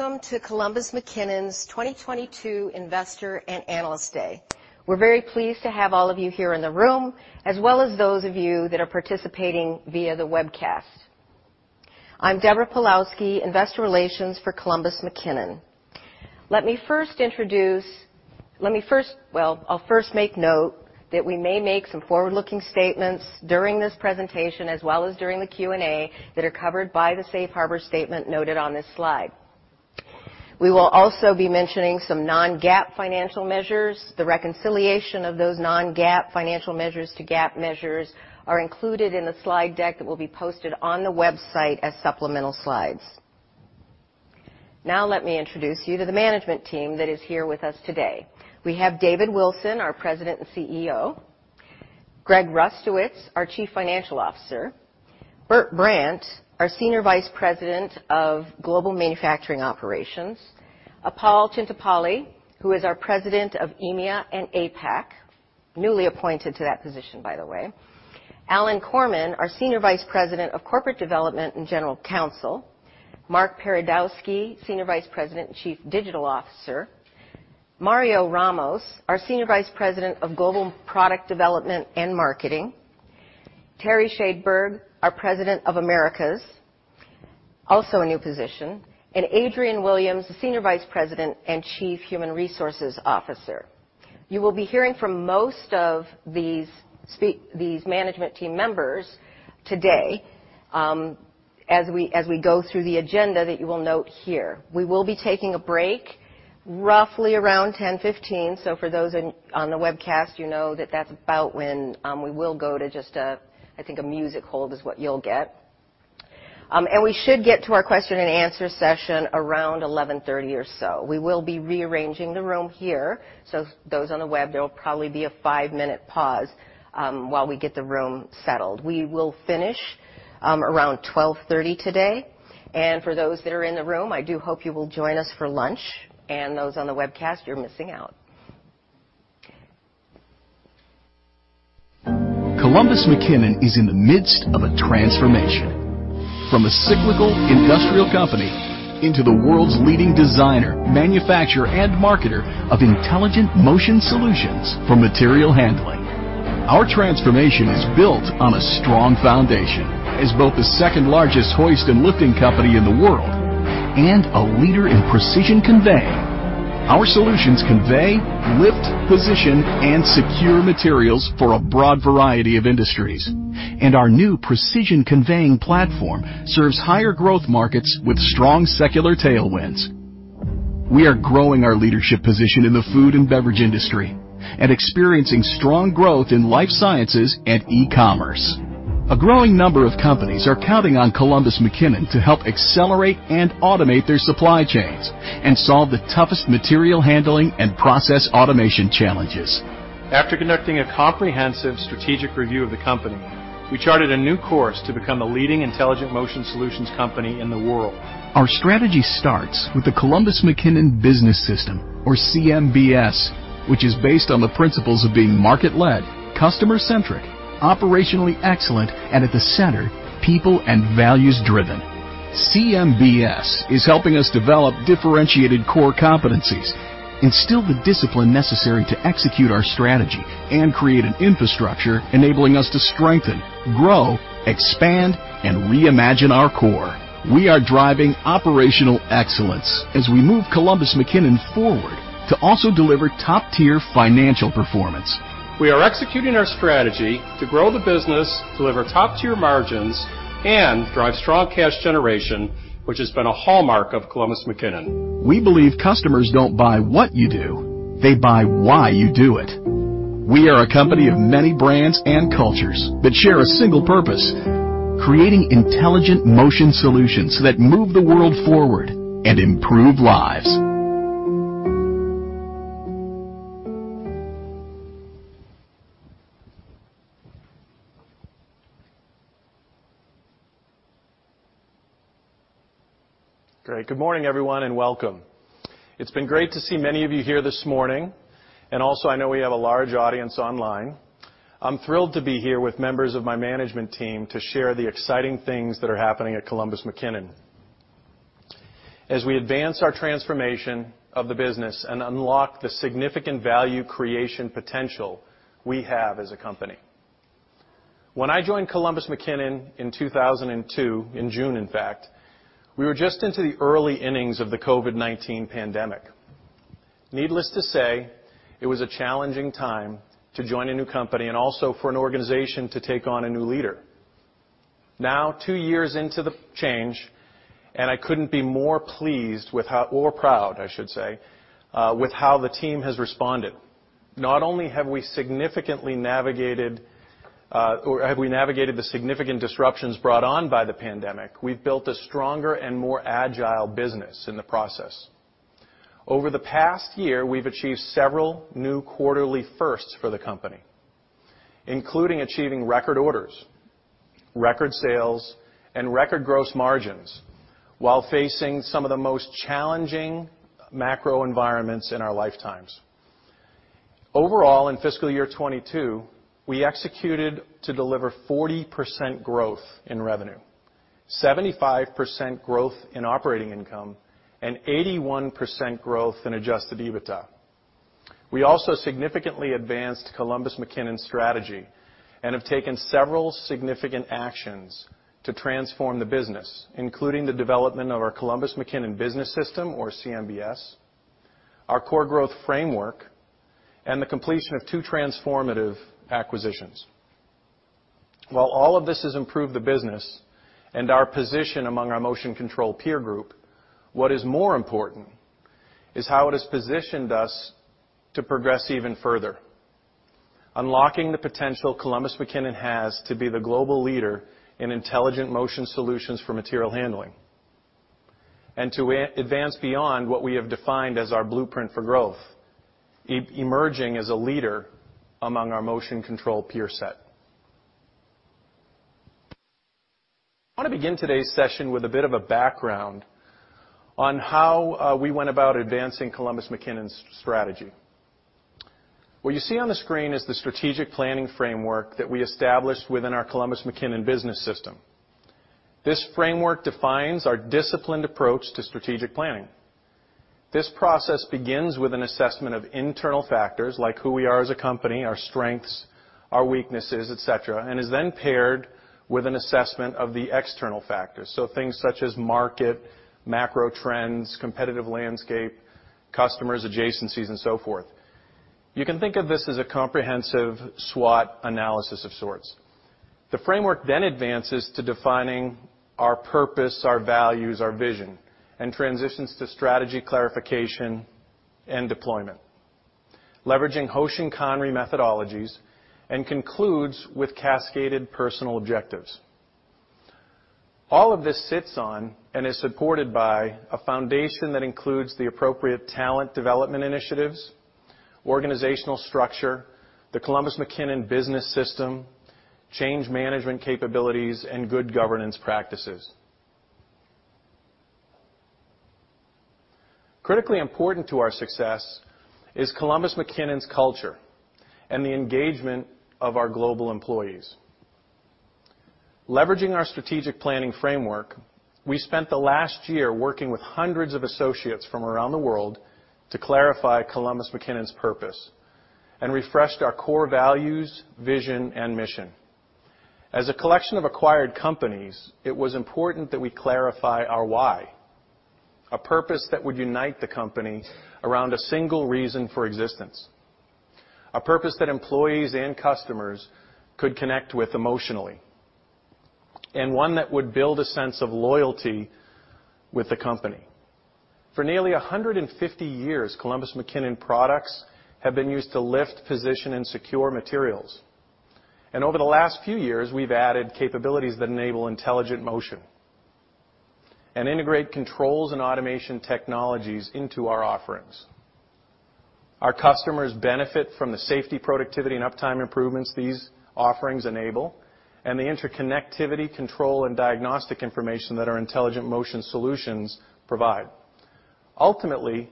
Welcome to Columbus McKinnon's 2022 Investor and Analyst Day. We're very pleased to have all of you here in the room, as well as those of you that are participating via the webcast. I'm Deborah Pawlowski, Investor Relations for Columbus McKinnon. Well, I'll first make note that we may make some forward-looking statements during this presentation, as well as during the Q&A, that are covered by the Safe Harbor statement noted on this slide. We will also be mentioning some non-GAAP financial measures. The reconciliation of those non-GAAP financial measures to GAAP measures are included in the slide deck that will be posted on the website as supplemental slides. Now let me introduce you to the management team that is here with us today. We have David Wilson, our President and CEO. Greg Rustowicz, our Chief Financial Officer. Bert Brant, our Senior Vice President of Global Manufacturing Operations. Appal Chintapalli, who is our President of EMEA and APAC, newly appointed to that position, by the way. Alan Korman, our Senior Vice President of Corporate Development and General Counsel. Mark Paradowski, Senior Vice President and Chief Digital Officer. Mario Ramos, our Senior Vice President of Global Product Development and Marketing. Terry Schadeberg, our President of Americas, also a new position. Adrienne Williams, the Senior Vice President and Chief Human Resources Officer. You will be hearing from most of these these management team members today, as we go through the agenda that you will note here. We will be taking a break roughly around 10:15. For those on the webcast, you know that that's about when we will go to just a, I think a music hold is what you'll get. We should get to our question and answer session around 11:30 A.M. or so. We will be rearranging the room here. Those on the web, there will probably be a five-minute pause while we get the room settled. We will finish around 12:30 P.M. today. For those that are in the room, I do hope you will join us for lunch. Those on the webcast, you're missing out. Columbus McKinnon is in the midst of a transformation from a cyclical industrial company into the world's leading designer, manufacturer, and marketer of intelligent motion solutions for material handling. Our transformation is built on a strong foundation. As both the second largest hoist and lifting company in the world and a leader in precision conveying, our solutions convey, lift, position, and secure materials for a broad variety of industries. Our new precision conveying platform serves higher growth markets with strong secular tailwinds. We are growing our leadership position in the food and beverage industry and experiencing strong growth in life sciences and e-commerce. A growing number of companies are counting on Columbus McKinnon to help accelerate and automate their supply chains and solve the toughest material handling and process automation challenges. After conducting a comprehensive strategic review of the company, we charted a new course to become a leading intelligent motion solutions company in the world. Our strategy starts with the Columbus McKinnon business system or CMBS, which is based on the principles of being market-led, customer-centric, operationally excellent, and at the center, people and values-driven. CMBS is helping us develop differentiated core competencies, instill the discipline necessary to execute our strategy, and create an infrastructure enabling us to strengthen, grow, expand, and reimagine our core. We are driving operational excellence as we move Columbus McKinnon forward to also deliver top-tier financial performance. We are executing our strategy to grow the business, deliver top-tier margins, and drive strong cash generation, which has been a hallmark of Columbus McKinnon. We believe customers don't buy what you do, they buy why you do it. We are a company of many brands and cultures that share a single purpose, creating intelligent motion solutions that move the world forward and improve lives. Great. Good morning, everyone, and welcome. It's been great to see many of you here this morning, and also, I know we have a large audience online. I'm thrilled to be here with members of my management team to share the exciting things that are happening at Columbus McKinnon as we advance our transformation of the business and unlock the significant value creation potential we have as a company. When I joined Columbus McKinnon in 2002, in June in fact, we were just into the early innings of the COVID-19 pandemic. Needless to say, it was a challenging time to join a new company and also for an organization to take on a new leader. Now, two years into the change, I couldn't be more pleased or proud, I should say, with how the team has responded. Not only have we navigated the significant disruptions brought on by the pandemic, we've built a stronger and more agile business in the process. Over the past year, we've achieved several new quarterly firsts for the company, including achieving record orders, record sales, and record gross margins while facing some of the most challenging macro environments in our lifetimes. Overall, in fiscal year 2022, we executed to deliver 40% growth in revenue, 75% growth in operating income, and 81% growth in adjusted EBITDA. We also significantly advanced Columbus McKinnon's strategy and have taken several significant actions to transform the business, including the development of our Columbus McKinnon Business System, or CMBS, our core growth framework, and the completion of two transformative acquisitions. While all of this has improved the business and our position among our motion control peer group, what is more important is how it has positioned us to progress even further, unlocking the potential Columbus McKinnon has to be the global leader in intelligent motion solutions for material handling and to advance beyond what we have defined as our blueprint for growth, emerging as a leader among our motion control peer set. I want to begin today's session with a bit of a background on how we went about advancing Columbus McKinnon's strategy. What you see on the screen is the strategic planning framework that we established within our Columbus McKinnon business system. This framework defines our disciplined approach to strategic planning. This process begins with an assessment of internal factors like who we are as a company, our strengths, our weaknesses, et cetera, and is then paired with an assessment of the external factors, so things such as market, macro trends, competitive landscape, customers, adjacencies, and so forth. You can think of this as a comprehensive SWOT analysis of sorts. The framework then advances to defining our purpose, our values, our vision, and transitions to strategy clarification and deployment, leveraging Hoshin Kanri methodologies, and concludes with cascaded personal objectives. All of this sits on and is supported by a foundation that includes the appropriate talent development initiatives, organizational structure, the Columbus McKinnon business system, change management capabilities, and good governance practices. Critically important to our success is Columbus McKinnon's culture and the engagement of our global employees. Leveraging our strategic planning framework, we spent the last year working with hundreds of associates from around the world to clarify Columbus McKinnon's purpose and refreshed our core values, vision, and mission. As a collection of acquired companies, it was important that we clarify our why, a purpose that would unite the company around a single reason for existence, a purpose that employees and customers could connect with emotionally, and one that would build a sense of loyalty with the company. For nearly 150 years, Columbus McKinnon products have been used to lift, position, and secure materials. Over the last few years, we've added capabilities that enable intelligent motion and integrate controls and automation technologies into our offerings. Our customers benefit from the safety, productivity, and uptime improvements these offerings enable and the interconnectivity, control, and diagnostic information that our intelligent motion solutions provide. Ultimately,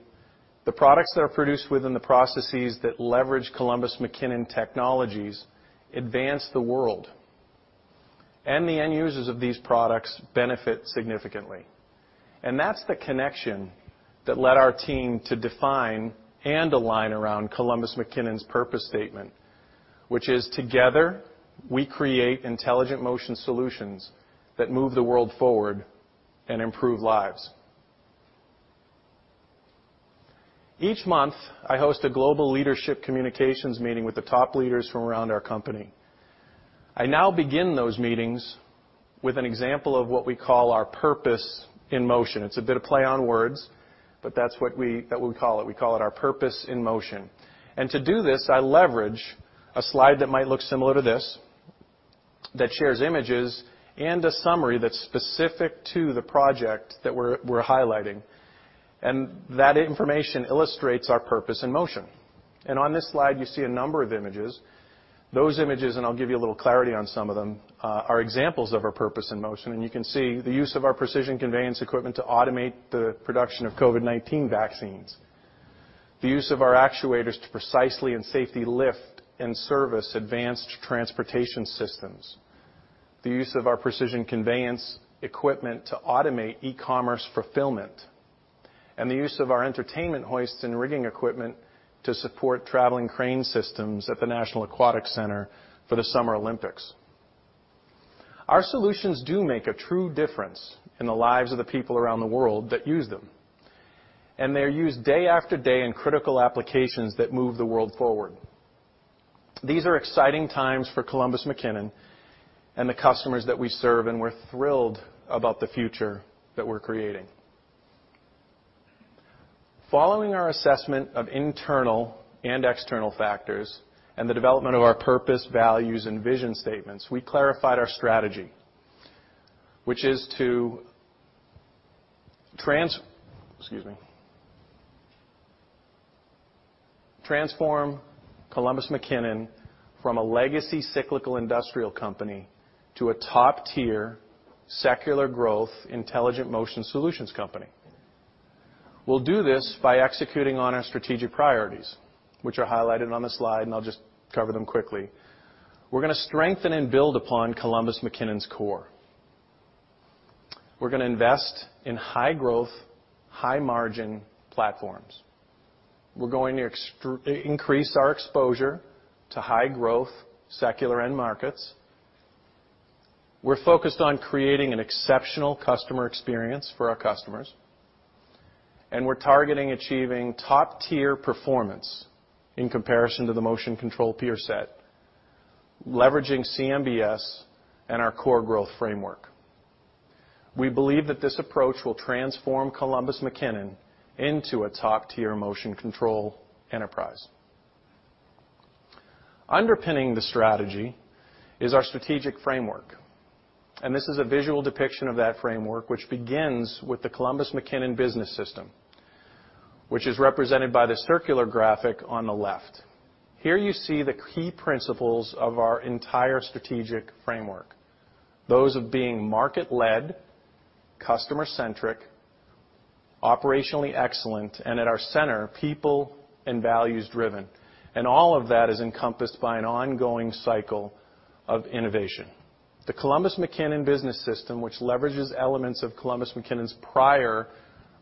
the products that are produced within the processes that leverage Columbus McKinnon technologies advance the world, and the end users of these products benefit significantly. That's the connection that led our team to define and align around Columbus McKinnon's purpose statement, which is, "Together, we create intelligent motion solutions that move the world forward and improve lives." Each month, I host a global leadership communications meeting with the top leaders from around our company. I now begin those meetings with an example of what we call our purpose in motion. It's a bit of play on words, but that's what we call it. We call it our purpose in motion. To do this, I leverage a slide that might look similar to this that shares images and a summary that's specific to the project that we're highlighting, and that information illustrates our purpose in motion. On this slide, you see a number of images. Those images, and I'll give you a little clarity on some of them, are examples of our purpose in motion. You can see the use of our Precision Conveyance equipment to automate the production of COVID-19 vaccines, the use of our actuators to precisely and safely lift and service advanced transportation systems, the use of our Precision Conveyance equipment to automate e-commerce fulfillment, and the use of our entertainment hoists and rigging equipment to support traveling crane systems at the National Aquatic Center for the Summer Olympics. Our solutions do make a true difference in the lives of the people around the world that use them, and they're used day after day in critical applications that move the world forward. These are exciting times for Columbus McKinnon and the customers that we serve, and we're thrilled about the future that we're creating. Following our assessment of internal and external factors and the development of our purpose, values, and vision statements, we clarified our strategy, which is to transform Columbus McKinnon from a legacy cyclical industrial company to a top-tier secular growth intelligent motion solutions company. We'll do this by executing on our strategic priorities, which are highlighted on the slide, and I'll just cover them quickly. We're gonna strengthen and build upon Columbus McKinnon's core. We're gonna invest in high-growth, high-margin platforms. We're going to increase our exposure to high-growth, secular end markets. We're focused on creating an exceptional customer experience for our customers, and we're targeting achieving top-tier performance in comparison to the motion control peer set, leveraging CMBS and our core growth framework. We believe that this approach will transform Columbus McKinnon into a top-tier motion control enterprise. Underpinning the strategy is our strategic framework, and this is a visual depiction of that framework, which begins with the Columbus McKinnon Business System, which is represented by the circular graphic on the left. Here you see the key principles of our entire strategic framework, those of being market-led, customer-centric, operationally excellent, and at our center, people and values-driven. All of that is encompassed by an ongoing cycle of innovation. The Columbus McKinnon Business System, which leverages elements of Columbus McKinnon's prior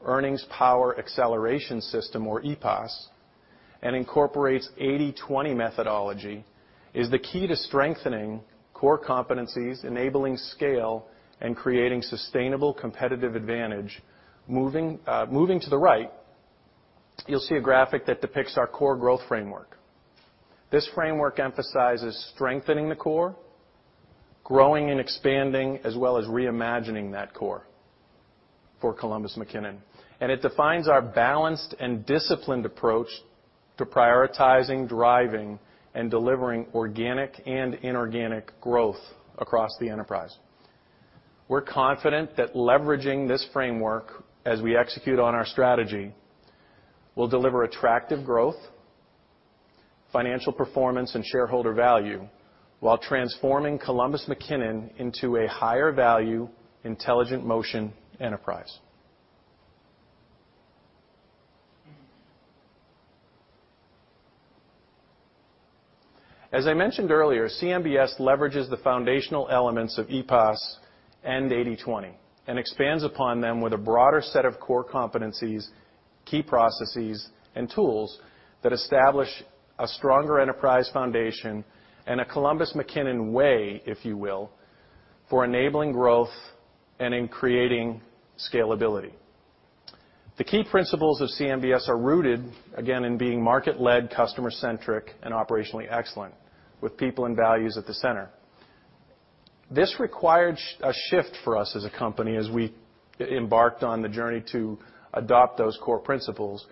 Earnings Power Acceleration System, or EPAS, and incorporates 80/20 methodology, is the key to strengthening core competencies, enabling scale, and creating sustainable competitive advantage. Moving to the right, you'll see a graphic that depicts our core growth framework. This framework emphasizes strengthening the core, growing and expanding, as well as reimagining that core for Columbus McKinnon. It defines our balanced and disciplined approach to prioritizing, driving, and delivering organic and inorganic growth across the enterprise. We're confident that leveraging this framework as we execute on our strategy will deliver attractive growth, financial performance, and shareholder value while transforming Columbus McKinnon into a higher-value intelligent motion enterprise. As I mentioned earlier, CMBS leverages the foundational elements of EPAS and 80/20 and expands upon them with a broader set of core competencies, key processes, and tools that establish a stronger enterprise foundation and a Columbus McKinnon way, if you will, for enabling growth and in creating scalability. The key principles of CMBS are rooted, again, in being market-led, customer-centric, and operationally excellent with people and values at the center. This required a shift for us as a company as we embarked on the journey to adopt those core principles,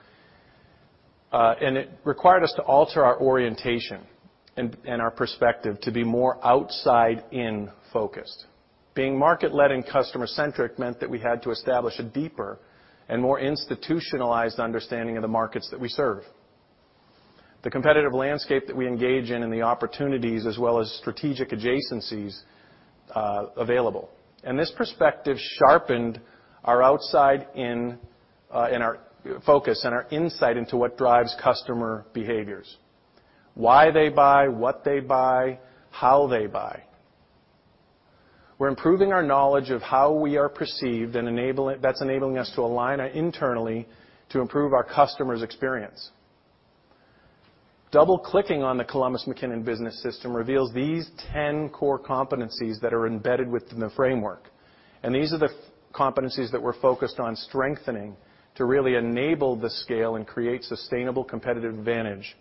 and it required us to alter our orientation and our perspective to be more outside-in focused. Being market-led and customer-centric meant that we had to establish a deeper and more institutionalized understanding of the markets that we serve, the competitive landscape that we engage in, and the opportunities as well as strategic adjacencies available. This perspective sharpened our outside-in focus and our insight into what drives customer behaviors, why they buy, what they buy, how they buy. We're improving our knowledge of how we are perceived, and enabling us to align internally to improve our customers' experience. Double-clicking on the Columbus McKinnon Business System reveals these ten core competencies that are embedded within the framework, and these are the competencies that we're focused on strengthening to really enable the scale and create sustainable competitive advantage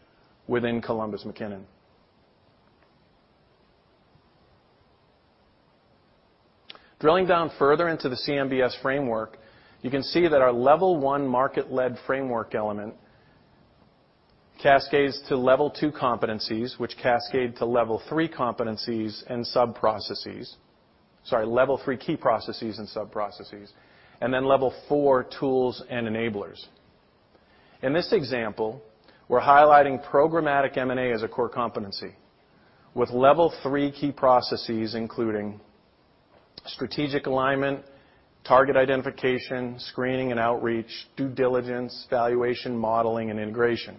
within Columbus McKinnon. Drilling down further into the CMBS framework, you can see that our level one market-led framework element cascades to level two competencies, which cascade to level three competencies and sub-processes. Sorry, level three key processes and sub-processes, and then level four tools and enablers. In this example, we're highlighting programmatic M&A as a core competency, with Level 3 key processes including strategic alignment, target identification, screening and outreach, due diligence, valuation modeling, and integration.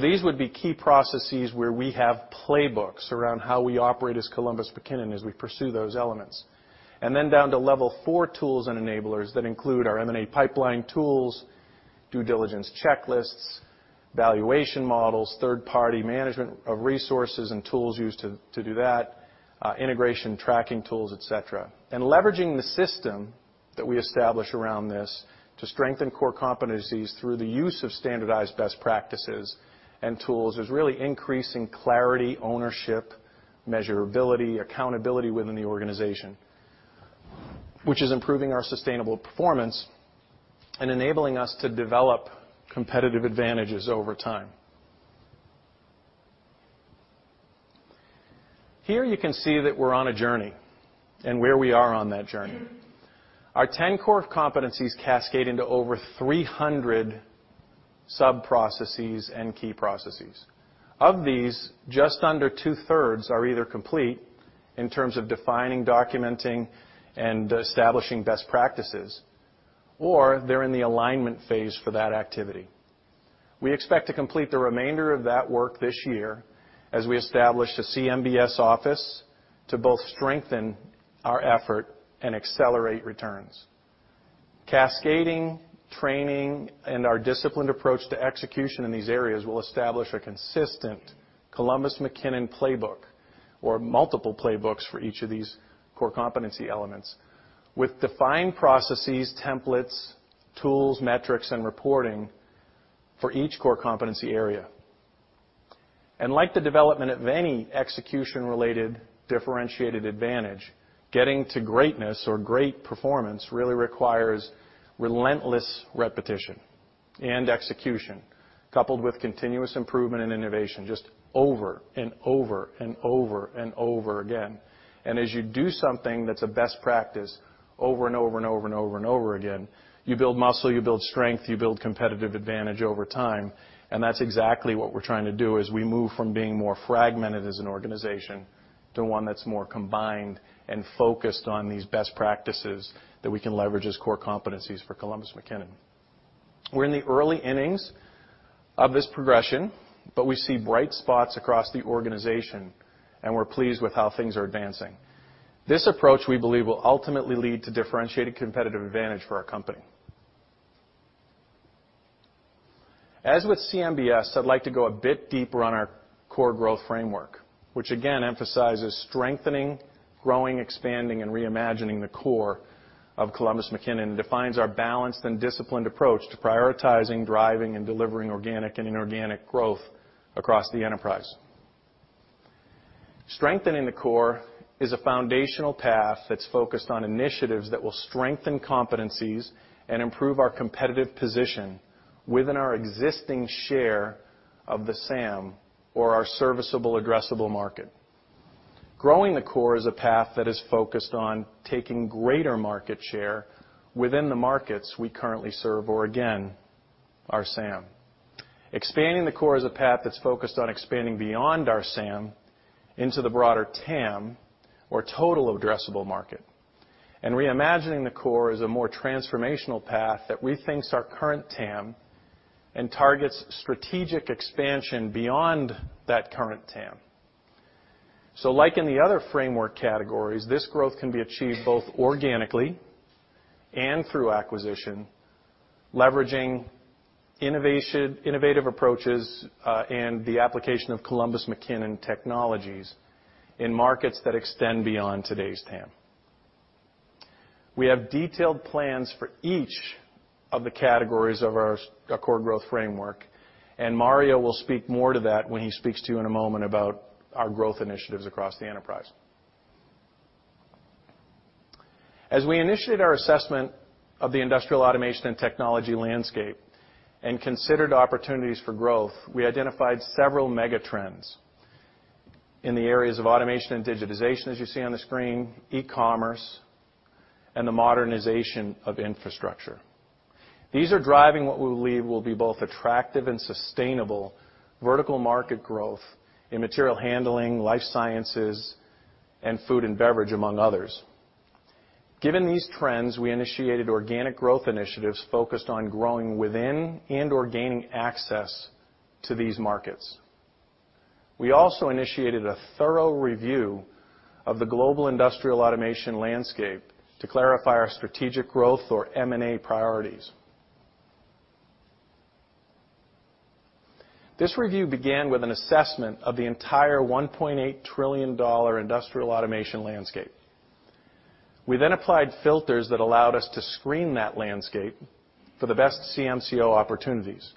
These would be key processes where we have playbooks around how we operate as Columbus McKinnon as we pursue those elements. Down to level four tools and enablers that include our M&A pipeline tools, due diligence checklists, valuation models, third-party management of resources and tools used to do that, integration tracking tools, et cetera. Leveraging the system that we establish around this to strengthen core competencies through the use of standardized best practices and tools is really increasing clarity, ownership, measurability, accountability within the organization, which is improving our sustainable performance and enabling us to develop competitive advantages over time. Here you can see that we're on a journey and where we are on that journey. Our 10 core competencies cascade into over 300 subprocesses and key processes. Of these, just under 2/3 are either complete in terms of defining, documenting, and establishing best practices, or they're in the alignment phase for that activity. We expect to complete the remainder of that work this year as we establish a CMBS office to both strengthen our effort and accelerate returns. Cascading, training, and our disciplined approach to execution in these areas will establish a consistent Columbus McKinnon playbook or multiple playbooks for each of these core competency elements, with defined processes, templates, tools, metrics, and reporting for each core competency area. Like the development of any execution-related differentiated advantage, getting to greatness or great performance really requires relentless repetition and execution, coupled with continuous improvement and innovation just over and over and over and over again. As you do something that's a best practice over and over and over and over and over again, you build muscle, you build strength, you build competitive advantage over time. That's exactly what we're trying to do as we move from being more fragmented as an organization to one that's more combined and focused on these best practices that we can leverage as core competencies for Columbus McKinnon. We're in the early innings of this progression, but we see bright spots across the organization, and we're pleased with how things are advancing. This approach, we believe, will ultimately lead to differentiated competitive advantage for our company. As with CMBS, I'd like to go a bit deeper on our core growth framework, which again emphasizes strengthening, growing, expanding, and reimagining the core of Columbus McKinnon, and defines our balanced and disciplined approach to prioritizing, driving, and delivering organic and inorganic growth across the enterprise. Strengthening the core is a foundational path that's focused on initiatives that will strengthen competencies and improve our competitive position within our existing share of the SAM or our serviceable addressable market. Growing the core is a path that is focused on taking greater market share within the markets we currently serve or again, our SAM. Expanding the core is a path that's focused on expanding beyond our SAM into the broader TAM or Total Addressable Market. Reimagining the core is a more transformational path that rethink our current TAM and targets strategic expansion beyond that current TAM. Like in the other framework categories, this growth can be achieved both organically and through acquisition, leveraging innovation, innovative approaches, and the application of Columbus McKinnon technologies in markets that extend beyond today's TAM. We have detailed plans for each of the categories of our core growth framework, and Mario will speak more to that when he speaks to you in a moment about our growth initiatives across the enterprise. As we initiate our assessment of the industrial automation and technology landscape and considered opportunities for growth, we identified several mega trends in the areas of automation and digitization, as you see on the screen, e-commerce, and the modernization of infrastructure. These are driving what we believe will be both attractive and sustainable vertical market growth in material handling, life sciences, and food and beverage, among others. Given these trends, we initiated organic growth initiatives focused on growing within and/or gaining access to these markets. We also initiated a thorough review of the global industrial automation landscape to clarify our strategic growth or M&A priorities. This review began with an assessment of the entire $1.8 trillion industrial automation landscape. We then applied filters that allowed us to screen that landscape for the best CMCO opportunities.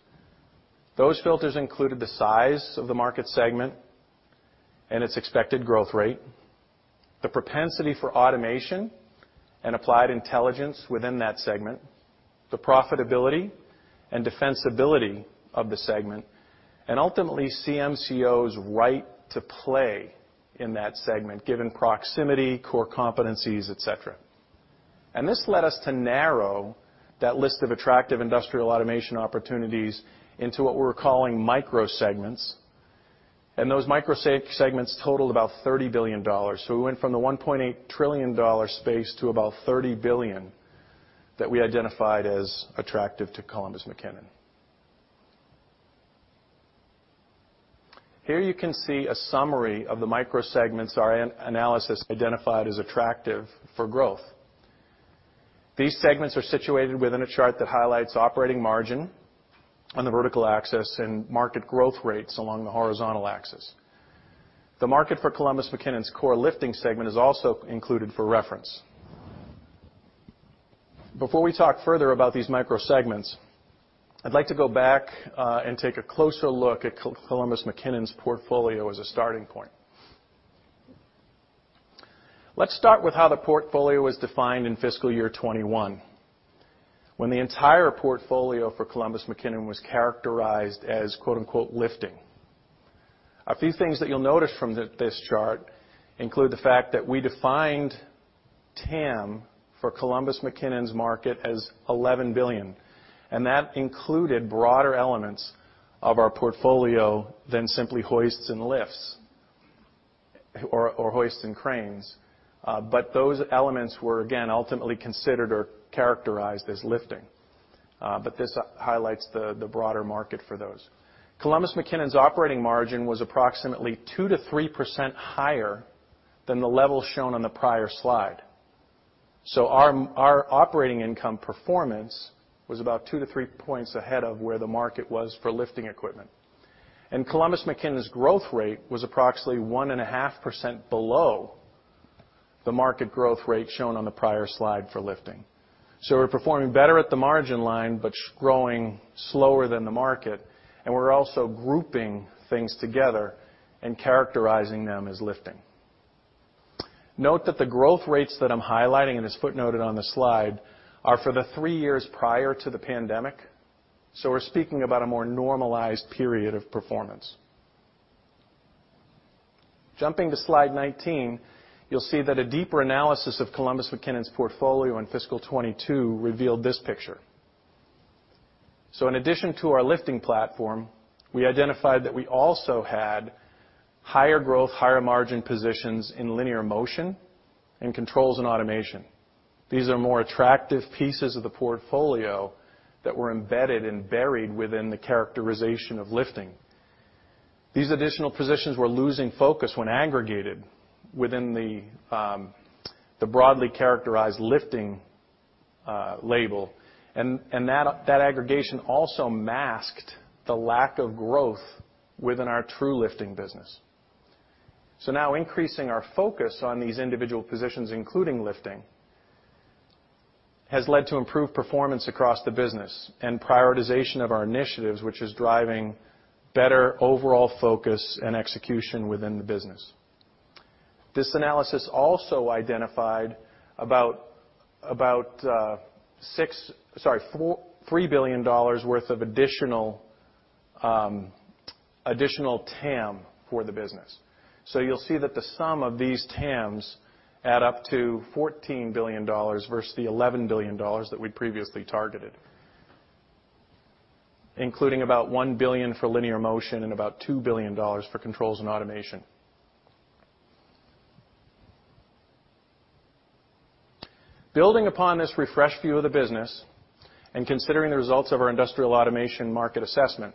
Those filters included the size of the market segment and its expected growth rate, the propensity for automation and applied intelligence within that segment, the profitability and defensibility of the segment, and ultimately, CMCO's right to play in that segment given proximity, core competencies, et cetera. This led us to narrow that list of attractive industrial automation opportunities into what we're calling microsegments. Those microsegments totaled about $30 billion. We went from the $1.8 trillion space to about $30 billion that we identified as attractive to Columbus McKinnon. Here you can see a summary of the microsegments our analysis identified as attractive for growth. These segments are situated within a chart that highlights operating margin on the vertical axis and market growth rates along the horizontal axis. The market for Columbus McKinnon's core lifting segment is also included for reference. Before we talk further about these microsegments, I'd like to go back, and take a closer look at Columbus McKinnon's portfolio as a starting point. Let's start with how the portfolio was defined in fiscal year 2021, when the entire portfolio for Columbus McKinnon was characterized as quote unquote, "lifting." A few things that you'll notice from this chart include the fact that we defined TAM for Columbus McKinnon's market as $11 billion. That included broader elements of our portfolio than simply hoists and lifts, or hoists and cranes. Those elements were, again, ultimately considered or characterized as lifting. This highlights the broader market for those. Columbus McKinnon's operating margin was approximately 2%-3% higher than the level shown on the prior slide. Our operating income performance was about 2-3 points ahead of where the market was for lifting equipment. Columbus McKinnon's growth rate was approximately 1.5% below the market growth rate shown on the prior slide for lifting. We're performing better at the margin line, but growing slower than the market, and we're also grouping things together and characterizing them as lifting. Note that the growth rates that I'm highlighting, and it's footnoted on the slide, are for the three years prior to the pandemic. We're speaking about a more normalized period of performance. Jumping to slide 19, you'll see that a deeper analysis of Columbus McKinnon's portfolio in fiscal 2022 revealed this picture. In addition to our lifting platform, we identified that we also had higher growth, higher margin positions in linear motion and controls and automation. These are more attractive pieces of the portfolio that were embedded and buried within the characterization of lifting. These additional positions were losing focus when aggregated within the broadly characterized lifting label. That aggregation also masked the lack of growth within our true lifting business. Now increasing our focus on these individual positions, including lifting, has led to improved performance across the business and prioritization of our initiatives, which is driving better overall focus and execution within the business. This analysis also identified about $3 billion worth of additional TAM for the business. You'll see that the sum of these TAMs add up to $14 billion versus the $11 billion that we'd previously targeted, including about $1 billion for linear motion and about $2 billion for controls and automation. Building upon this refreshed view of the business and considering the results of our industrial automation market assessment,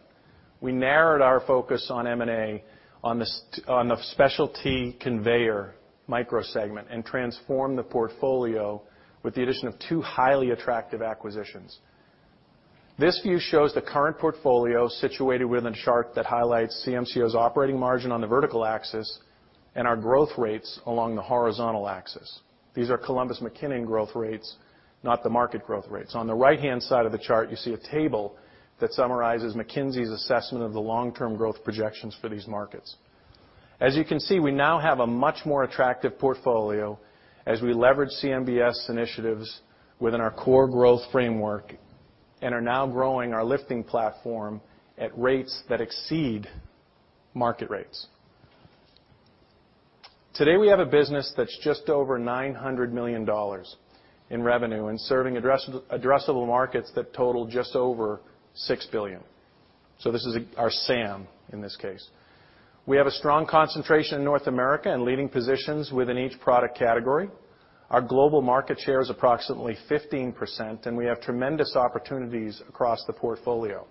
we narrowed our focus on M&A on the specialty conveyor micro segment and transformed the portfolio with the addition of two highly attractive acquisitions. This view shows the current portfolio situated within a chart that highlights CMCO's operating margin on the vertical axis and our growth rates along the horizontal axis. These are Columbus McKinnon growth rates, not the market growth rates. On the right-hand side of the chart, you see a table that summarizes McKinsey's assessment of the long-term growth projections for these markets. As you can see, we now have a much more attractive portfolio as we leverage CMBS initiatives within our core growth framework and are now growing our lifting platform at rates that exceed market rates. Today, we have a business that's just over $900 million in revenue and serving addressable markets that total just over $6 billion. This is, our SAM in this case. We have a strong concentration in North America and leading positions within each product category. Our global market share is approximately 15%, and we have tremendous opportunities across the portfolio.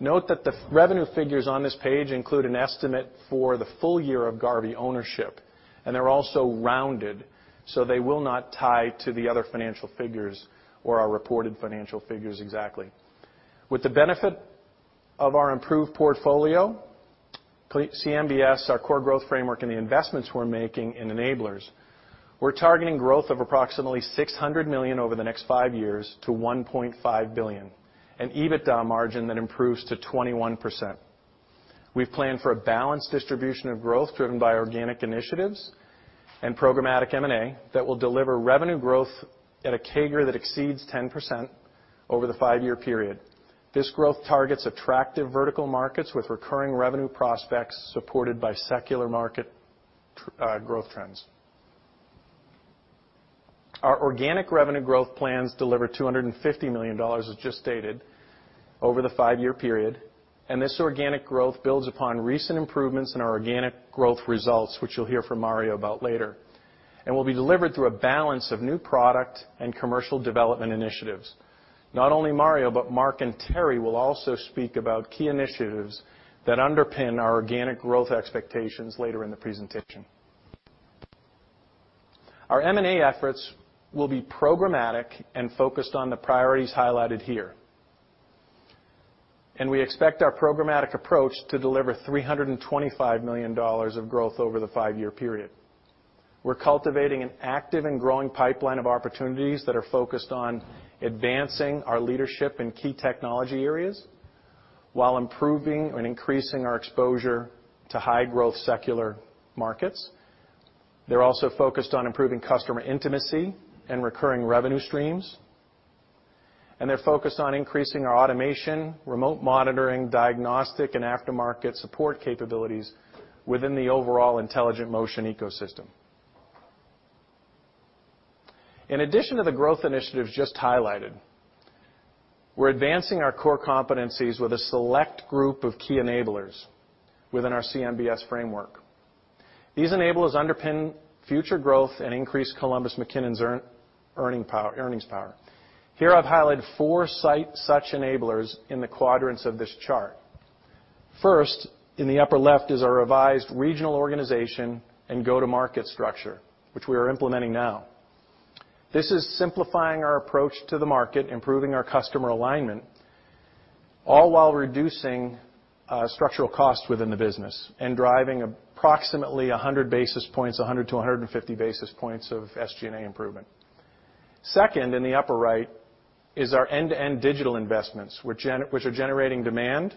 Note that the revenue figures on this page include an estimate for the full year of Garvey ownership, and they're also rounded, so they will not tie to the other financial figures or our reported financial figures exactly. With the benefit of our improved portfolio, CMBS, our core growth framework, and the investments we're making in enablers, we're targeting growth of approximately $600 million over the next five years to $1.5 billion, an EBITDA margin that improves to 21%. We've planned for a balanced distribution of growth driven by organic initiatives and programmatic M&A that will deliver revenue growth at a CAGR that exceeds 10% over the five-year period. This growth targets attractive vertical markets with recurring revenue prospects supported by secular market growth trends. Our organic revenue growth plans deliver $250 million, as just stated, over the five-year period, and this organic growth builds upon recent improvements in our organic growth results, which you'll hear from Mario about later, and will be delivered through a balance of new product and commercial development initiatives. Not only Mario, but Mark and Terry will also speak about key initiatives that underpin our organic growth expectations later in the presentation. Our M&A efforts will be programmatic and focused on the priorities highlighted here. We expect our programmatic approach to deliver $325 million of growth over the five-year period. We're cultivating an active and growing pipeline of opportunities that are focused on advancing our leadership in key technology areas while improving and increasing our exposure to high-growth secular markets. They're also focused on improving customer intimacy and recurring revenue streams. They're focused on increasing our automation, remote monitoring, diagnostic, and aftermarket support capabilities within the overall intelligent motion ecosystem. In addition to the growth initiatives just highlighted, we're advancing our core competencies with a select group of key enablers within our CMBS framework. These enablers underpin future growth and increase Columbus McKinnon's earnings power. Here, I've highlighted four such enablers in the quadrants of this chart. First, in the upper left is our revised regional organization and go-to-market structure, which we are implementing now. This is simplifying our approach to the market, improving our customer alignment, all while reducing structural costs within the business and driving approximately 100 basis points, 100 to 150 basis points of SG&A improvement. Second, in the upper right is our end-to-end digital investments, which are generating demand,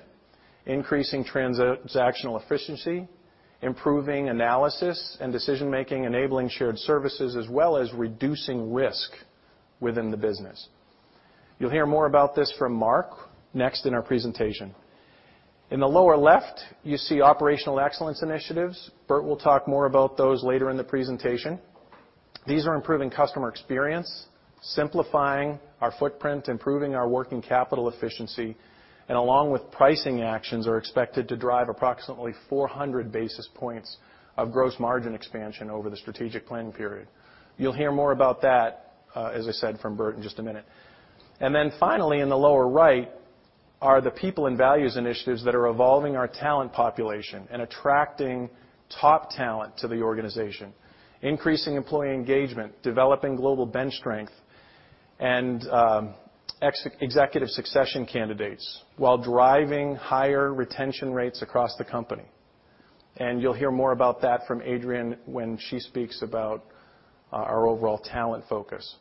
increasing transactional efficiency, improving analysis and decision-making, enabling shared services, as well as reducing risk within the business. You'll hear more about this from Mark next in our presentation. In the lower left, you see operational excellence initiatives. Bert will talk more about those later in the presentation. These are improving customer experience, simplifying our footprint, improving our working capital efficiency, and along with pricing actions, are expected to drive approximately 400 basis points of gross margin expansion over the strategic planning period. You'll hear more about that, as I said, from Bert in just a minute. Finally, in the lower right are the people and values initiatives that are evolving our talent population and attracting top talent to the organization, increasing employee engagement, developing global bench strength and executive succession candidates while driving higher retention rates across the company. You'll hear more about that from Adrienne when she speaks about our overall talent focus.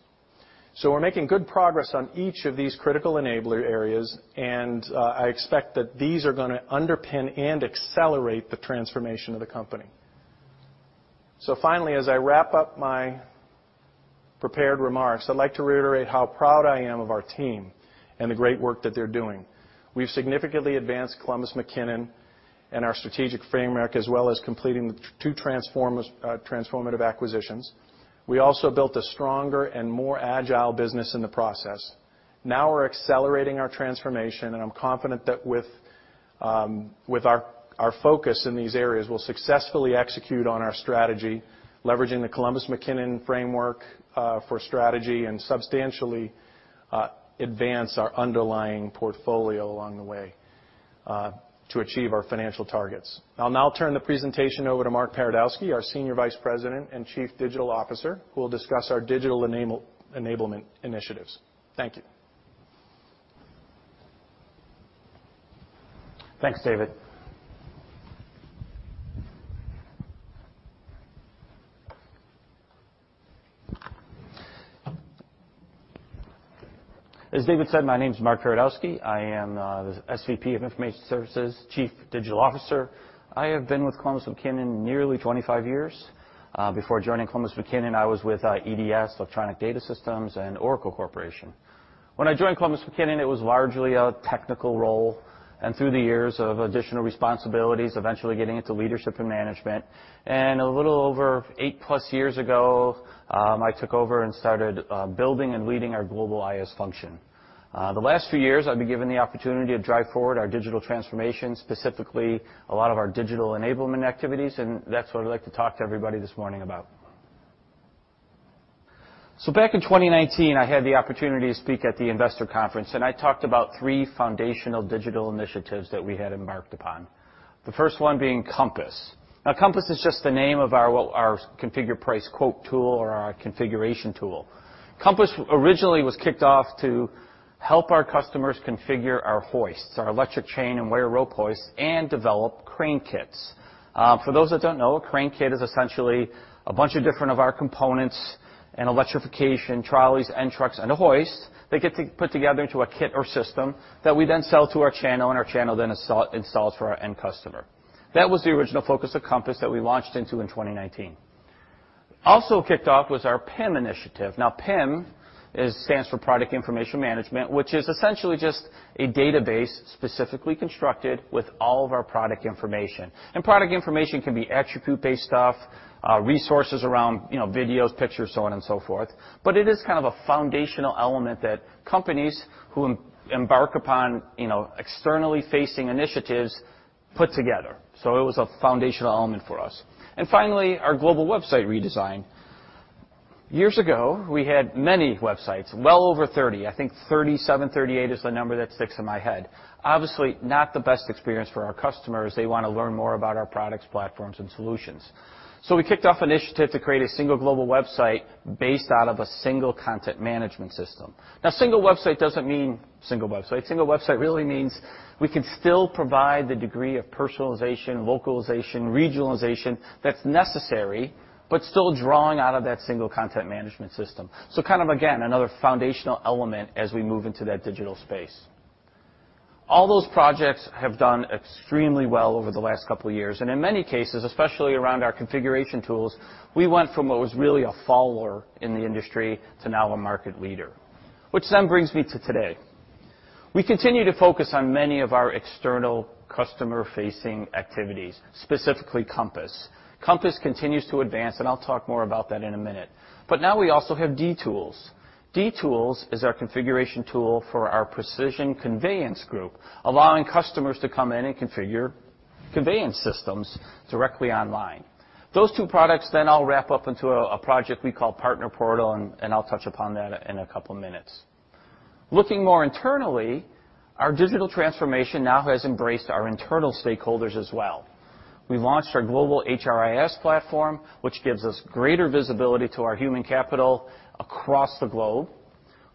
We're making good progress on each of these critical enabler areas, and I expect that these are gonna underpin and accelerate the transformation of the company. Finally, as I wrap up my prepared remarks, I'd like to reiterate how proud I am of our team and the great work that they're doing. We've significantly advanced Columbus McKinnon and our strategic framework, as well as completing the two transformative acquisitions. We also built a stronger and more agile business in the process. Now we're accelerating our transformation, and I'm confident that with our focus in these areas, we'll successfully execute on our strategy, leveraging the Columbus McKinnon framework for strategy and substantially advance our underlying portfolio along the way to achieve our financial targets. I'll now turn the presentation over to Mark Paradowski, our Senior Vice President and Chief Digital Officer, who will discuss our digital enablement initiatives. Thank you. Thanks, David. As David said, my name's Mark Paradowski. I am the SVP of Information Services, Chief Digital Officer. I have been with Columbus McKinnon nearly 25 years. Before joining Columbus McKinnon, I was with EDS, Electronic Data Systems, and Oracle Corporation. When I joined Columbus McKinnon, it was largely a technical role, and through the years of additional responsibilities, eventually getting into leadership and management. A little over plus eight years ago, I took over and started building and leading our global IS function. The last few years, I've been given the opportunity to drive forward our digital transformation, specifically a lot of our digital enablement activities, and that's what I'd like to talk to everybody this morning about. Back in 2019, I had the opportunity to speak at the investor conference, and I talked about three foundational digital initiatives that we had embarked upon, the first one being Compass. Now, Compass is just the name of our, well, our configure price quote tool or our configuration tool. Compass originally was kicked off to help our customers configure our hoists, our electric chain and wire rope hoists, and develop crane kits. For those that don't know, a crane kit is essentially a bunch of different of our components and electrification trolleys, end trucks, and a hoist that put together into a kit or system that we then sell to our channel, and our channel then installs for our end customer. That was the original focus of Compass that we launched into in 2019. Also kicked off was our PIM initiative. Now, PIM stands for Product Information Management, which is essentially just a database specifically constructed with all of our product information. Product information can be attribute-based stuff, resources around, you know, videos, pictures, so on and so forth. But it is kind of a foundational element that companies who embark upon, you know, externally facing initiatives put together. It was a foundational element for us. Finally, our global website redesign. Years ago, we had many websites, well over 30. I think 37, 38 is the number that sticks in my head. Obviously, not the best experience for our customers. They wanna learn more about our products, platforms, and solutions. We kicked off an initiative to create a single global website based out of a single content management system. Now, single website doesn't mean single website. Single website really means we can still provide the degree of personalization, localization, regionalization that's necessary, but still drawing out of that single content management system. So kind of, again, another foundational element as we move into that digital space. All those projects have done extremely well over the last couple of years, and in many cases, especially around our configuration tools, we went from what was really a follower in the industry to now a market leader, which then brings me to today. We continue to focus on many of our external customer-facing activities, specifically Compass. Compass continues to advance, and I'll talk more about that in a minute. Now we also have D-Tools. D-Tools is our configuration tool for our Precision Conveyance group, allowing customers to come in and configure conveyance systems directly online. Those two products then I'll wrap up into a project we call Partner Portal, and I'll touch upon that in a couple of minutes. Looking more internally, our digital transformation now has embraced our internal stakeholders as well. We launched our global HRIS platform, which gives us greater visibility to our human capital across the globe.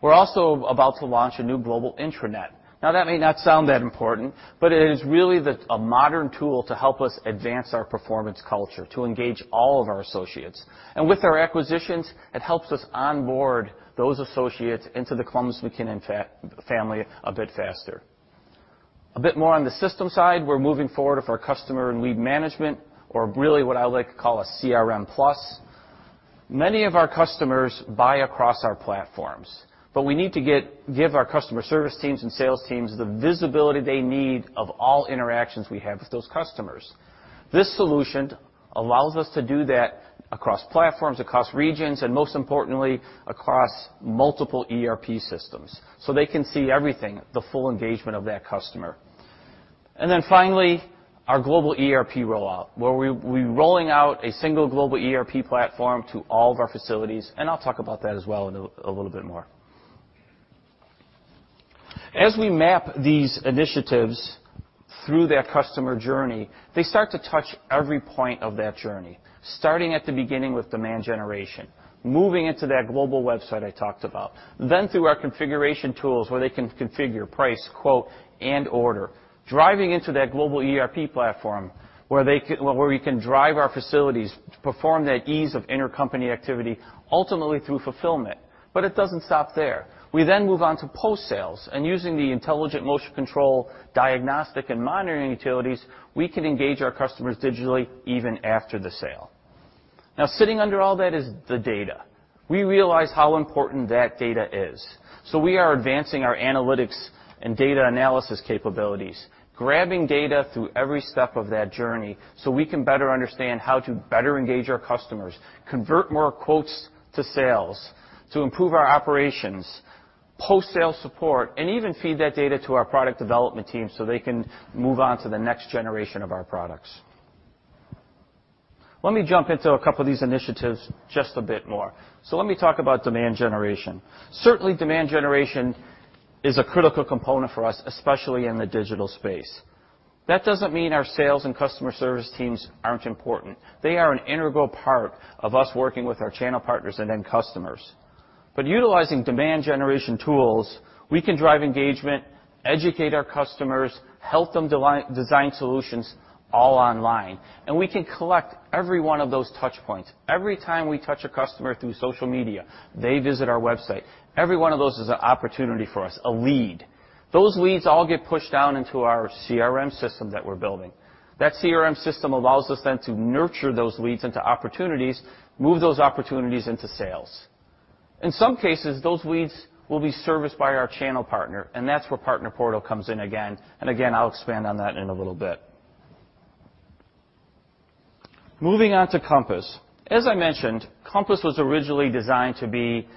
We're also about to launch a new global intranet. Now, that may not sound that important, but it is really a modern tool to help us advance our performance culture, to engage all of our associates. With our acquisitions, it helps us onboard those associates into the Columbus McKinnon family a bit faster. A bit more on the system side, we're moving forward with our customer and lead management, or really what I like to call a CRM Plus. Many of our customers buy across our platforms, but we need to give our customer service teams and sales teams the visibility they need of all interactions we have with those customers. This solution allows us to do that across platforms, across regions, and most importantly, across multiple ERP systems, so they can see everything, the full engagement of that customer. Finally, our global ERP rollout, where we're rolling out a single global ERP platform to all of our facilities, and I'll talk about that as well in a little bit more. As we map these initiatives through that customer journey, they start to touch every point of that journey, starting at the beginning with demand generation, moving into that global website I talked about. Through our configuration tools where they can configure price, quote, and order, driving into that global ERP platform where we can drive our facilities to perform that ease of intercompany activity ultimately through fulfillment. It doesn't stop there. We then move on to post-sales, and using the intelligent motion control diagnostic and monitoring utilities, we can engage our customers digitally even after the sale. Now, sitting under all that is the data. We realize how important that data is, so we are advancing our analytics and data analysis capabilities, grabbing data through every step of that journey, so we can better understand how to better engage our customers, convert more quotes to sales, to improve our operations, post-sale support, and even feed that data to our product development team, so they can move on to the next generation of our products. Let me jump into a couple of these initiatives just a bit more. Let me talk about demand generation. Certainly, demand generation is a critical component for us, especially in the digital space. That doesn't mean our sales and customer service teams aren't important. They are an integral part of us working with our channel partners and end customers. Utilizing demand generation tools, we can drive engagement, educate our customers, help them design solutions all online, and we can collect every one of those touch points. Every time we touch a customer through social media, they visit our website. Every one of those is an opportunity for us, a lead. Those leads all get pushed down into our CRM system that we're building. That CRM system allows us then to nurture those leads into opportunities, move those opportunities into sales. In some cases, those leads will be serviced by our channel partner, and that's where Partner Portal comes in again and again. I'll expand on that in a little bit. Moving on to Compass. As I mentioned, Compass was originally designed to be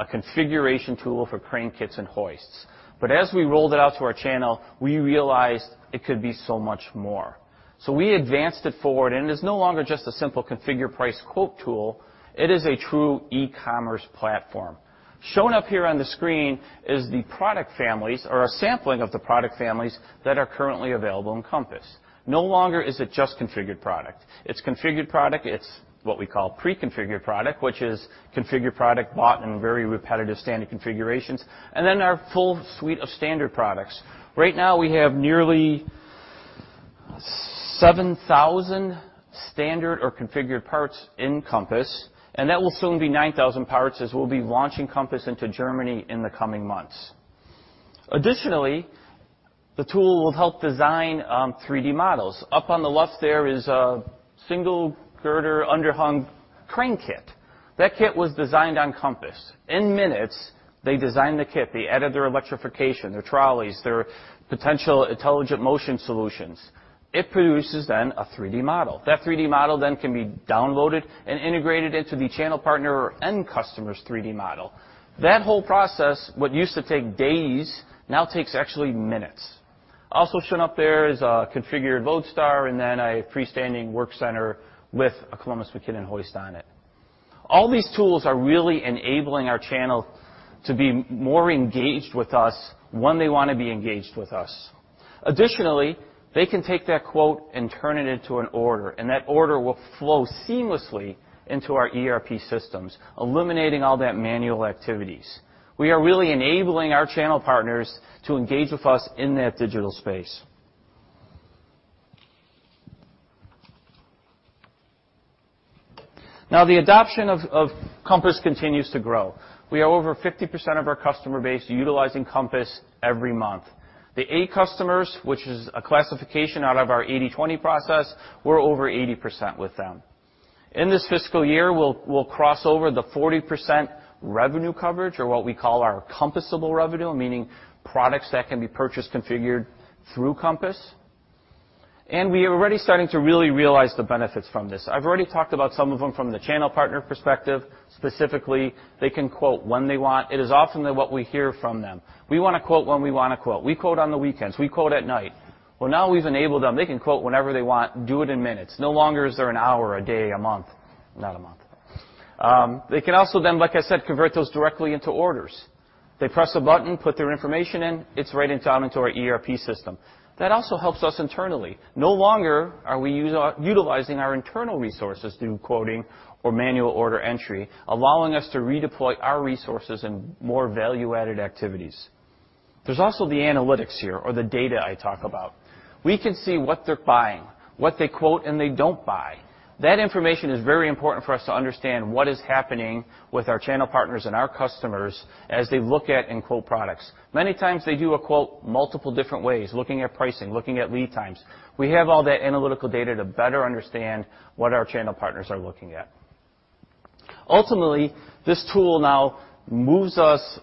a configuration tool for crane kits and hoists. As we rolled it out to our channel, we realized it could be so much more. We advanced it forward, and it is no longer just a simple configure price quote tool. It is a true e-commerce platform. Shown up here on the screen is the product families or a sampling of the product families that are currently available in Compass. No longer is it just configured product. It's what we call pre-configured product, which is configured product bought in very repetitive standard configurations, and then our full suite of standard products. Right now, we have nearly 7,000 standard or configured parts in Compass, and that will soon be 9,000 parts as we'll be launching Compass into Germany in the coming months. Additionally, the tool will help design 3D models. Up on the left there is a single girder underhung crane kit. That kit was designed on Compass. In minutes, they designed the kit. They added their electrification, their trolleys, their potential intelligent motion solutions. It produces then a 3D model. That 3D model then can be downloaded and integrated into the channel partner or end customer's 3D model. That whole process, what used to take days, now takes actually minutes. Also shown up there is a configured Lodestar and then a freestanding work center with a Columbus McKinnon hoist on it. All these tools are really enabling our channel to be more engaged with us when they wanna be engaged with us. Additionally, they can take that quote and turn it into an order, and that order will flow seamlessly into our ERP systems, eliminating all that manual activities. We are really enabling our channel partners to engage with us in that digital space. Now, the adoption of Compass continues to grow. We have over 50% of our customer base utilizing Compass every month. The A customers, which is a classification out of our 80/20 process, we're over 80% with them. In this fiscal year, we'll cross over the 40% revenue coverage or what we call our Compass-able revenue, meaning products that can be purchased, configured through Compass. We are already starting to really realize the benefits from this. I've already talked about some of them from the channel partner perspective. Specifically, they can quote when they want. It is often that what we hear from them, "We wanna quote when we wanna quote. We quote on the weekends, we quote at night." Well, now we've enabled them. They can quote whenever they want, do it in minutes. No longer is there an hour, a day, a month. Not a month. They can also then, like I said, convert those directly into orders. They press a button, put their information in, it's right onto our ERP system. That also helps us internally. No longer are we utilizing our internal resources through quoting or manual order entry, allowing us to redeploy our resources in more value-added activities. There's also the analytics here or the data I talk about. We can see what they're buying, what they quote and they don't buy. That information is very important for us to understand what is happening with our channel partners and our customers as they look at and quote products. Many times they do a quote multiple different ways, looking at pricing, looking at lead times. We have all that analytical data to better understand what our channel partners are looking at. Ultimately, this tool now moves us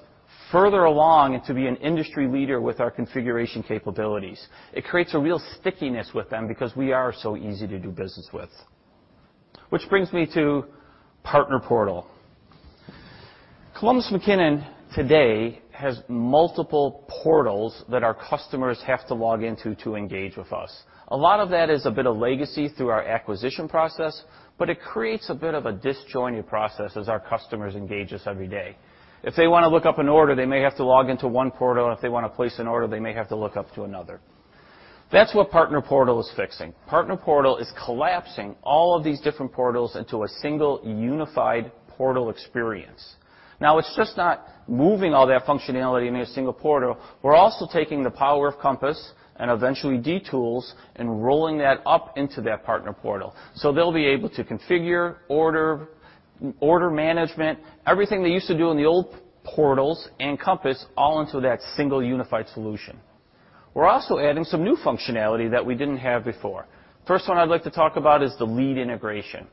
further along to be an industry leader with our configuration capabilities. It creates a real stickiness with them because we are so easy to do business with. Which brings me to Partner Portal. Columbus McKinnon today has multiple portals that our customers have to log into to engage with us. A lot of that is a bit of legacy through our acquisition process, but it creates a bit of a disjointed process as our customers engage us every day. If they wanna look up an order, they may have to log into one portal. If they wanna place an order, they may have to log into another. That's what Partner Portal is fixing. Partner Portal is collapsing all of these different portals into a single unified portal experience. Now it's not just moving all that functionality into a single portal, we're also taking the power of Compass and eventually D-Tools and rolling that up into that Partner Portal. They'll be able to configure, order management, everything they used to do in the old portals and Compass all into that single unified solution. We're also adding some new functionality that we didn't have before. First one I'd like to talk about is the lead integration.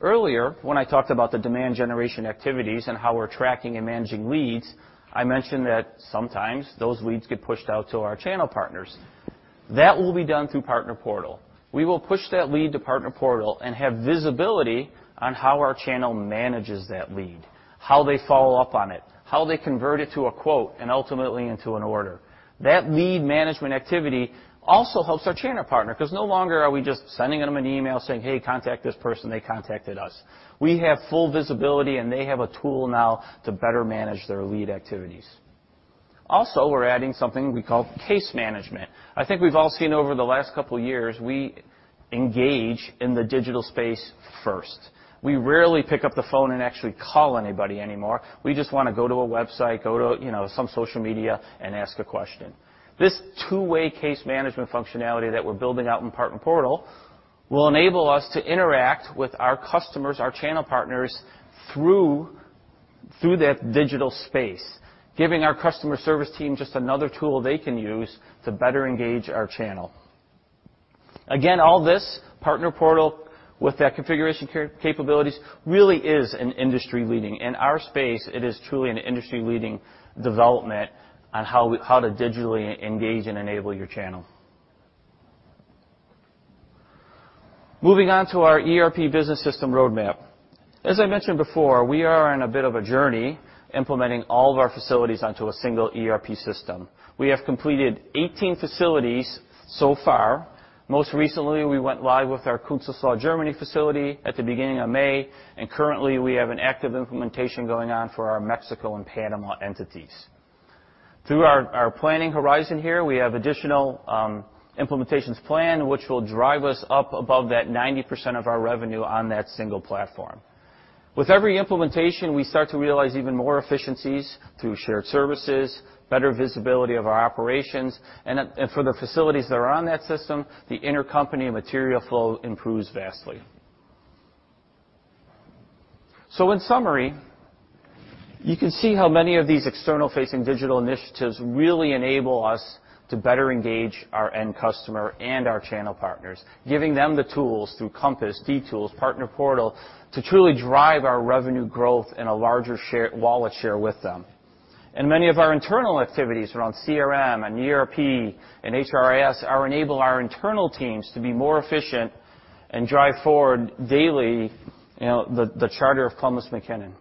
Earlier, when I talked about the demand generation activities and how we're tracking and managing leads, I mentioned that sometimes those leads get pushed out to our channel partners. That will be done through Partner Portal. We will push that lead to Partner Portal and have visibility on how our channel manages that lead, how they follow up on it, how they convert it to a quote, and ultimately into an order. That lead management activity also helps our channel partner, 'cause no longer are we just sending them an email saying, "Hey, contact this person. They contacted us." We have full visibility, and they have a tool now to better manage their lead activities. Also, we're adding something we call case management. I think we've all seen over the last couple years, we engage in the digital space first. We rarely pick up the phone and actually call anybody anymore. We just wanna go to a website, go to, you know, some social media and ask a question. This two-way case management functionality that we're building out in Partner Portal will enable us to interact with our customers, our channel partners, through that digital space, giving our customer service team just another tool they can use to better engage our channel. Again, all this Partner Portal with that configuration capabilities really is an industry-leading. In our space, it is truly an industry-leading development on how to digitally engage and enable your channel. Moving on to our ERP business system roadmap. As I mentioned before, we are on a bit of a journey implementing all of our facilities onto a single ERP system. We have completed 18 facilities so far. Most recently, we went live with our Künzelsau, Germany facility at the beginning of May, and currently, we have an active implementation going on for our Mexico and Panama entities. Through our planning horizon here, we have additional implementations planned which will drive us up above that 90% of our revenue on that single platform. With every implementation, we start to realize even more efficiencies through shared services, better visibility of our operations, and for the facilities that are on that system, the intercompany material flow improves vastly. In summary, you can see how many of these external-facing digital initiatives really enable us to better engage our end customer and our channel partners, giving them the tools through Compass, D-Tools, Partner Portal, to truly drive our revenue growth and a larger share, wallet share with them. Many of our internal activities around CRM and ERP and HRIS enable our internal teams to be more efficient and drive forward daily, you know, the charter of Columbus McKinnon.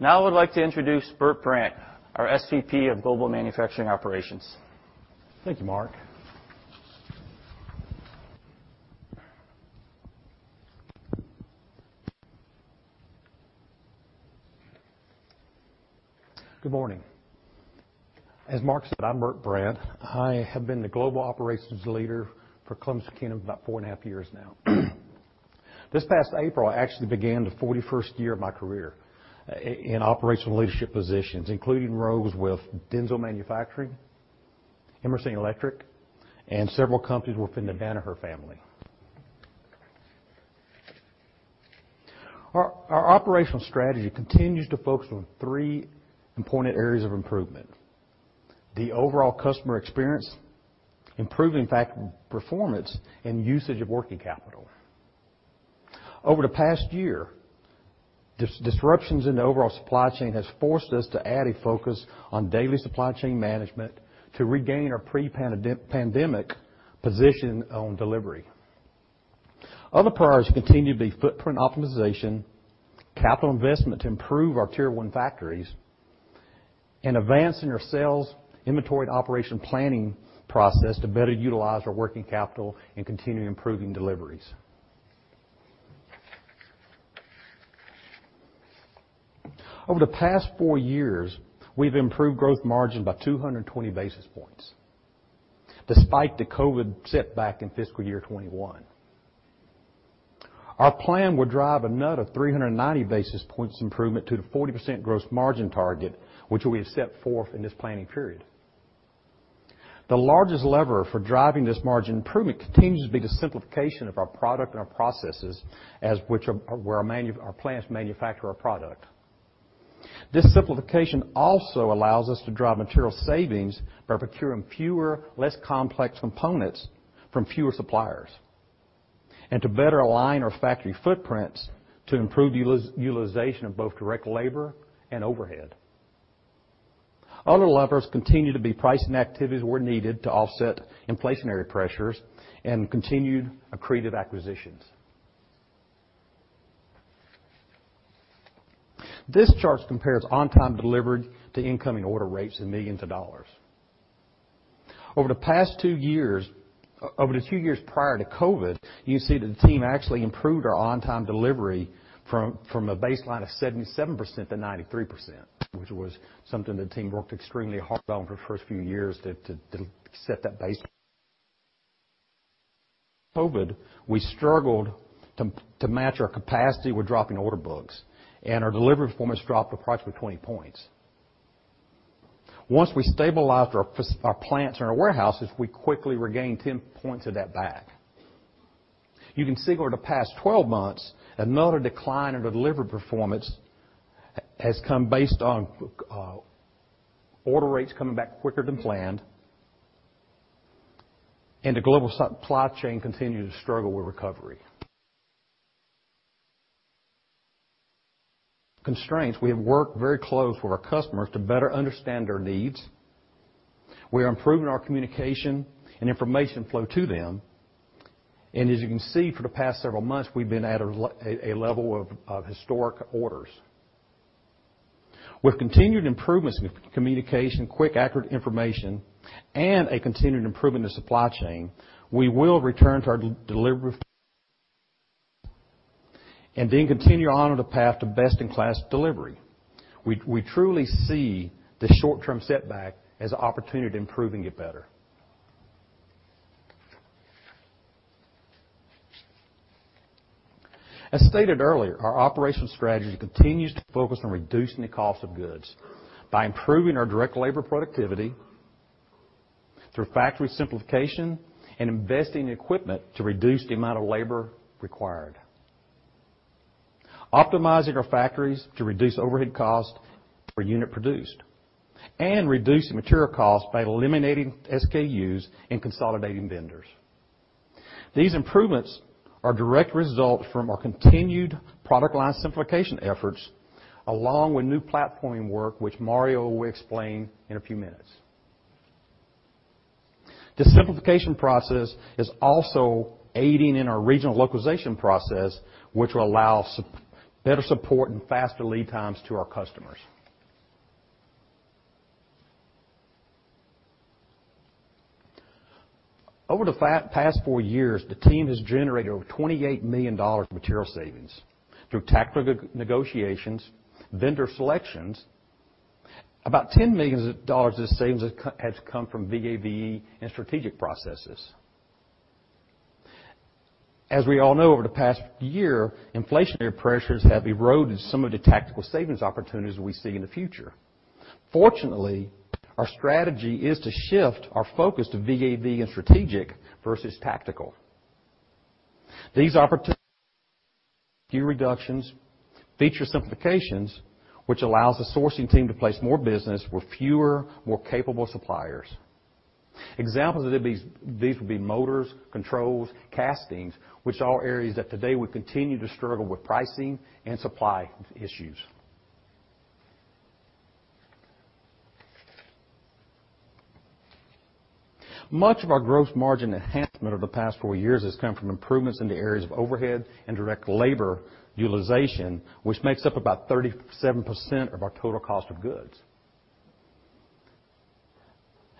I would like to introduce Bert Brant, our SVP of Global Manufacturing Operations. Thank you, Mark. Good morning. As Mark said, I'm Bert Brant. I have been the Global Operations leader for Columbus McKinnon about 4.5 years now. This past April, I actually began the 41st year of my career in operational leadership positions, including roles with Dorner Manufacturing, Emerson Electric, and several companies within the Danaher family. Our operational strategy continues to focus on three important areas of improvement: the overall customer experience, improving factory performance, and usage of working capital. Over the past year, disruptions in the overall supply chain has forced us to add a focus on daily supply chain management to regain our pre-pandemic position on delivery. Other priorities continue to be footprint optimization, capital investment to improve our Tier One factories, and advancing our sales, inventory, and operation planning process to better utilize our working capital and continue improving deliveries. Over the past four years, we've improved gross margin by 220 basis points, despite the COVID setback in fiscal year 2021. Our plan will drive another 390 basis points improvement to the 40% gross margin target, which we have set forth in this planning period. The largest lever for driving this margin improvement continues to be the simplification of our product and our processes where our plants manufacture our product. This simplification also allows us to drive material savings by procuring fewer, less complex components from fewer suppliers and to better align our factory footprints to improve utilization of both direct labor and overhead. Other levers continue to be pricing activities where needed to offset inflationary pressures and continued accretive acquisitions. This chart compares on-time delivery to incoming order rates in millions of dollars. Over the past two years prior to COVID, you see that the team actually improved our on-time delivery from a baseline of 77% to 93%, which was something the team worked extremely hard on for the first few years to set that base. COVID, we struggled to match our capacity with dropping order books, and our delivery performance dropped approximately 20 points. Once we stabilized our plants and our warehouses, we quickly regained 10 points of that back. You can see over the past 12 months, another decline in the delivery performance has come based on order rates coming back quicker than planned and the global supply chain continuing to struggle with recovery. Constraints, we have worked very close with our customers to better understand their needs. We are improving our communication and information flow to them. As you can see, for the past several months, we've been at a level of historic orders. With continued improvements with communication, quick, accurate information, and a continued improvement in the supply chain, we will return to our on-time delivery and then continue on the path to best-in-class delivery. We truly see the short-term setback as an opportunity to improve and get better. As stated earlier, our operational strategy continues to focus on reducing the cost of goods by improving our direct labor productivity through factory simplification and investing in equipment to reduce the amount of labor required. Optimizing our factories to reduce overhead cost per unit produced and reducing material costs by eliminating SKUs and consolidating vendors. These improvements are direct results from our continued product line simplification efforts, along with new platform work, which Mario will explain in a few minutes. The simplification process is also aiding in our regional localization process, which will allow better support and faster lead times to our customers. Over the past four years, the team has generated over $28 million in material savings through tactical negotiations, vendor selections. About $10 million of savings has come from VAVE and strategic processes. As we all know, over the past year, inflationary pressures have eroded some of the tactical savings opportunities we see in the future. Fortunately, our strategy is to shift our focus to VAVE and strategic versus tactical. These opportunities few reductions, feature simplifications, which allows the sourcing team to place more business with fewer, more capable suppliers. Examples of these would be motors, controls, castings, which are areas that today we continue to struggle with pricing and supply issues. Much of our gross margin enhancement over the past four years has come from improvements in the areas of overhead and direct labor utilization, which makes up about 37% of our total cost of goods.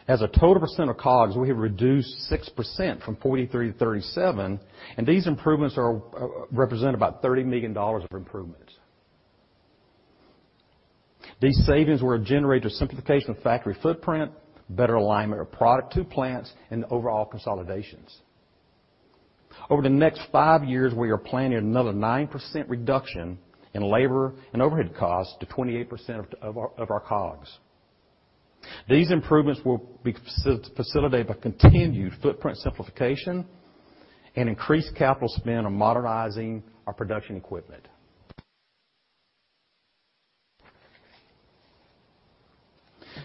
As a total percent of COGS, we have reduced 6% from 43% to 37%, and these improvements represent about $30 million of improvements. These savings were generated through simplification of factory footprint, better alignment of product to plants, and overall consolidations. Over the next five years, we are planning another 9% reduction in labor and overhead costs to 28% of our COGS. These improvements will be facilitated by continued footprint simplification and increased capital spend on modernizing our production equipment.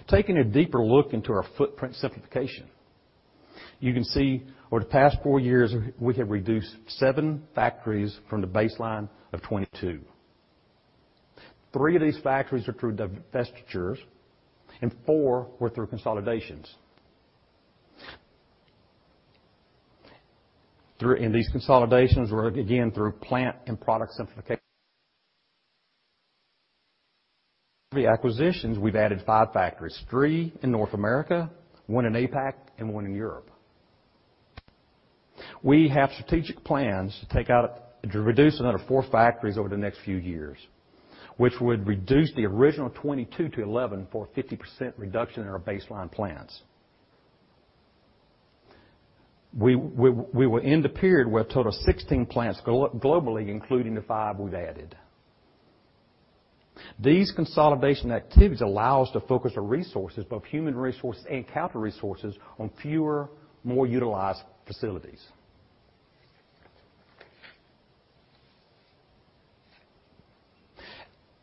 Taking a deeper look into our footprint simplification, you can see over the past four years, we have reduced seven factories from the baseline of 22. Three of these factories are through divestitures and four were through consolidations. These consolidations were again through plant and product simplification. The acquisitions, we've added five factories, three in North America, one in APAC, and one in Europe. We have strategic plans to take out to reduce another four factories over the next few years, which would reduce the original 22 to 11 for a 50% reduction in our baseline plants. We will end the period with a total of 16 plants globally, including the five we've added. These consolidation activities allow us to focus our resources, both human resources and capital resources, on fewer, more utilized facilities.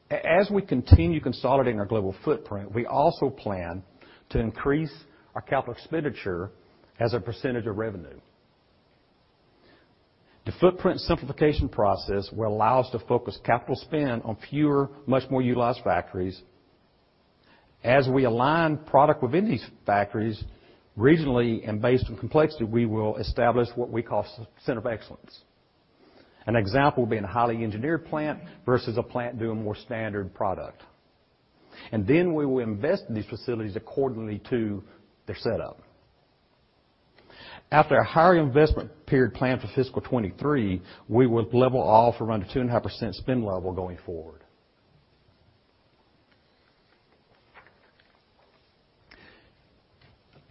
As we continue consolidating our global footprint, we also plan to increase our capital expenditure as a percentage of revenue. The footprint simplification process will allow us to focus capital spend on fewer, much more utilized factories. As we align product within these factories regionally and based on complexity, we will establish what we call centers of excellence. An example being a highly engineered plant versus a plant doing more standard product. Then we will invest in these facilities accordingly to their setup. After a higher investment period planned for fiscal 2023, we will level off around the 2.5% spend level going forward.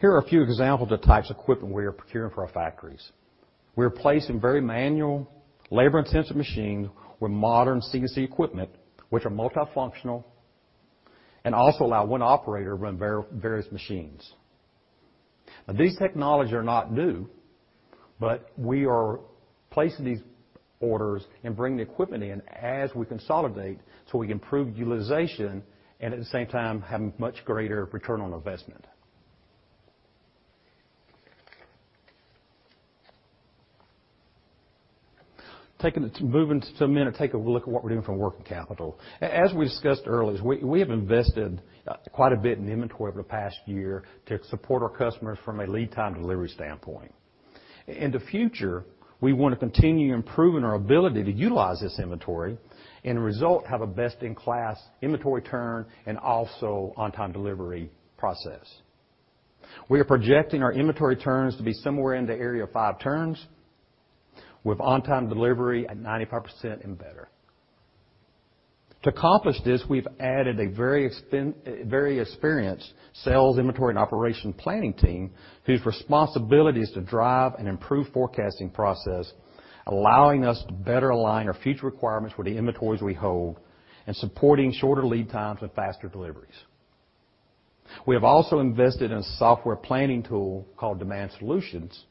Here are a few examples of the types of equipment we are procuring for our factories. We're replacing very manual, labor-intensive machines with modern CNC equipment, which are multifunctional and also allow one operator to run various machines. Now, these technologies are not new, but we are placing these orders and bringing the equipment in as we consolidate so we can improve utilization and at the same time, have much greater return on investment. Moving some in or take a look at what we're doing from working capital. As we discussed earlier, we have invested quite a bit in inventory over the past year to support our customers from a lead time delivery standpoint. In the future, we wanna continue improving our ability to utilize this inventory, and as a result, have a best-in-class inventory turn and also on-time delivery process. We are projecting our inventory turns to be somewhere in the area of five turns with on-time delivery at 95% and better. To accomplish this, we've added a very experienced sales inventory and operation planning team whose responsibility is to drive and improve forecasting process, allowing us to better align our future requirements with the inventories we hold and supporting shorter lead times with faster deliveries. We have also invested in a software planning tool called Demand Solutions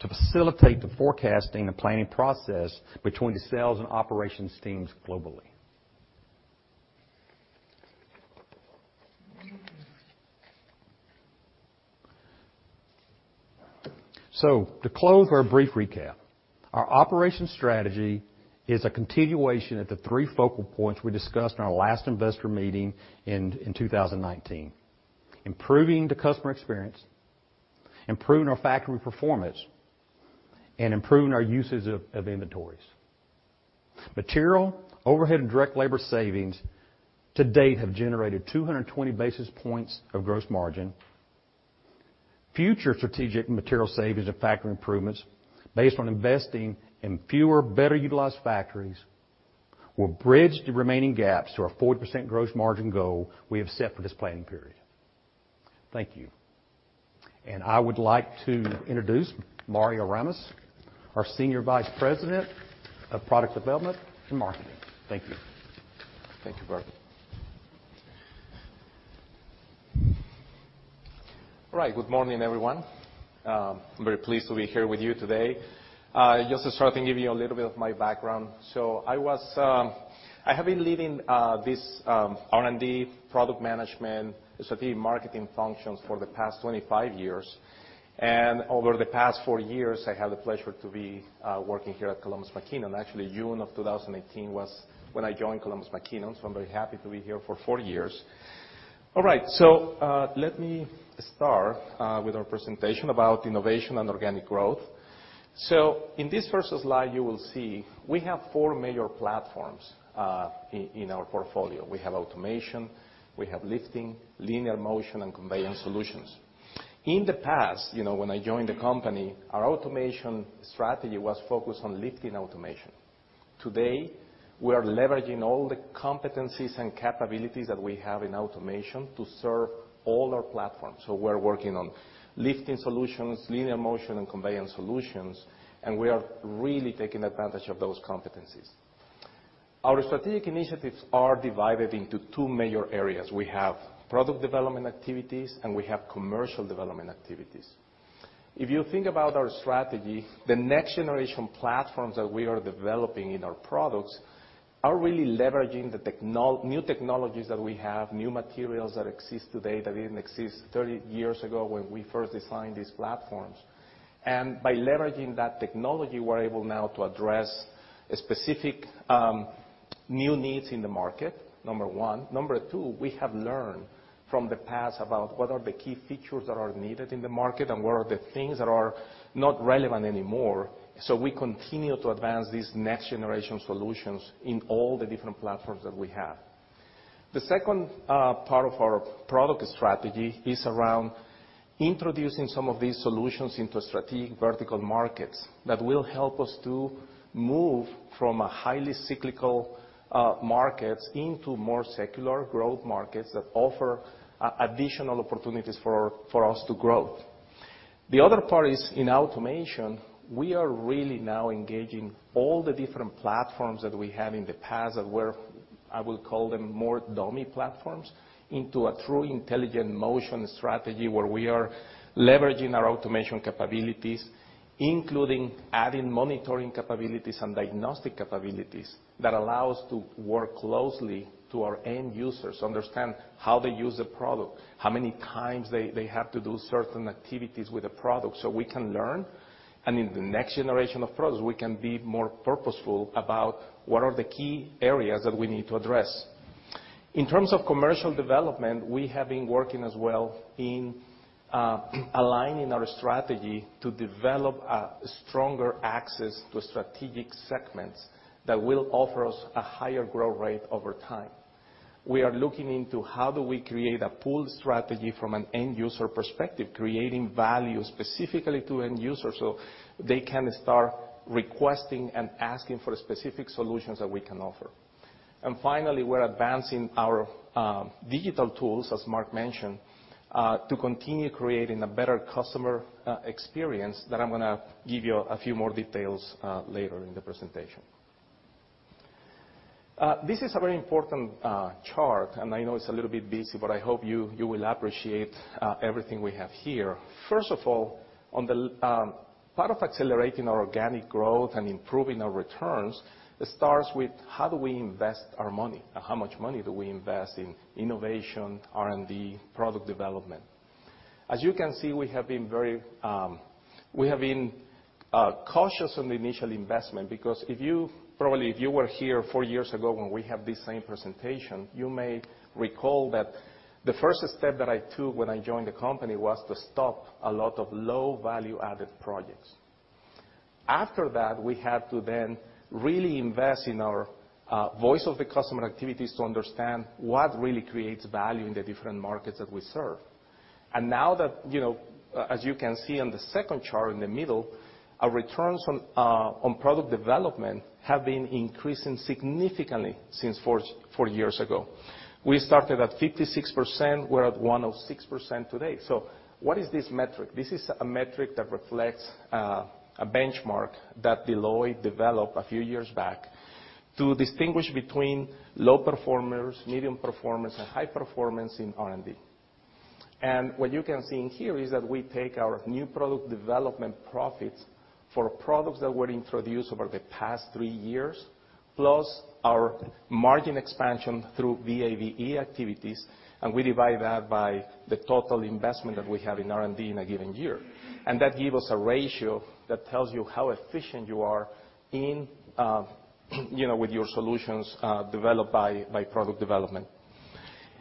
to facilitate the forecasting and planning process between the sales and operations teams globally. To close, our brief recap. Our operations strategy is a continuation of the three focal points we discussed in our last investor meeting in 2019, improving the customer experience, improving our factory performance, and improving our uses of inventories. Material, overhead, and direct labor savings to date have generated 220 basis points of gross margin. Future strategic material savings and factory improvements based on investing in fewer, better utilized factories will bridge the remaining gaps to our 40% gross margin goal we have set for this planning period. Thank you. I would like to introduce Mario Ramos, our Senior Vice President of Product Development and Marketing. Thank you. Thank you, Bert. All right. Good morning, everyone. I'm very pleased to be here with you today. Just to start to give you a little bit of my background. I have been leading this R&D product management strategy, marketing functions for the past 25 years. Over the past four years, I had the pleasure to be working here at Columbus McKinnon. Actually, June of 2018 was when I joined Columbus McKinnon, so I'm very happy to be here for four years. All right. Let me start with our presentation about innovation and organic growth. In this first slide, you will see we have four major platforms in our portfolio. We have automation, we have lifting, linear motion, and conveyance solutions. In the past, you know, when I joined the company, our automation strategy was focused on lifting automation. Today, we are leveraging all the competencies and capabilities that we have in automation to serve all our platforms. We're working on lifting solutions, linear motion, and conveyance solutions, and we are really taking advantage of those competencies. Our strategic initiatives are divided into two major areas. We have product development activities, and we have commercial development activities. If you think about our strategy, the next generation platforms that we are developing in our products are really leveraging the new technologies that we have, new materials that exist today that didn't exist 30 years ago when we first designed these platforms. By leveraging that technology, we're able now to address specific, new needs in the market, number one. Number two, we have learned from the past about what are the key features that are needed in the market and what are the things that are not relevant anymore. We continue to advance these next-generation solutions in all the different platforms that we have. The second part of our product strategy is around introducing some of these solutions into strategic vertical markets that will help us to move from a highly cyclical markets into more secular growth markets that offer additional opportunities for us to grow. The other part is in automation, we are really now engaging all the different platforms that we had in the past that were, I will call them, more dummy platforms into a true intelligent motion strategy, where we are leveraging our automation capabilities, including adding monitoring capabilities and diagnostic capabilities that allow us to work closely to our end users, understand how they use the product, how many times they have to do certain activities with the product, so we can learn, and in the next generation of products, we can be more purposeful about what are the key areas that we need to address. In terms of commercial development, we have been working as well in aligning our strategy to develop a stronger access to strategic segments that will offer us a higher growth rate over time. We are looking into how do we create a pull strategy from an end user perspective, creating value specifically to end users, so they can start requesting and asking for specific solutions that we can offer. Finally, we're advancing our digital tools, as Mark mentioned, to continue creating a better customer experience that I'm gonna give you a few more details later in the presentation. This is a very important chart, and I know it's a little bit busy, but I hope you will appreciate everything we have here. First of all, on the part of accelerating our organic growth and improving our returns starts with how do we invest our money, or how much money do we invest in innovation, R&D, product development. As you can see, we have been very cautious on the initial investment because probably if you were here four years ago when we had this same presentation, you may recall that the first step that I took when I joined the company was to stop a lot of low value-added projects. After that, we had to then really invest in our voice-of-the-customer activities to understand what really creates value in the different markets that we serve. Now that, you know, as you can see on the second chart in the middle, our returns on product development have been increasing significantly since four years ago. We started at 56%. We're at 106% today. What is this metric? This is a metric that reflects a benchmark that Deloitte developed a few years back to distinguish between low performers, medium performers, and high performers in R&D. What you can see in here is that we take our new product development profits for products that were introduced over the past three years, plus our margin expansion through VAVE activities, and we divide that by the total investment that we have in R&D in a given year. That give us a ratio that tells you how efficient you are in, you know, with your solutions, developed by product development.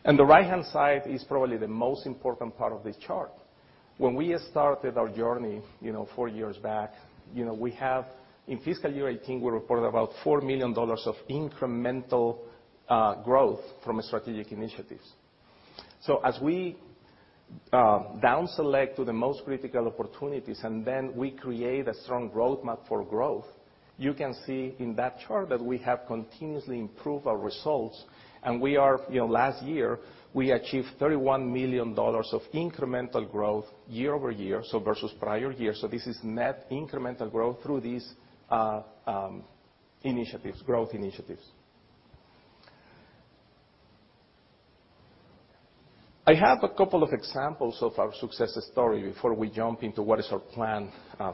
On the right-hand side is probably the most important part of this chart. When we started our journey, you know, four years back, you know, In fiscal year 2018, we reported about $4 million of incremental growth from strategic initiatives. As we down select to the most critical opportunities, and then we create a strong roadmap for growth, you can see in that chart that we have continuously improved our results. You know, last year, we achieved $31 million of incremental growth year over year, so versus prior year. This is net incremental growth through these initiatives, growth initiatives. I have a couple of examples of our success story before we jump into what is our plan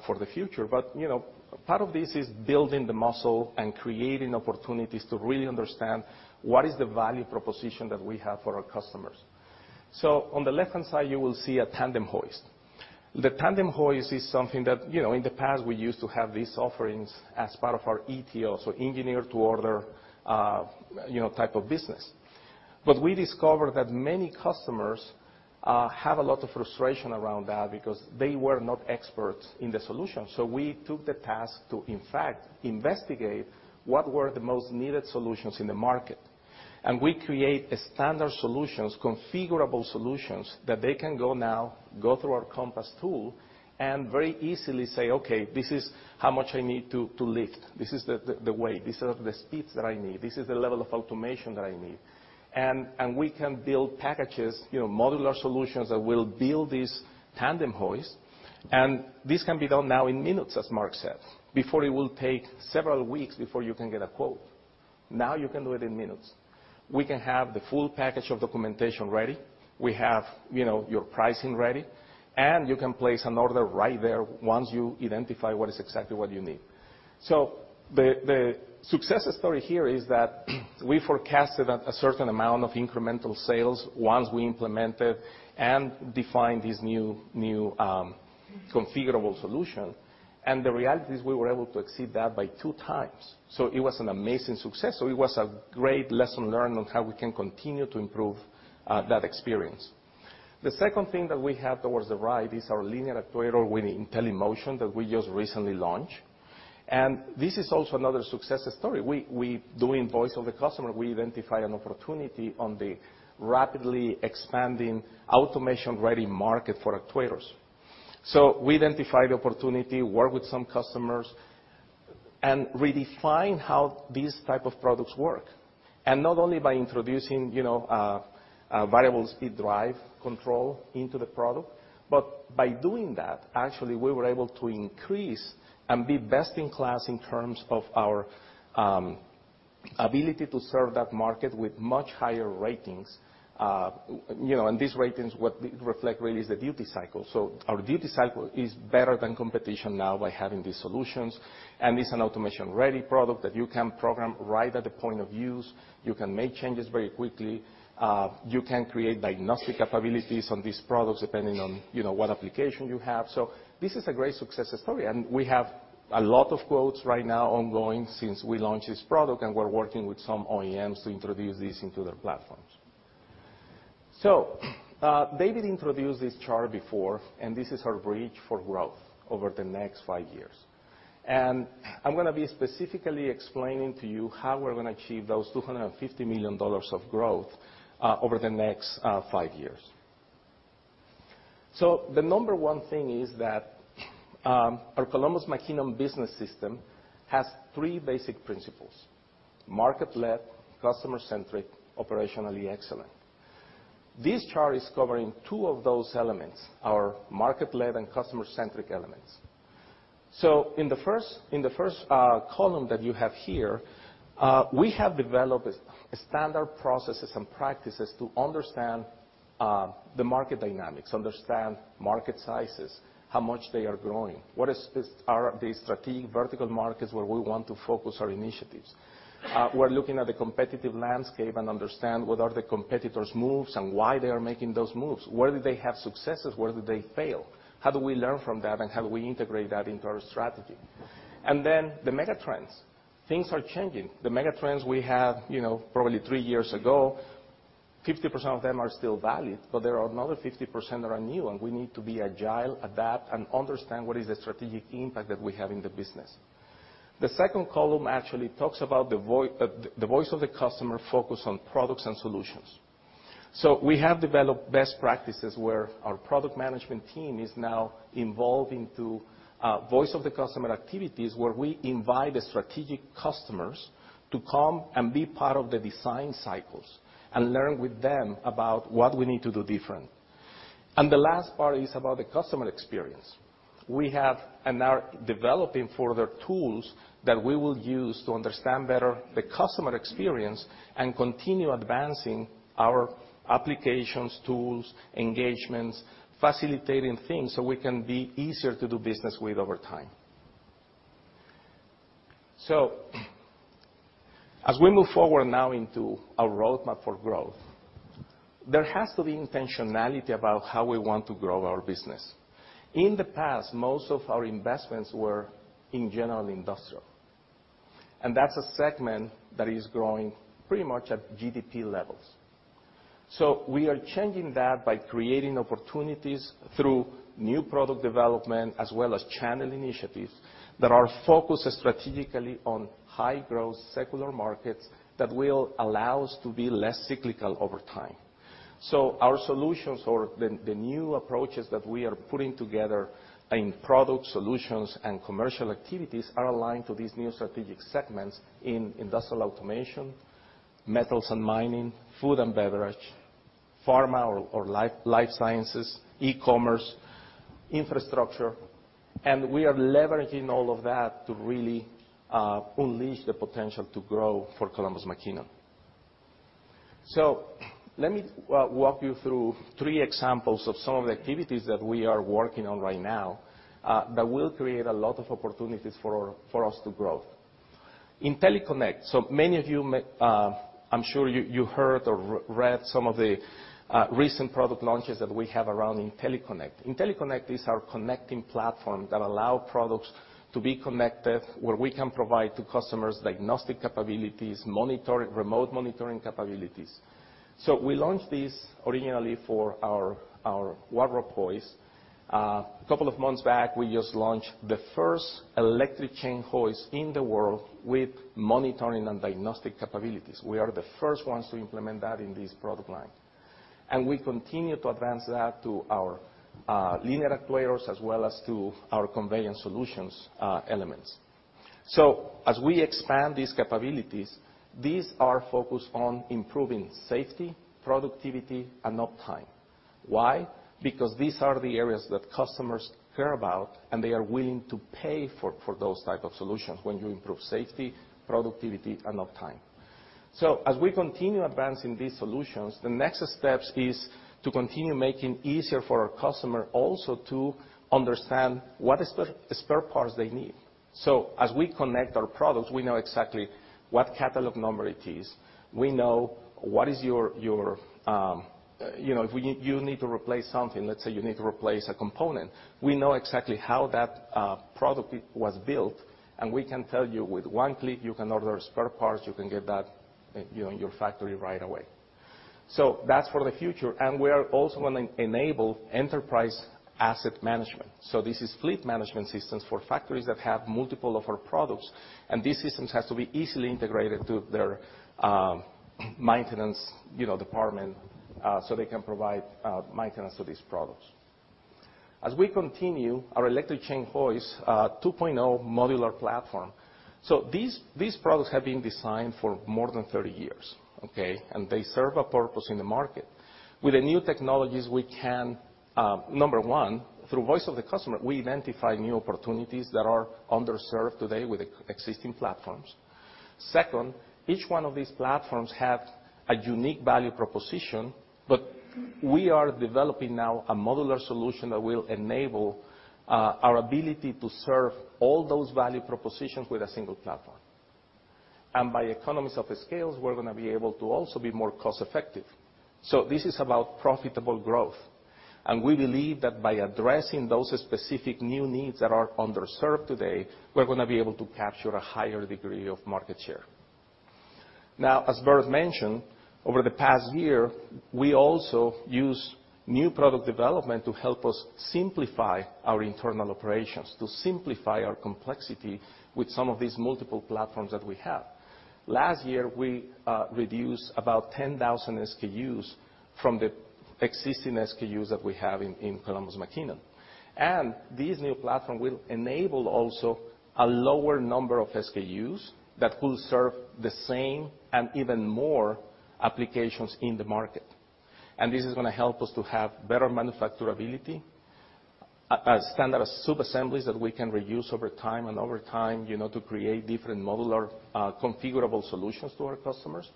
for the future. You know, part of this is building the muscle and creating opportunities to really understand what is the value proposition that we have for our customers. On the left-hand side, you will see a tandem hoist. The tandem hoist is something that, you know, in the past we used to have these offerings as part of our ETO, so engineer to order, you know, type of business. We discovered that many customers have a lot of frustration around that because they were not experts in the solution. We took the task to, in fact, investigate what were the most needed solutions in the market. We create a standard solutions, configurable solutions that they can go through our Compass tool and very easily say, "Okay, this is how much I need to lift. This is the weight. These are the speeds that I need. This is the level of automation that I need." We can build packages, you know, modular solutions that will build this tandem hoist, and this can be done now in minutes, as Mark said. Before it will take several weeks before you can get a quote. Now you can do it in minutes. We can have the full package of documentation ready. We have, you know, your pricing ready, and you can place an order right there once you identify what is exactly what you need. The success story here is that we forecasted a certain amount of incremental sales once we implemented and defined this new configurable solution. The reality is we were able to exceed that by 2x. It was an amazing success. It was a great lesson learned on how we can continue to improve that experience. The second thing that we have towards the right is our linear actuator with Intelli-Motion that we just recently launched. This is also another success story. We doing voice of the customer, we identify an opportunity on the rapidly expanding automation-ready market for actuators. We identified the opportunity, worked with some customers and redefined how these type of products work. Not only by introducing, you know, a variable speed drive control into the product, but by doing that, actually we were able to increase and be best in class in terms of our ability to serve that market with much higher ratings, you know, and these ratings what reflect really is the duty cycle. Our duty cycle is better than competition now by having these solutions, and this is an automation-ready product that you can program right at the point of use. You can make changes very quickly. You can create diagnostic capabilities on these products depending on, you know, what application you have. This is a great success story, and we have a lot of quotes right now ongoing since we launched this product, and we're working with some OEMs to introduce this into their platforms. David introduced this chart before, and this is our reach for growth over the next five years. I'm gonna be specifically explaining to you how we're gonna achieve those $250 million of growth over the next five years. The number one thing is that, our Columbus McKinnon business system has three basic principles, market-led, customer-centric, operationally excellent. This chart is covering two of those elements, our market-led and customer-centric elements. In the first column that you have here, we have developed a standard processes and practices to understand the market dynamics, understand market sizes, how much they are growing, what are the strategic vertical markets where we want to focus our initiatives. We're looking at the competitive landscape and understand what are the competitors' moves and why they are making those moves. Where did they have successes? Where did they fail? How do we learn from that, and how do we integrate that into our strategy? The mega trends. Things are changing. The mega trends we have, you know, probably three years ago, 50% of them are still valid, but there are another 50% that are new, and we need to be agile, adapt, and understand what is the strategic impact that we have in the business. The second column actually talks about the voice of the customer focused on products and solutions. We have developed best practices where our product management team is now involving to voice of the customer activities, where we invite the strategic customers to come and be part of the design cycles and learn with them about what we need to do different. The last part is about the customer experience. We have and are developing further tools that we will use to understand better the customer experience and continue advancing our applications, tools, engagements, facilitating things, so we can be easier to do business with over time. As we move forward now into our roadmap for growth, there has to be intentionality about how we want to grow our business. In the past, most of our investments were in general industrial, and that's a segment that is growing pretty much at GDP levels. We are changing that by creating opportunities through new product development as well as channel initiatives that are focused strategically on high-growth secular markets that will allow us to be less cyclical over time. Our solutions or the new approaches that we are putting together in product solutions and commercial activities are aligned to these new strategic segments in industrial automation, metals and mining, food and beverage, pharma or life sciences, e-commerce, infrastructure, and we are leveraging all of that to really unleash the potential to grow for Columbus McKinnon. Let me walk you through three examples of some of the activities that we are working on right now that will create a lot of opportunities for us to grow. Intelli-Connect. Many of you, I'm sure you heard or read some of the recent product launches that we have around Intelli-Connect. Intelli-Connect is our connecting platform that allow products to be connected, where we can provide to customers diagnostic capabilities, remote monitoring capabilities. We launched this originally for our Lodestar hoist. A couple of months back, we just launched the first electric chain hoist in the world with monitoring and diagnostic capabilities. We are the first ones to implement that in this product line. We continue to advance that to our linear actuators as well as to our Precision Conveyance solutions elements. As we expand these capabilities, these are focused on improving safety, productivity, and uptime. Why? Because these are the areas that customers care about, and they are willing to pay for those type of solutions when you improve safety, productivity, and uptime. As we continue advancing these solutions, the next steps is to continue making easier for our customer also to understand what spare parts they need. As we connect our products, we know exactly what catalog number it is. We know what is your you know you need to replace something, let's say you need to replace a component, we know exactly how that product it was built, and we can tell you with one click, you can order spare parts. You can get that in your factory right away. That's for the future, and we're also gonna enable enterprise asset management. This is fleet management systems for factories that have multiple of our products, and these systems has to be easily integrated to their maintenance you know department so they can provide maintenance to these products. As we continue our electric chain hoist 2.0 modular platform. These products have been designed for more than 30 years, okay? They serve a purpose in the market. With the new technologies, we can number one, through voice of the customer, we identify new opportunities that are underserved today with existing platforms. Second, each one of these platforms have a unique value proposition, but we are developing now a modular solution that will enable our ability to serve all those value propositions with a single platform. By economies of scale, we're gonna be able to also be more cost-effective. This is about profitable growth, and we believe that by addressing those specific new needs that are underserved today, we're gonna be able to capture a higher degree of market share. Now, as Bert mentioned, over the past year, we also use new product development to help us simplify our internal operations, to simplify our complexity with some of these multiple platforms that we have. Last year, we reduced about 10,000 SKUs from the existing SKUs that we have in Columbus McKinnon. These new platform will enable also a lower number of SKUs that will serve the same and even more applications in the market. This is gonna help us to have better manufacturability, standard sub-assemblies that we can reuse over time, you know, to create different modular, configurable solutions to our customers.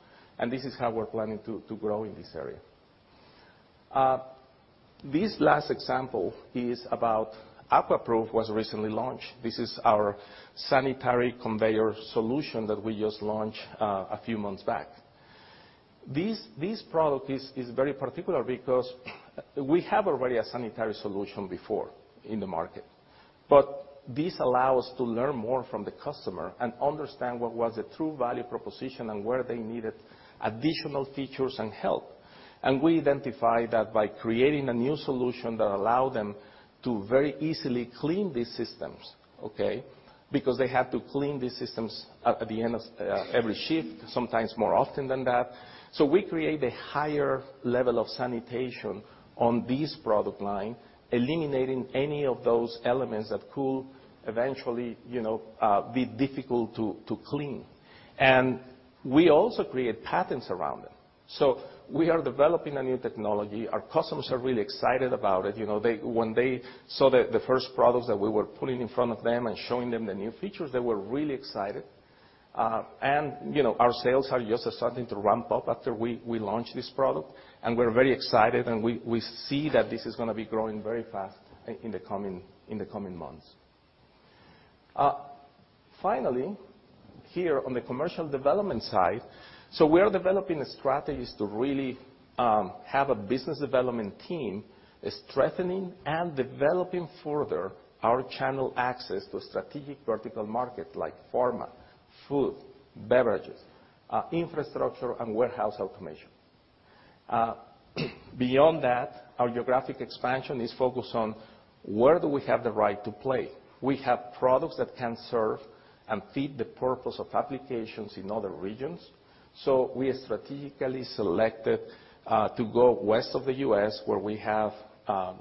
This is how we're planning to grow in this area. This last example is about AquaPruf was recently launched. This is our sanitary conveyor solution that we just launched, a few months back. This product is very particular because we have already a sanitary solution before in the market. This allow us to learn more from the customer and understand what was the true value proposition and where they needed additional features and help. We identify that by creating a new solution that allow them to very easily clean these systems, okay? Because they have to clean these systems at the end of every shift, sometimes more often than that. We create a higher level of sanitation on this product line, eliminating any of those elements that could eventually be difficult to clean. We also create patents around them. We are developing a new technology. Our customers are really excited about it. You know, when they saw the first products that we were putting in front of them and showing them the new features, they were really excited. You know, our sales are just starting to ramp up after we launched this product, and we're very excited, and we see that this is gonna be growing very fast in the coming months. Finally, here on the commercial development side, we are developing strategies to really have a business development team strengthening and developing further our channel access to strategic vertical market like pharma, food, beverages, infrastructure, and warehouse automation. Beyond that, our geographic expansion is focused on where do we have the right to play. We have products that can serve and fit the purpose of applications in other regions. We strategically selected to go west of the U.S., where we have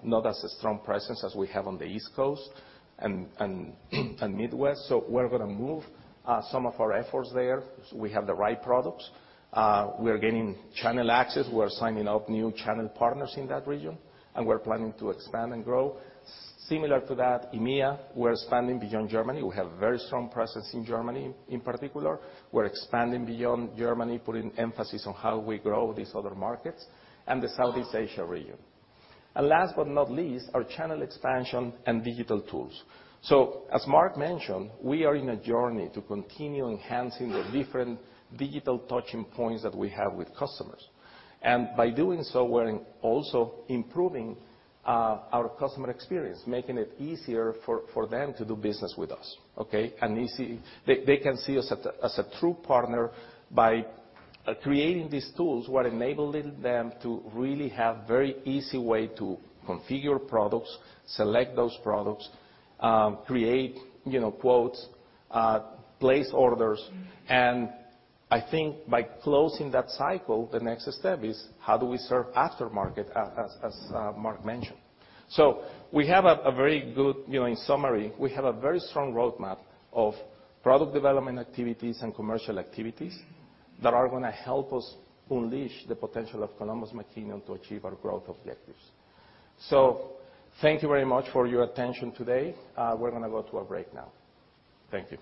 not as strong a presence as we have on the East Coast and Midwest. We're gonna move some of our efforts there. We have the right products. We are gaining channel access. We are signing up new channel partners in that region, and we're planning to expand and grow. Similar to that, EMEA, we're expanding beyond Germany. We have very strong presence in Germany in particular. We're expanding beyond Germany, putting emphasis on how we grow these other markets and the Southeast Asia region. Last but not least, our channel expansion and digital tools. As Mark mentioned, we are in a journey to continue enhancing the different digital touchpoints that we have with customers. By doing so, we're also improving our customer experience, making it easier for them to do business with us, okay? They can see us as a true partner by creating these tools. We're enabling them to really have very easy way to configure products, select those products, create, you know, quotes, place orders. I think by closing that cycle, the next step is how do we serve aftermarket, as Mark mentioned. We have a very good. You know, in summary, we have a very strong roadmap of product development activities and commercial activities that are gonna help us unleash the potential of Columbus McKinnon to achieve our growth objectives. Thank you very much for your attention today. We're gonna go to a break now. Thank you.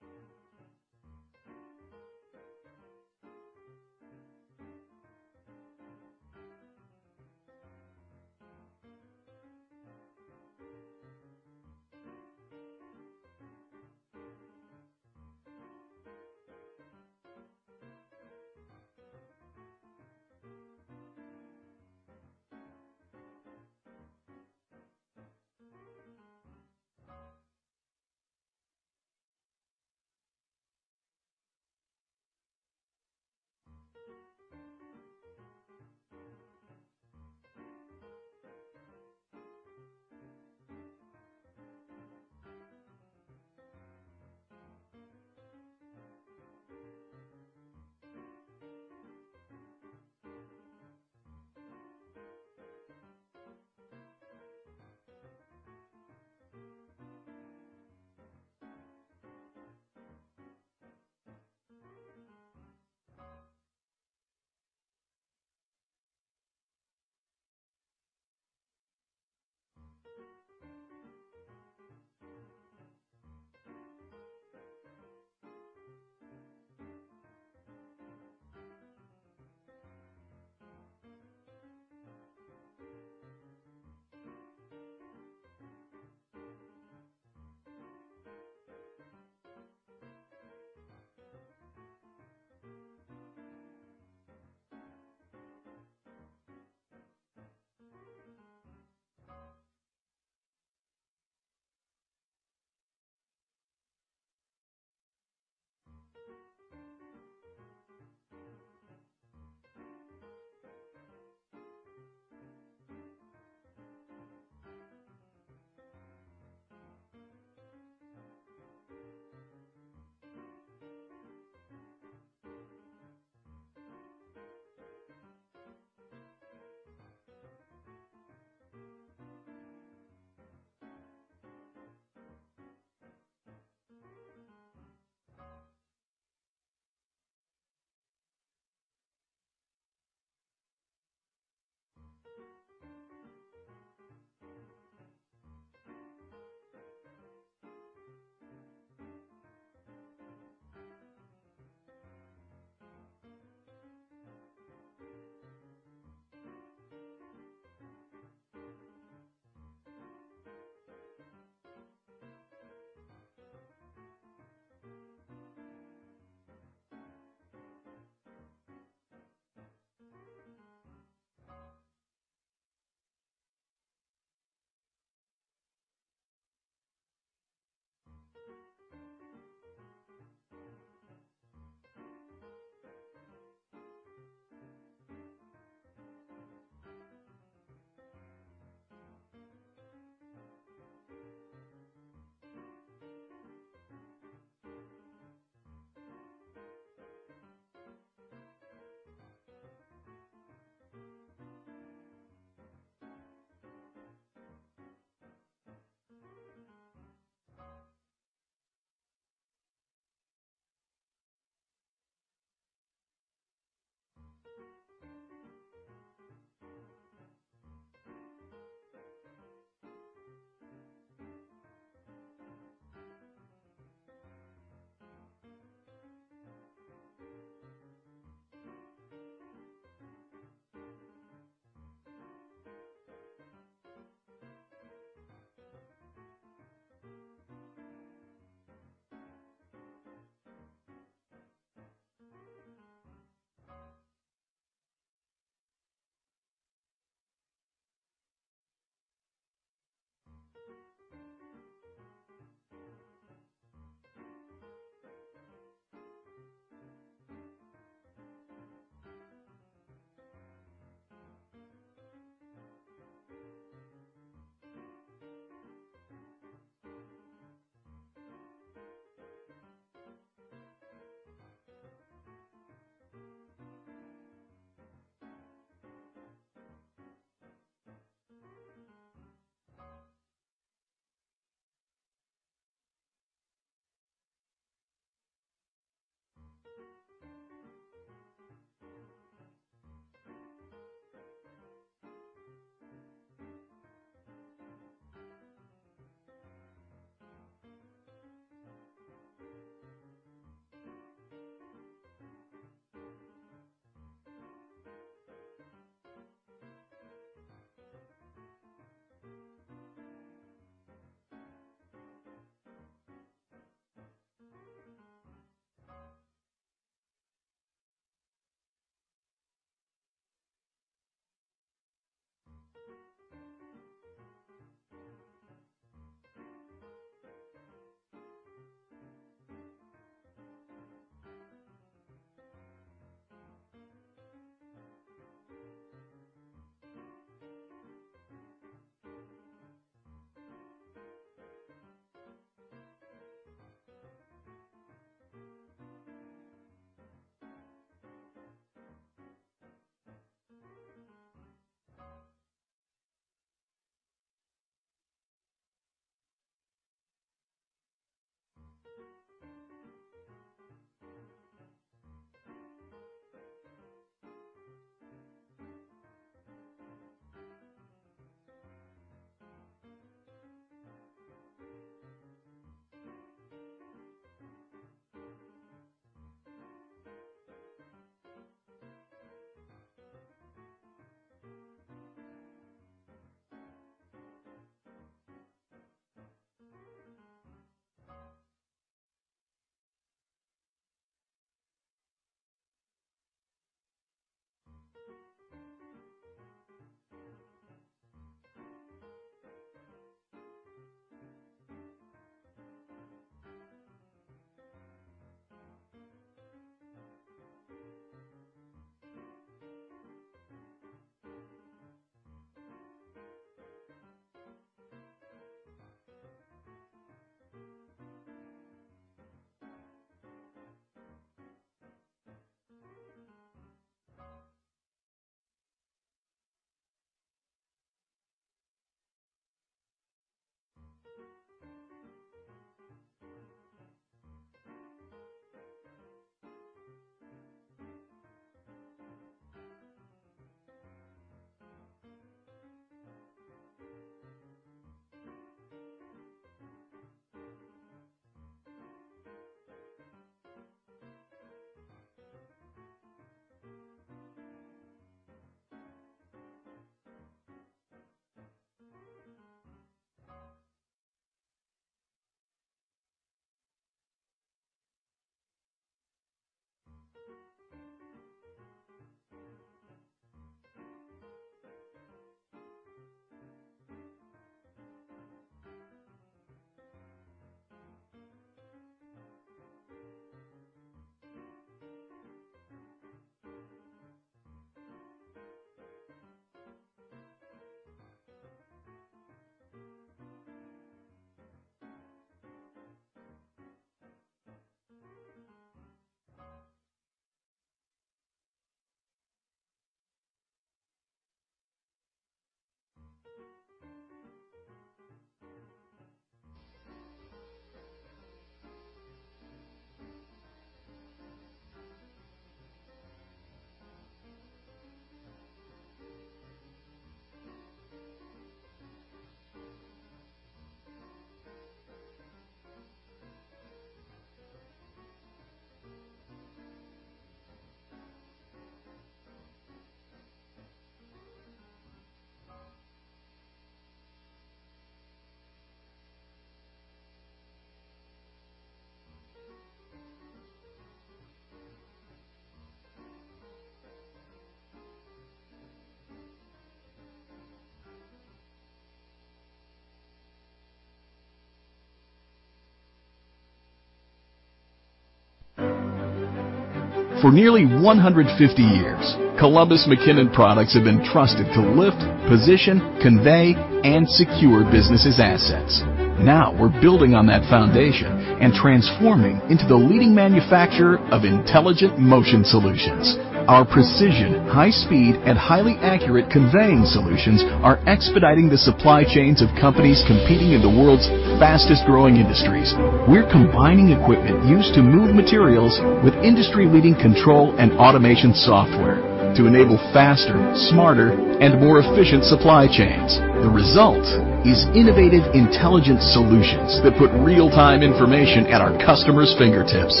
For nearly 150 years, Columbus McKinnon products have been trusted to lift, position, convey, and secure businesses' assets. Now we're building on that foundation and transforming into the leading manufacturer of intelligent motion solutions. Our precision, high speed, and highly accurate conveying solutions are expediting the supply chains of companies competing in the world's fastest-growing industries. We're combining equipment used to move materials with industry-leading control and automation software to enable faster, smarter, and more efficient supply chains. The result is innovative, intelligent solutions that put real-time information at our customers' fingertips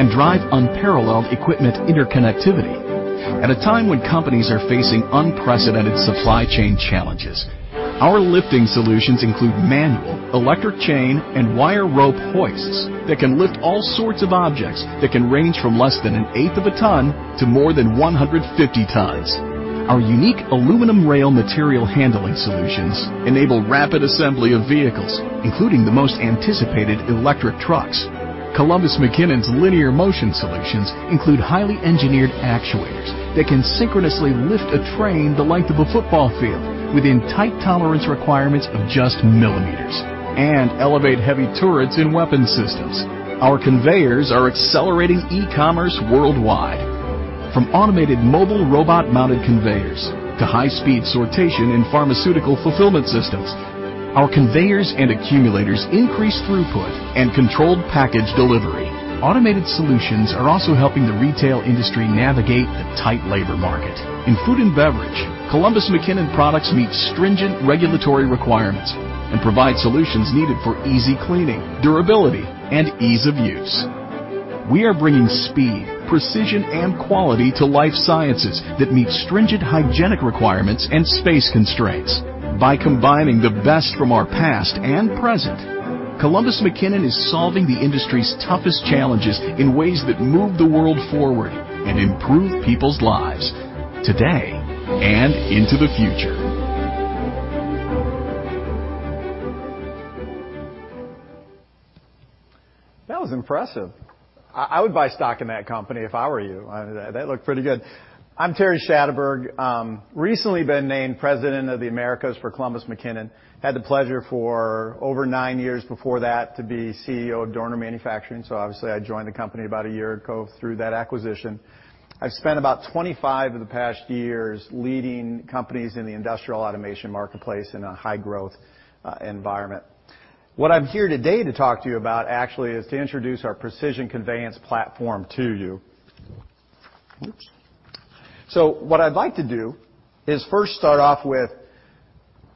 and drive unparalleled equipment interconnectivity at a time when companies are facing unprecedented supply chain challenges. Our lifting solutions include manual, electric chain, and wire rope hoists that can lift all sorts of objects that can range from less than an eighth of a ton to more than 150 tons. Our unique aluminum rail material handling solutions enable rapid assembly of vehicles, including the most anticipated electric trucks. Columbus McKinnon's linear motion solutions include highly engineered actuators that can synchronously lift a train the length of a football field within tight tolerance requirements of just millimeters and elevate heavy turrets and weapon systems. Our conveyors are accelerating e-commerce worldwide. From automated mobile robot-mounted conveyors to high-speed sortation and pharmaceutical fulfillment systems, our conveyors and accumulators increase throughput and controlled package delivery. Automated solutions are also helping the retail industry navigate the tight labor market. In food and beverage, Columbus McKinnon products meet stringent regulatory requirements and provide solutions needed for easy cleaning, durability, and ease of use. We are bringing speed, precision, and quality to life sciences that meet stringent hygienic requirements and space constraints. By combining the best from our past and present, Columbus McKinnon is solving the industry's toughest challenges in ways that move the world forward and improve people's lives today and into the future. That was impressive. I would buy stock in that company if I were you. That looked pretty good. I'm Terry Schadeberg. Recently been named President of the Americas for Columbus McKinnon. Had the pleasure for over nine years before that to be CEO of Dorner Manufacturing, so obviously I joined the company about a year ago through that acquisition. I've spent about 25 of the past years leading companies in the industrial automation marketplace in a high-growth environment. What I'm here today to talk to you about actually is to introduce our Precision Conveyance platform to you. Oops. What I'd like to do is first start off with,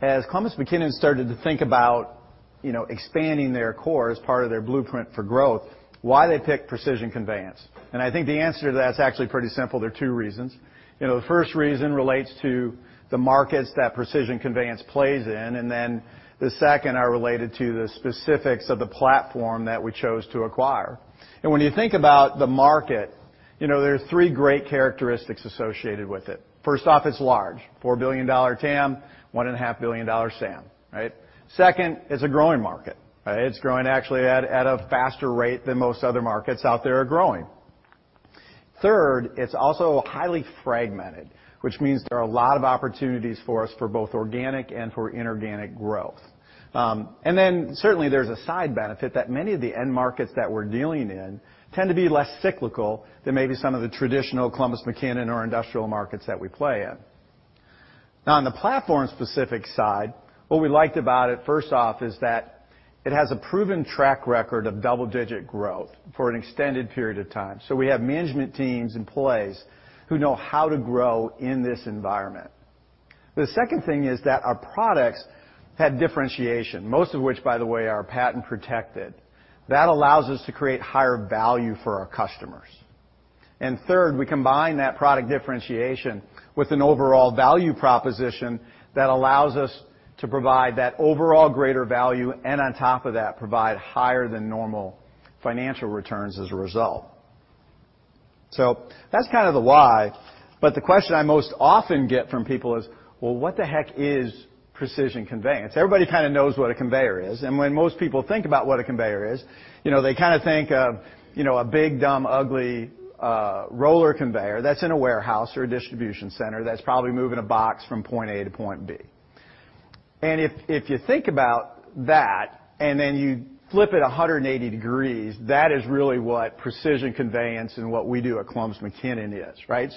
as Columbus McKinnon started to think about, you know, expanding their core as part of their blueprint for growth, why they picked Precision Conveyance. I think the answer to that is actually pretty simple. There are two reasons. You know, the first reason relates to the markets that Precision Conveyance plays in, and then the second are related to the specifics of the platform that we chose to acquire. When you think about the market, you know, there are three great characteristics associated with it. First off, it's large, $4 billion TAM, $1.5 billion SAM, right? Second, it's a growing market. It's growing actually at a faster rate than most other markets out there are growing. Third, it's also highly fragmented, which means there are a lot of opportunities for us for both organic and for inorganic growth. And then certainly there's a side benefit that many of the end markets that we're dealing in tend to be less cyclical than maybe some of the traditional Columbus McKinnon or industrial markets that we play in. Now, on the platform-specific side, what we liked about it first off is that it has a proven track record of double-digit growth for an extended period of time. We have management teams, employees who know how to grow in this environment. The second thing is that our products had differentiation, most of which, by the way, are patent protected. That allows us to create higher value for our customers. Third, we combine that product differentiation with an overall value proposition that allows us to provide that overall greater value and, on top of that, provide higher than normal financial returns as a result. That's kind of the why, but the question I most often get from people is, "Well, what the heck is Precision Conveyance?" Everybody kinda knows what a conveyor is, and when most people think about what a conveyor is, you know, they kinda think of, you know, a big, dumb, ugly, roller conveyor that's in a warehouse or a distribution center that's probably moving a box from point A to point B. If you think about that and then you flip it 180 degrees, that is really what Precision Conveyance and what we do at Columbus McKinnon is, right?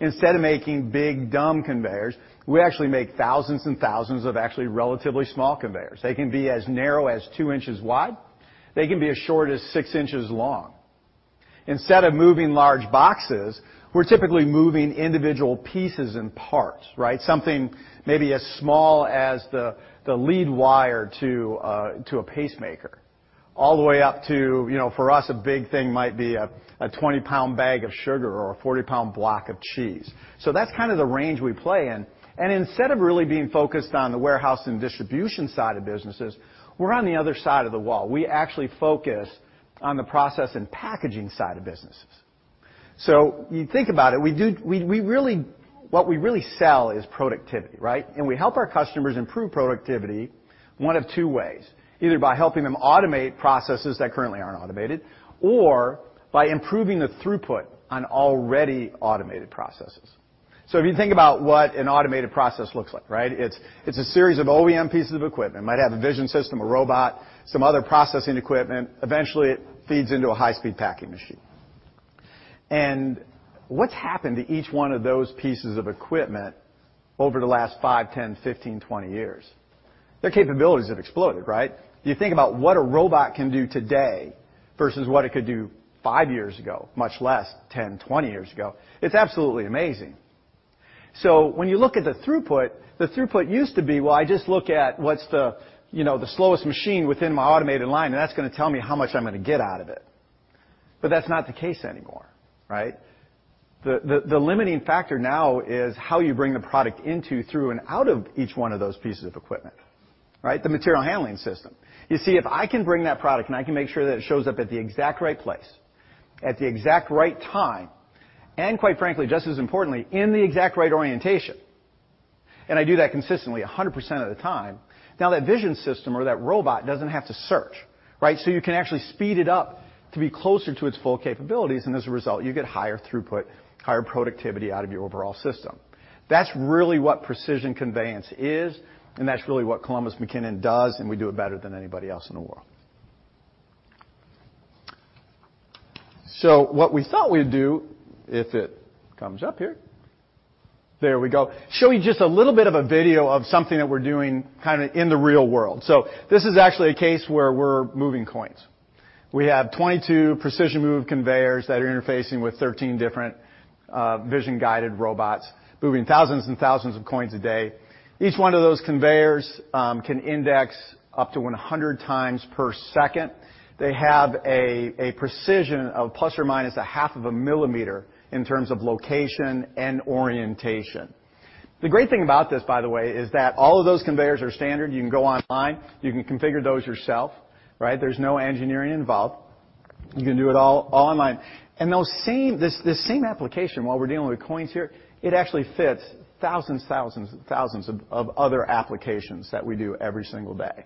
Instead of making big, dumb conveyors, we actually make thousands and thousands of actually relatively small conveyors. They can be as narrow as 2 inches wide. They can be as short as 6 inches long. Instead of moving large boxes, we're typically moving individual pieces and parts, right? Something maybe as small as the lead wire to a pacemaker, all the way up to, you know, for us, a big thing might be a 20-pound bag of sugar or a 40-pound block of cheese. That's kinda the range we play in. Instead of really being focused on the warehouse and distribution side of businesses, we're on the other side of the wall. We actually focus on the process and packaging side of businesses. You think about it, what we really sell is productivity, right? We help our customers improve productivity one of two ways, either by helping them automate processes that currently aren't automated or by improving the throughput on already automated processes. If you think about what an automated process looks like, right? It's a series of OEM pieces of equipment. Might have a vision system, a robot, some other processing equipment. Eventually, it feeds into a high-speed packing machine. What's happened to each one of those pieces of equipment over the last 5, 10, 15, 20 years? Their capabilities have exploded, right? You think about what a robot can do today versus what it could do five years ago, much less 10, 20 years ago, it's absolutely amazing. When you look at the throughput, the throughput used to be, well, I just look at what's the, you know, the slowest machine within my automated line, and that's gonna tell me how much I'm gonna get out of it. That's not the case anymore, right? The limiting factor now is how you bring the product into, through, and out of each one of those pieces of equipment, right? The material handling system. You see, if I can bring that product and I can make sure that it shows up at the exact right place, at the exact right time, and quite frankly, just as importantly, in the exact right orientation, and I do that consistently 100% of the time, now that vision system or that robot doesn't have to search, right? You can actually speed it up to be closer to its full capabilities, and as a result, you get higher throughput, higher productivity out of your overall system. That's really what Precision Conveyance is, and that's really what Columbus McKinnon does, and we do it better than anybody else in the world. What we thought we'd do, if it comes up here, there we go, show you just a little bit of a video of something that we're doing kinda in the real world. This is actually a case where we're moving coins. We have 22 precision move conveyors that are interfacing with 13 different vision-guided robots, moving thousands and thousands of coins a day. Each one of those conveyors can index up to 100x per second. They have a precision of ±0.5 millimeter in terms of location and orientation. The great thing about this, by the way, is that all of those conveyors are standard. You can go online. You can configure those yourself, right? There's no engineering involved. You can do it all online. Those same-- This same application, while we're dealing with coins here, it actually fits thousands of other applications that we do every single day.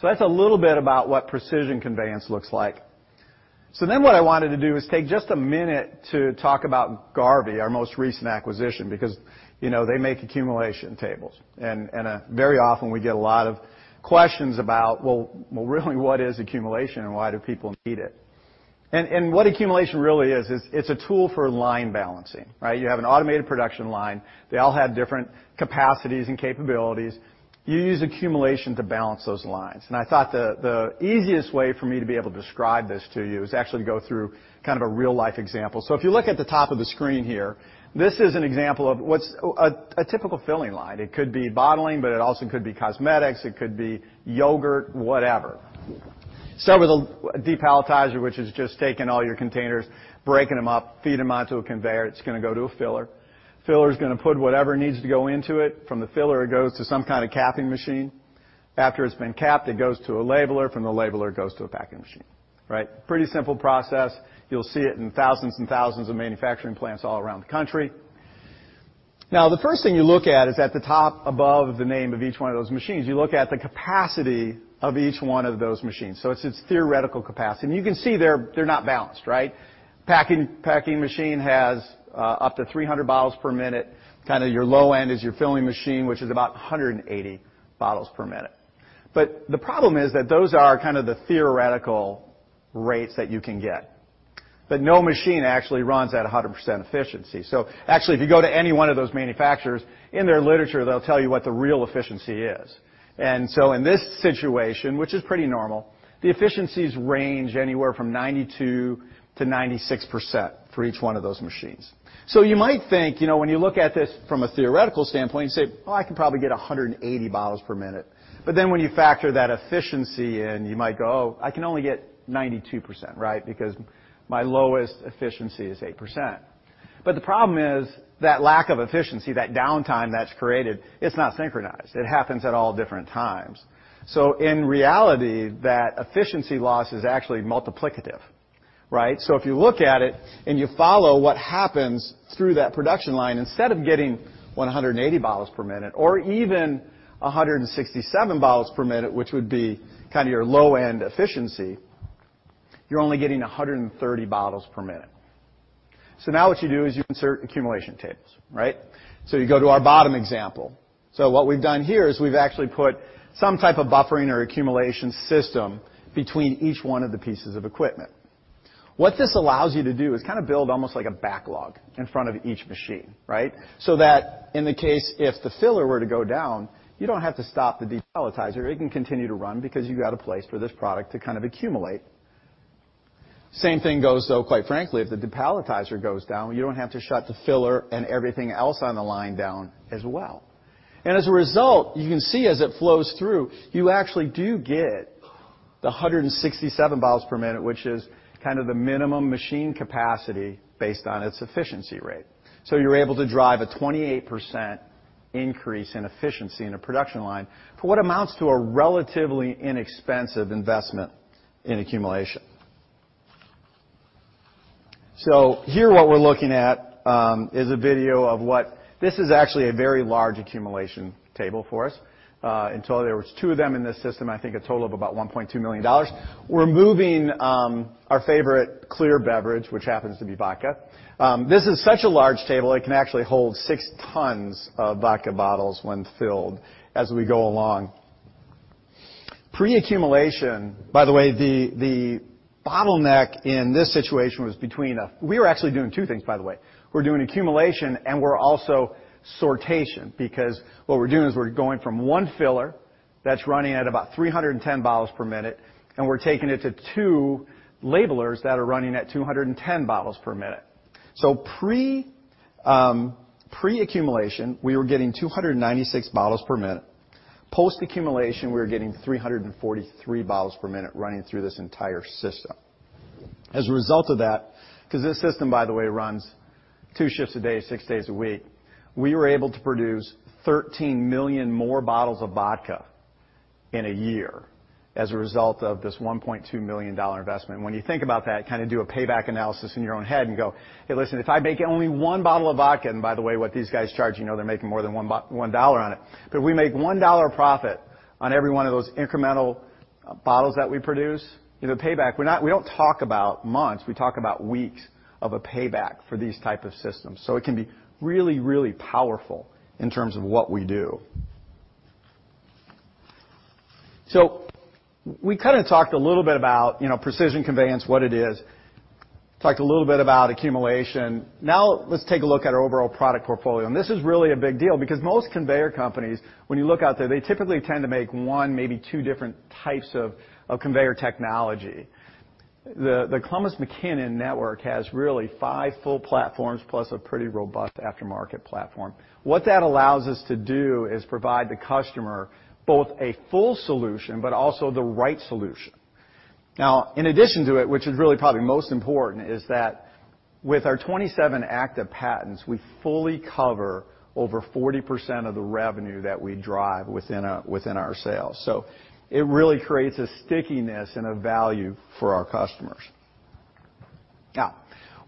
That's a little bit about what Precision Conveyance looks like. What I wanted to do is take just a minute to talk about Garvey, our most recent acquisition, because, you know, they make accumulation tables. Very often we get a lot of questions about, well, really, what is accumulation and why do people need it? What accumulation really is, it's a tool for line balancing, right? You have an automated production line. They all have different capacities and capabilities. You use accumulation to balance those lines. I thought the easiest way for me to be able to describe this to you is to actually go through kind of a real-life example. If you look at the top of the screen here, this is an example of what's a typical filling line. It could be bottling, but it also could be cosmetics, it could be yogurt, whatever. It was a depalletizer, which is just taking all your containers, breaking them up, feed them onto a conveyor. It's gonna go to a filler. Filler's gonna put whatever needs to go into it. From the filler, it goes to some kind of capping machine. After it's been capped, it goes to a labeler. From the labeler, it goes to a packing machine, right? Pretty simple process. You'll see it in thousands and thousands of manufacturing plants all around the country. The first thing you look at is at the top above the name of each one of those machines. You look at the capacity of each one of those machines. It's its theoretical capacity. You can see they're not balanced, right? Packing machine has up to 300 bottles per minute. Kinda your low end is your filling machine, which is about 180 bottles per minute. The problem is that those are kinda the theoretical rates that you can get, that no machine actually runs at 100% efficiency. Actually, if you go to any one of those manufacturers, in their literature, they'll tell you what the real efficiency is. In this situation, which is pretty normal, the efficiencies range anywhere from 92%-96% for each one of those machines. You might think, you know, when you look at this from a theoretical standpoint, you say, "Oh, I can probably get 180 bottles per minute." When you factor that efficiency in, you might go, "Oh, I can only get 92%," right? Because my lowest efficiency is 8%. The problem is that lack of efficiency, that downtime that's created, it's not synchronized. It happens at all different times. In reality, that efficiency loss is actually multiplicative, right? If you look at it and you follow what happens through that production line, instead of getting 180 bottles per minute or even 167 bottles per minute, which would be kinda your low-end efficiency. You're only getting 130 bottles per minute. Now what you do is you insert accumulation tables, right? You go to our bottom example. What we've done here is we've actually put some type of buffering or accumulation system between each one of the pieces of equipment. What this allows you to do is kind of build almost like a backlog in front of each machine, right? That in the case, if the filler were to go down, you don't have to stop the depalletizer. It can continue to run because you've got a place for this product to kind of accumulate. Same thing goes, though, quite frankly, if the depalletizer goes down, you don't have to shut the filler and everything else on the line down as well. And as a result, you can see as it flows through, you actually do get the 167 bottles per minute, which is kind of the minimum machine capacity based on its efficiency rate. You're able to drive a 28% increase in efficiency in a production line for what amounts to a relatively inexpensive investment in accumulation. Here what we're looking at is a video. This is actually a very large accumulation table for us. In total, there was two of them in this system, I think a total of about $1.2 million. We're moving our favorite clear beverage, which happens to be vodka. This is such a large table, it can actually hold 6 tons of vodka bottles when filled as we go along. Pre-accumulation. By the way, the bottleneck in this situation was between a. We were actually doing two things, by the way. We're doing accumulation, and we're also sortation because what we're doing is we're going from one filler that's running at about 300 bottles per minute, and we're taking it to two labelers that are running at 200 bottles per minute. Pre-accumulation, we were getting 296 bottles per minute. Post-accumulation, we were getting 343 bottles per minute running through this entire system. As a result of that, because this system, by the way, runs two shifts a day, six days a week, we were able to produce 13 million more bottles of vodka in a year as a result of this $1.2 million investment. When you think about that, kind of do a payback analysis in your own head and go, "Hey, listen, if I make only one bottle of vodka," and by the way, what these guys charge, you know, they're making more than $1 on it. If we make $1 profit on every one of those incremental bottles that we produce, you know, payback, we don't talk about months, we talk about weeks of a payback for these type of systems. It can be really, really powerful in terms of what we do. We kind of talked a little bit about, you know, Precision Conveyance, what it is. Talked a little bit about accumulation. Now let's take a look at our overall product portfolio. This is really a big deal because most conveyor companies, when you look out there, they typically tend to make one, maybe two different types of conveyor technology. The Columbus McKinnon network has really five full platforms, plus a pretty robust aftermarket platform. What that allows us to do is provide the customer both a full solution but also the right solution. Now, in addition to it, which is really probably most important, is that with our 27 active patents, we fully cover over 40% of the revenue that we drive within our sales. It really creates a stickiness and a value for our customers. Now,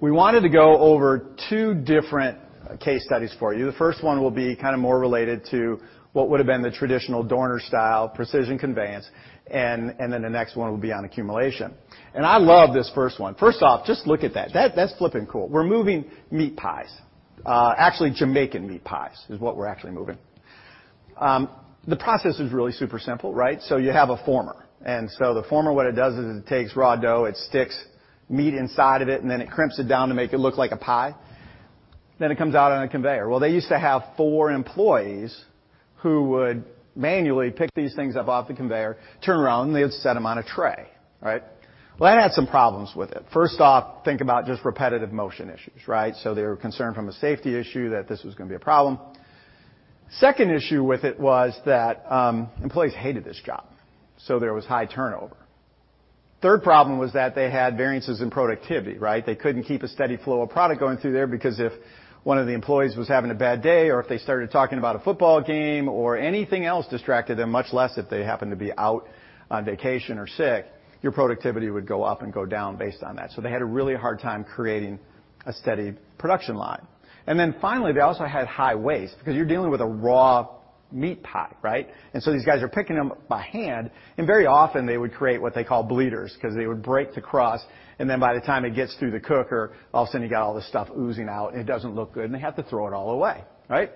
we wanted to go over two different case studies for you. The first one will be kind of more related to what would have been the traditional Dorner style Precision Conveyance, and then the next one will be on accumulation. I love this first one. First off, just look at that. That's flipping cool. We're moving meat pies. Actually Jamaican meat pies is what we're actually moving. The process is really super simple, right? You have a former. The former, what it does is it takes raw dough, it sticks meat inside of it, and then it crimps it down to make it look like a pie. Then it comes out on a conveyor. Well, they used to have four employees who would manually pick these things up off the conveyor, turn around, and they would set them on a tray, right? Well, that had some problems with it. First off, think about just repetitive motion issues, right? They were concerned from a safety issue that this was gonna be a problem. Second issue with it was that, employees hated this job, so there was high turnover. Third problem was that they had variances in productivity, right? They couldn't keep a steady flow of product going through there because if one of the employees was having a bad day or if they started talking about a football game or anything else distracted them, much less if they happened to be out on vacation or sick, your productivity would go up and go down based on that. They had a really hard time creating a steady production line. Then finally, they also had high waste because you're dealing with a raw meat pie, right? These guys are picking them up by hand, and very often they would create what they call bleeders 'cause they would break the crust, and then by the time it gets through the cooker, all of a sudden you got all this stuff oozing out, and it doesn't look good, and they have to throw it all away, right?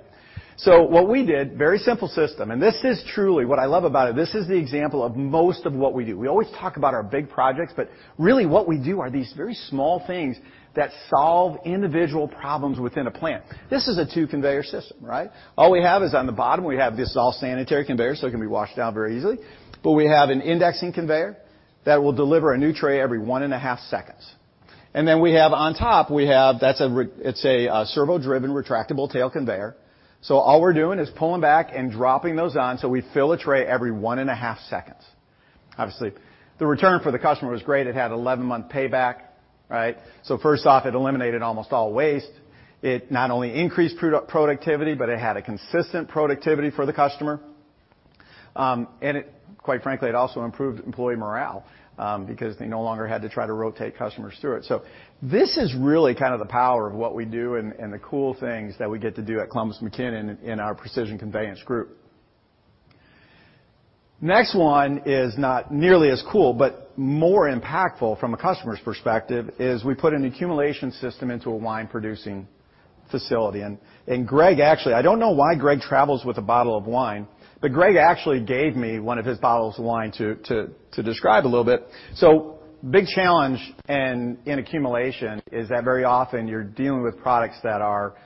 What we did, very simple system, and this is truly what I love about it. This is the example of most of what we do. We always talk about our big projects, but really what we do are these very small things that solve individual problems within a plant. This is a two-conveyor system, right? All we have is on the bottom, we have this all-sanitary conveyor, so it can be washed down very easily. We have an indexing conveyor that will deliver a new tray every 1.5 seconds. Then we have on top that's a servo-driven retractable tail conveyor. All we're doing is pulling back and dropping those on, so we fill a tray every 1.5 seconds. Obviously, the return for the customer was great. It had 11-month payback, right? First off, it eliminated almost all waste. It not only increased productivity, but it had a consistent productivity for the customer. It, quite frankly, also improved employee morale because they no longer had to try to rotate customers through it. This is really kind of the power of what we do and the cool things that we get to do at Columbus McKinnon in our Precision Conveyance group. Next one is not nearly as cool, but more impactful from a customer's perspective, is we put an accumulation system into a wine-producing facility. Greg, actually. I don't know why Greg travels with a bottle of wine, but Greg actually gave me one of his bottles of wine to describe a little bit. Big challenge in accumulation is that very often you're dealing with products that are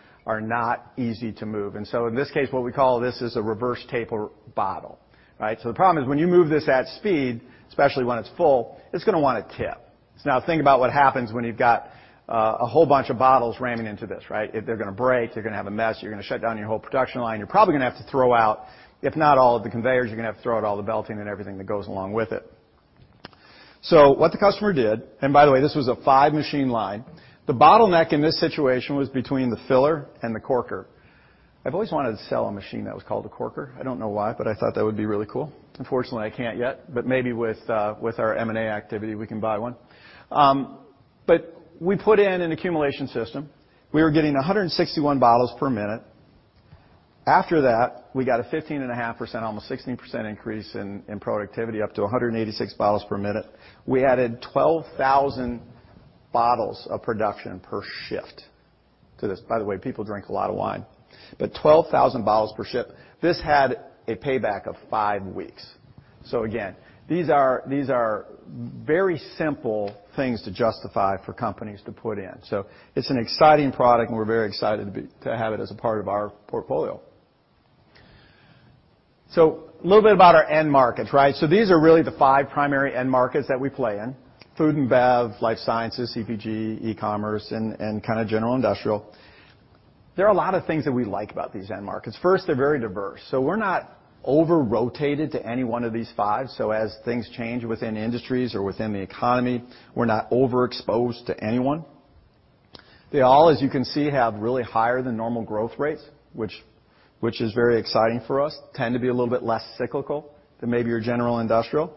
not easy to move. In this case, what we call this is a reverse taper bottle, right? The problem is, when you move this at speed, especially when it's full, it's gonna wanna tip. Now think about what happens when you've got a whole bunch of bottles ramming into this, right? They're gonna break, you're gonna have a mess, you're gonna shut down your whole production line. You're probably gonna have to throw out, if not all of the conveyors, you're gonna have to throw out all the belting and everything that goes along with it. What the customer did. By the way, this was a five-machine line. The bottleneck in this situation was between the filler and the corker. I've always wanted to sell a machine that was called a corker. I don't know why, but I thought that would be really cool. Unfortunately, I can't yet, but maybe with our M&A activity, we can buy one. We put in an accumulation system. We were getting 161 bottles per minute. After that, we got a 15.5%, almost 16% increase in productivity, up to 186 bottles per minute. We added 12,000 bottles of production per shift to this. By the way, people drink a lot of wine. 12,000 bottles per shift. This had a payback of five weeks. These are very simple things to justify for companies to put in. It's an exciting product, and we're very excited to have it as a part of our portfolio. A little bit about our end markets, right? These are really the five primary end markets that we play in: food and bev, life sciences, CPG, e-commerce, and kinda general industrial. There are a lot of things that we like about these end markets. First, they're very diverse, so we're not over-rotated to any one of these five. As things change within industries or within the economy, we're not overexposed to any one. They all, as you can see, have really higher than normal growth rates, which is very exciting for us, tend to be a little bit less cyclical than maybe your general industrial.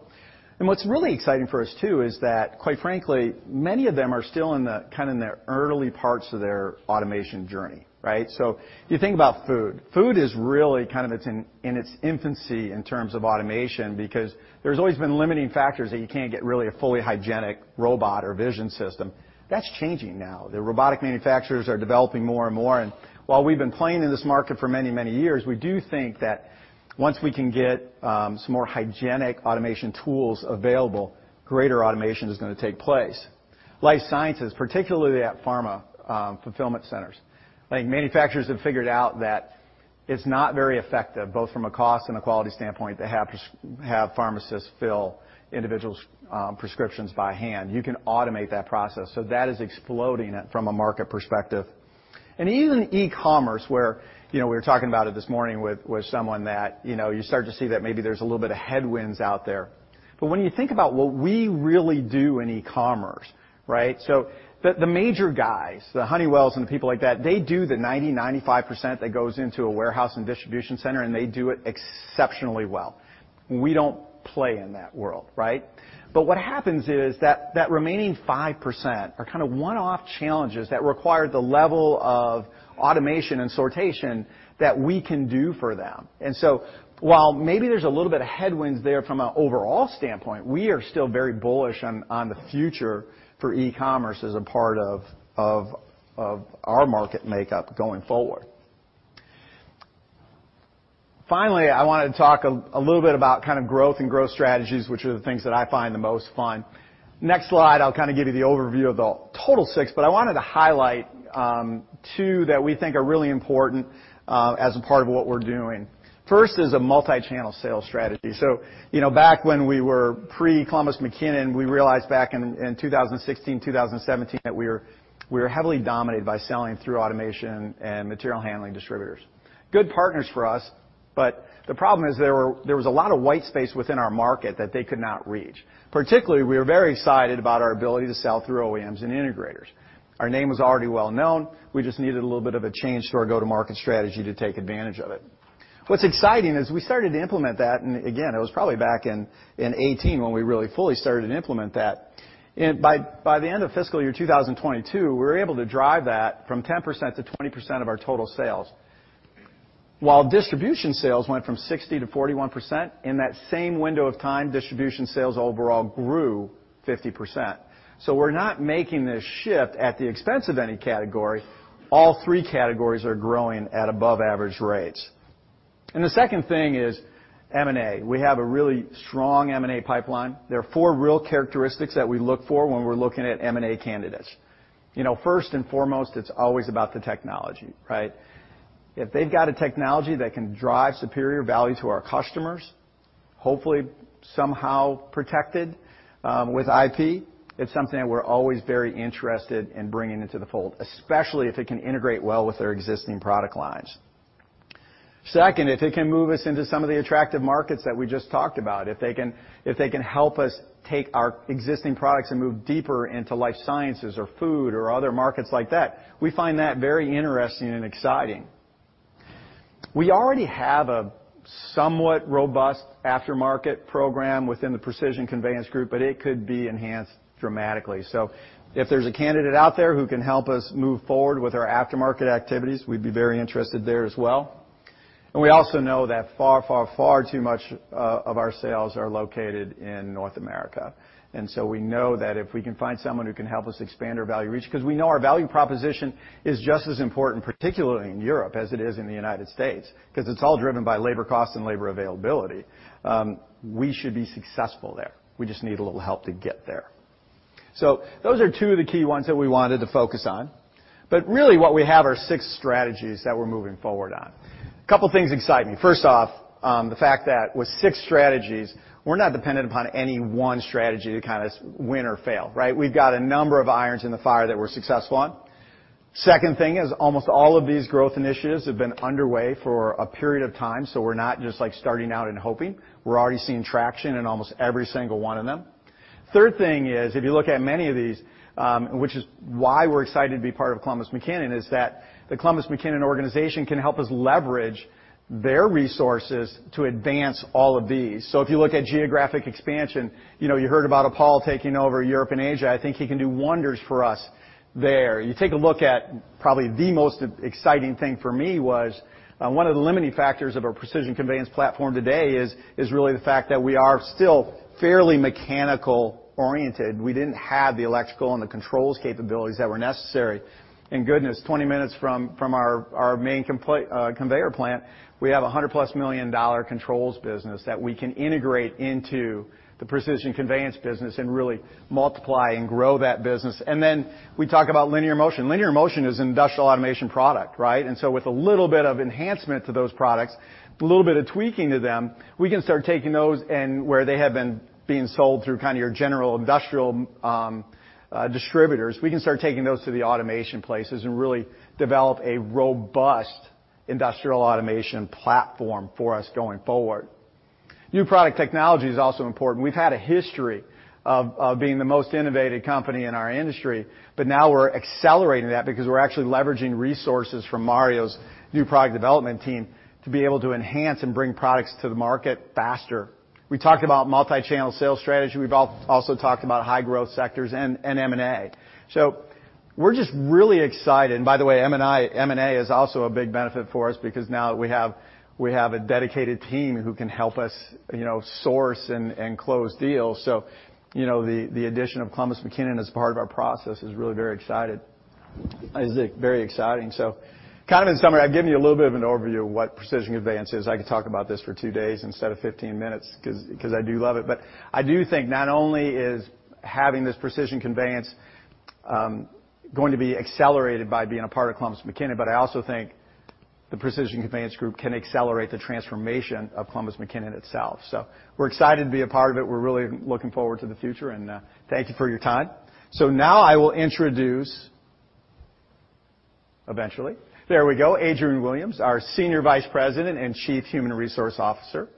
What's really exciting for us too is that, quite frankly, many of them are still in the, kinda in the early parts of their automation journey, right? You think about food. Food is really kind of it's in its infancy in terms of automation, because there's always been limiting factors that you can't get really a fully hygienic robot or vision system. That's changing now. The robotic manufacturers are developing more and more, and while we've been playing in this market for many, many years, we do think that once we can get some more hygienic automation tools available, greater automation is gonna take place. Life sciences, particularly at pharma, fulfillment centers. Like manufacturers have figured out that it's not very effective, both from a cost and a quality standpoint, to have pharmacists fill individuals prescriptions by hand. You can automate that process, so that is exploding at it from a market perspective. Even e-commerce, where, you know, we were talking about it this morning with someone that, you know, you start to see that maybe there's a little bit of headwinds out there. But when you think about what we really do in e-commerce, right? The major guys, the Honeywells and people like that, they do the 95% that goes into a warehouse and distribution center, and they do it exceptionally well. We don't play in that world, right? What happens is that remaining 5% are kinda one-off challenges that require the level of automation and sortation that we can do for them. While maybe there's a little bit of headwinds there from an overall standpoint, we are still very bullish on the future for e-commerce as a part of our market makeup going forward. Finally, I wanted to talk a little bit about kind of growth and growth strategies, which are the things that I find the most fun. Next slide, I'll kinda give you the overview of the total six, but I wanted to highlight two that we think are really important as a part of what we're doing. First is a multi-channel sales strategy. You know, back when we were pre-Columbus McKinnon, we realized back in 2016, 2017, that we were heavily dominated by selling through automation and material handling distributors. Good partners for us, but the problem is there was a lot of white space within our market that they could not reach. Particularly, we were very excited about our ability to sell through OEMs and integrators. Our name was already well-known. We just needed a little bit of a change to our go-to-market strategy to take advantage of it. What's exciting is we started to implement that, and again, it was probably back in 2018 when we really fully started to implement that. By the end of fiscal year 2022, we were able to drive that from 10% to 20% of our total sales. While distribution sales went from 60% to 41%, in that same window of time, distribution sales overall grew 50%. We're not making this shift at the expense of any category. All three categories are growing at above average rates. The second thing is M&A. We have a really strong M&A pipeline. There are four real characteristics that we look for when we're looking at M&A candidates. You know, first and foremost, it's always about the technology, right? If they've got a technology that can drive superior value to our customers, hopefully somehow protected, with IP, it's something that we're always very interested in bringing into the fold, especially if it can integrate well with our existing product lines. Second, if it can move us into some of the attractive markets that we just talked about. If they can help us take our existing products and move deeper into life sciences or food or other markets like that, we find that very interesting and exciting. We already have a somewhat robust aftermarket program within the Precision Conveyance group, but it could be enhanced dramatically. If there's a candidate out there who can help us move forward with our aftermarket activities, we'd be very interested there as well. We also know that far too much of our sales are located in North America. We know that if we can find someone who can help us expand our value reach, 'cause we know our value proposition is just as important, particularly in Europe, as it is in the United States, 'cause it's all driven by labor cost and labor availability, we should be successful there. We just need a little help to get there. Those are two of the key ones that we wanted to focus on. Really what we have are six strategies that we're moving forward on. A couple things excite me. First off, the fact that with six strategies, we're not dependent upon any one strategy to win or fail, right? We've got a number of irons in the fire that we're successful on. Second thing is almost all of these growth initiatives have been underway for a period of time, so we're not just, like, starting out and hoping. We're already seeing traction in almost every single one of them. Third thing is, if you look at many of these, which is why we're excited to be part of Columbus McKinnon, is that the Columbus McKinnon organization can help us leverage their resources to advance all of these. If you look at geographic expansion, you know, you heard about Appal taking over Europe and Asia. I think he can do wonders for us there. You take a look at probably the most exciting thing for me was, one of the limiting factors of our Precision Conveyance platform today is really the fact that we are still fairly mechanical-oriented. We didn't have the electrical and the controls capabilities that were necessary. Goodness, 20 minutes from our main conveyor plant, we have a $100 million+ controls business that we can integrate into the Precision Conveyance business and really multiply and grow that business. Then we talk about linear motion. Linear motion is an industrial automation product, right? With a little bit of enhancement to those products, with a little bit of tweaking to them, we can start taking those and where they have been being sold through kinda your general industrial, distributors, we can start taking those to the automation places and really develop a robust industrial automation platform for us going forward. New product technology is also important. We've had a history of being the most innovative company in our industry, but now we're accelerating that because we're actually leveraging resources from Mario's new product development team to be able to enhance and bring products to the market faster. We talked about multi-channel sales strategy. We've also talked about high-growth sectors and M&A. We're just really excited. By the way, M&A is also a big benefit for us because now we have a dedicated team who can help us, you know, source and close deals. You know, the addition of Columbus McKinnon as part of our process is really very exciting. Kind of in summary, I've given you a little bit of an overview of what Precision Conveyance is. I could talk about this for two days instead of 15 minutes 'cause I do love it. I do think not only is having this Precision Conveyance going to be accelerated by being a part of Columbus McKinnon, but I also think the Precision Conveyance group can accelerate the transformation of Columbus McKinnon itself. We're excited to be a part of it. We're really looking forward to the future, and thank you for your time. Now I will introduce. There we go, Adrienne Williams, our Senior Vice President and Chief Human Resource Officer.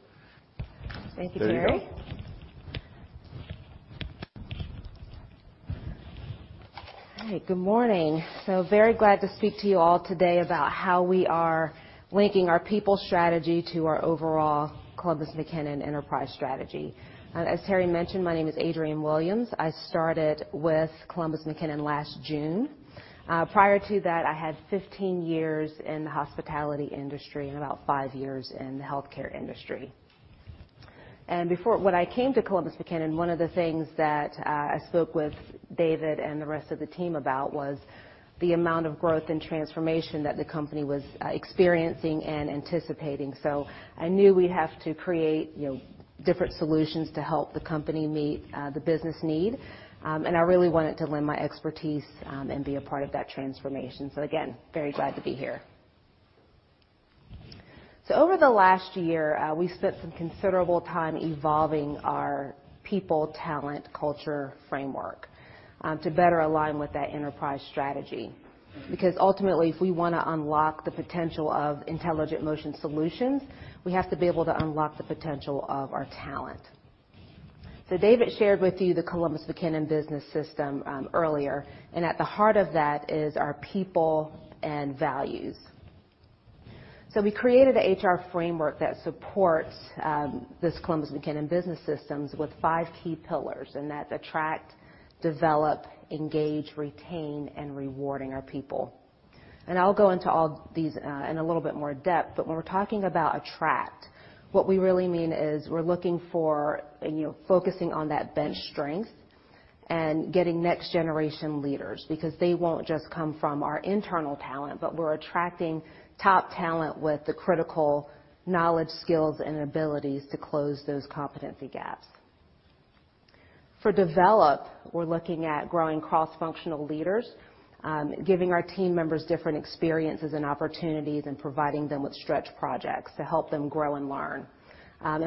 There you go. Thank you, Terry. Hey, good morning. Very glad to speak to you all today about how we are linking our people strategy to our overall Columbus McKinnon enterprise strategy. As Terry mentioned, my name is Adrienne Williams. I started with Columbus McKinnon last June. Prior to that, I had 15 years in the hospitality industry and about five years in the healthcare industry. When I came to Columbus McKinnon, one of the things that I spoke with David and the rest of the team about was the amount of growth and transformation that the company was experiencing and anticipating. I knew we'd have to create, you know, different solutions to help the company meet the business need, and I really wanted to lend my expertise and be a part of that transformation. Again, very glad to be here. Over the last year, we've spent some considerable time evolving our people, talent, culture framework to better align with that enterprise strategy. Because ultimately, if we wanna unlock the potential of intelligent motion solutions, we have to be able to unlock the potential of our talent. David shared with you the Columbus McKinnon business system earlier, and at the heart of that is our people and values. We created the HR framework that supports this Columbus McKinnon business systems with five key pillars, and that's attract, develop, engage, retain, and rewarding our people. I'll go into all these in a little bit more depth, but when we're talking about attract, what we really mean is we're looking for, you know, focusing on that bench strength and getting next-generation leaders, because they won't just come from our internal talent, but we're attracting top talent with the critical knowledge, skills, and abilities to close those competency gaps. For develop, we're looking at growing cross-functional leaders, giving our team members different experiences and opportunities, and providing them with stretch projects to help them grow and learn.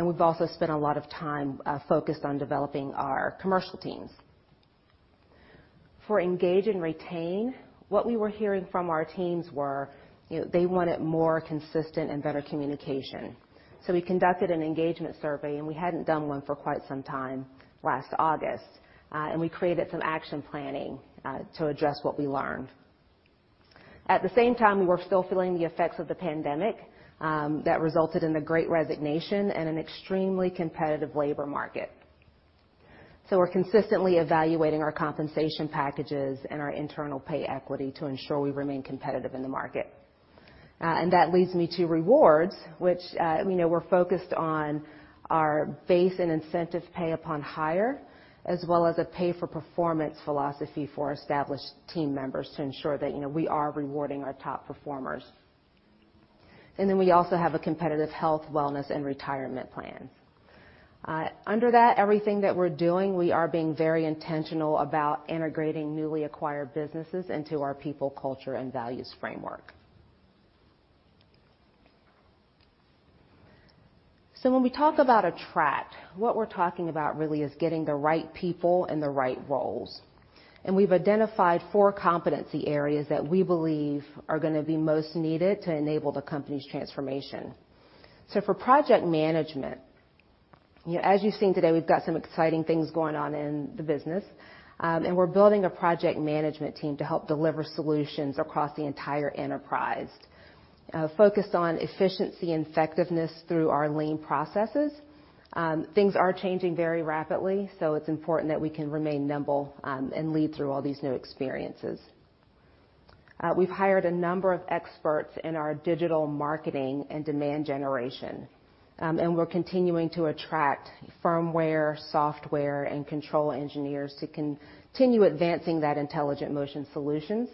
We've also spent a lot of time focused on developing our commercial teams. For engage and retain, what we were hearing from our teams were, you know, they wanted more consistent and better communication. We conducted an engagement survey, and we hadn't done one for quite some time, last August. We created some action planning to address what we learned. At the same time, we're still feeling the effects of the pandemic that resulted in the great resignation and an extremely competitive labor market. We're consistently evaluating our compensation packages and our internal pay equity to ensure we remain competitive in the market. That leads me to rewards, which, you know, we're focused on our base and incentive pay upon hire, as well as a pay-for-performance philosophy for established team members to ensure that, you know, we are rewarding our top performers. We also have a competitive health, wellness, and retirement plan. Under that, everything that we're doing, we are being very intentional about integrating newly acquired businesses into our people, culture, and values framework. When we talk about attract, what we're talking about really is getting the right people in the right roles. We've identified four competency areas that we believe are gonna be most needed to enable the company's transformation. For project management, you know, as you've seen today, we've got some exciting things going on in the business, and we're building a project management team to help deliver solutions across the entire enterprise. Focused on efficiency and effectiveness through our lean processes. Things are changing very rapidly, so it's important that we can remain nimble, and lead through all these new experiences. We've hired a number of experts in our digital marketing and demand generation, and we're continuing to attract firmware, software, and control engineers to continue advancing that intelligent motion solutions.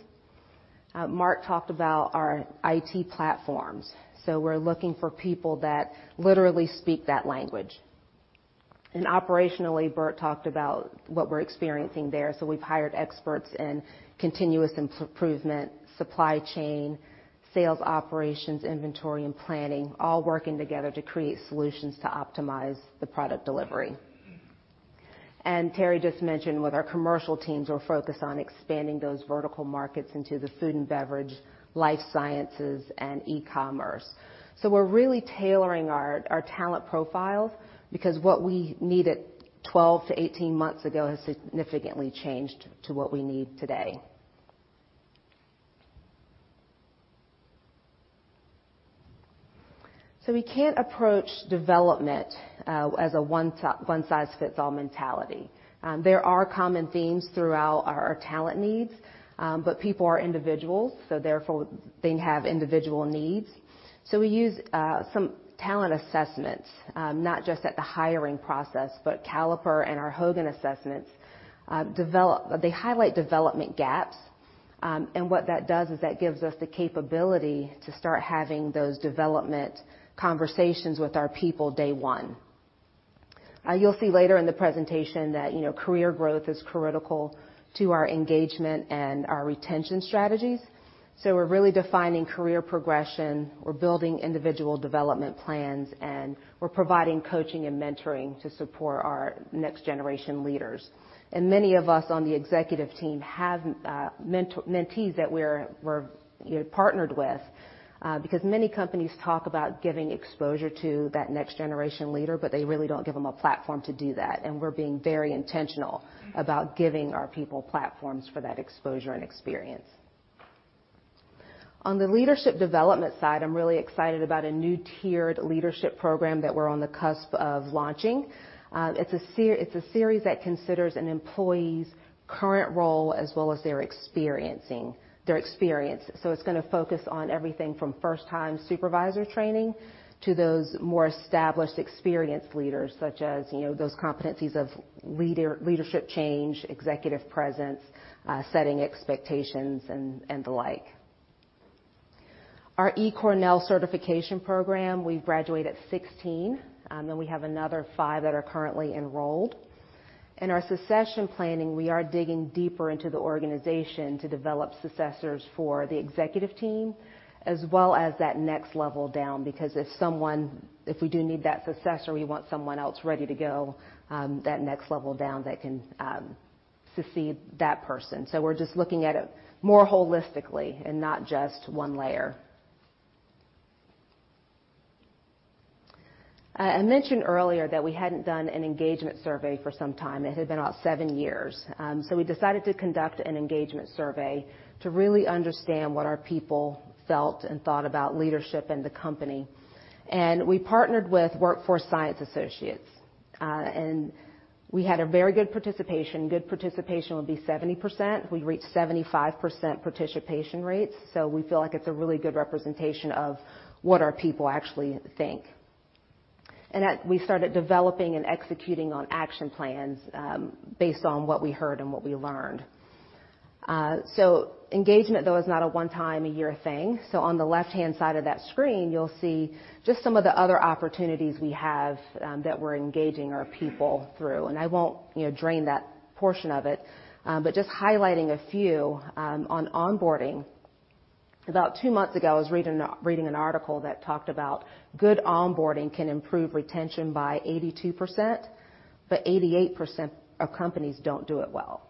Mark talked about our IT platforms, so we're looking for people that literally speak that language. Operationally, Bert talked about what we're experiencing there, so we've hired experts in continuous improvement, supply chain, sales operations, inventory and planning, all working together to create solutions to optimize the product delivery. Terry just mentioned with our commercial teams, we're focused on expanding those vertical markets into the food and beverage, life sciences, and e-commerce. We're really tailoring our talent profiles because what we needed 12-18 months ago has significantly changed to what we need today. We can't approach development as a one-size-fits-all mentality. There are common themes throughout our talent needs, but people are individuals, so therefore they have individual needs. We use some talent assessments, not just at the hiring process, but Caliper and our Hogan assessments, they highlight development gaps. What that does is that gives us the capability to start having those development conversations with our people day one. You'll see later in the presentation that, you know, career growth is critical to our engagement and our retention strategies. We're really defining career progression, we're building individual development plans, and we're providing coaching and mentoring to support our next-generation leaders. Many of us on the executive team have mentees that we're you know partnered with, because many companies talk about giving exposure to that next generation leader, but they really don't give them a platform to do that. We're being very intentional about giving our people platforms for that exposure and experience. On the leadership development side, I'm really excited about a new tiered leadership program that we're on the cusp of launching. It's a series that considers an employee's current role as well as their experience. It's gonna focus on everything from first-time supervisor training to those more established experienced leaders, such as, you know, those competencies of leadership change, executive presence, setting expectations, and the like. Our eCornell certification program, we've graduated 16, and we have another five that are currently enrolled. In our succession planning, we are digging deeper into the organization to develop successors for the executive team as well as that next level down, because if we do need that successor, we want someone else ready to go, that next level down that can succeed that person. We're just looking at it more holistically and not just one layer. I mentioned earlier that we hadn't done an engagement survey for some time. It had been about seven years. We decided to conduct an engagement survey to really understand what our people felt and thought about leadership and the company. We partnered with Workforce Science Associates, and we had a very good participation. Good participation would be 70%. We reached 75% participation rates, so we feel like it's a really good representation of what our people actually think. We started developing and executing on action plans based on what we heard and what we learned. Engagement, though, is not a one-time-a-year thing. On the left-hand side of that screen, you'll see just some of the other opportunities we have that we're engaging our people through. I won't, you know, dwell on that portion of it, but just highlighting a few, on onboarding. About two months ago, I was reading an article that talked about good onboarding can improve retention by 82%, but 88% of companies don't do it well.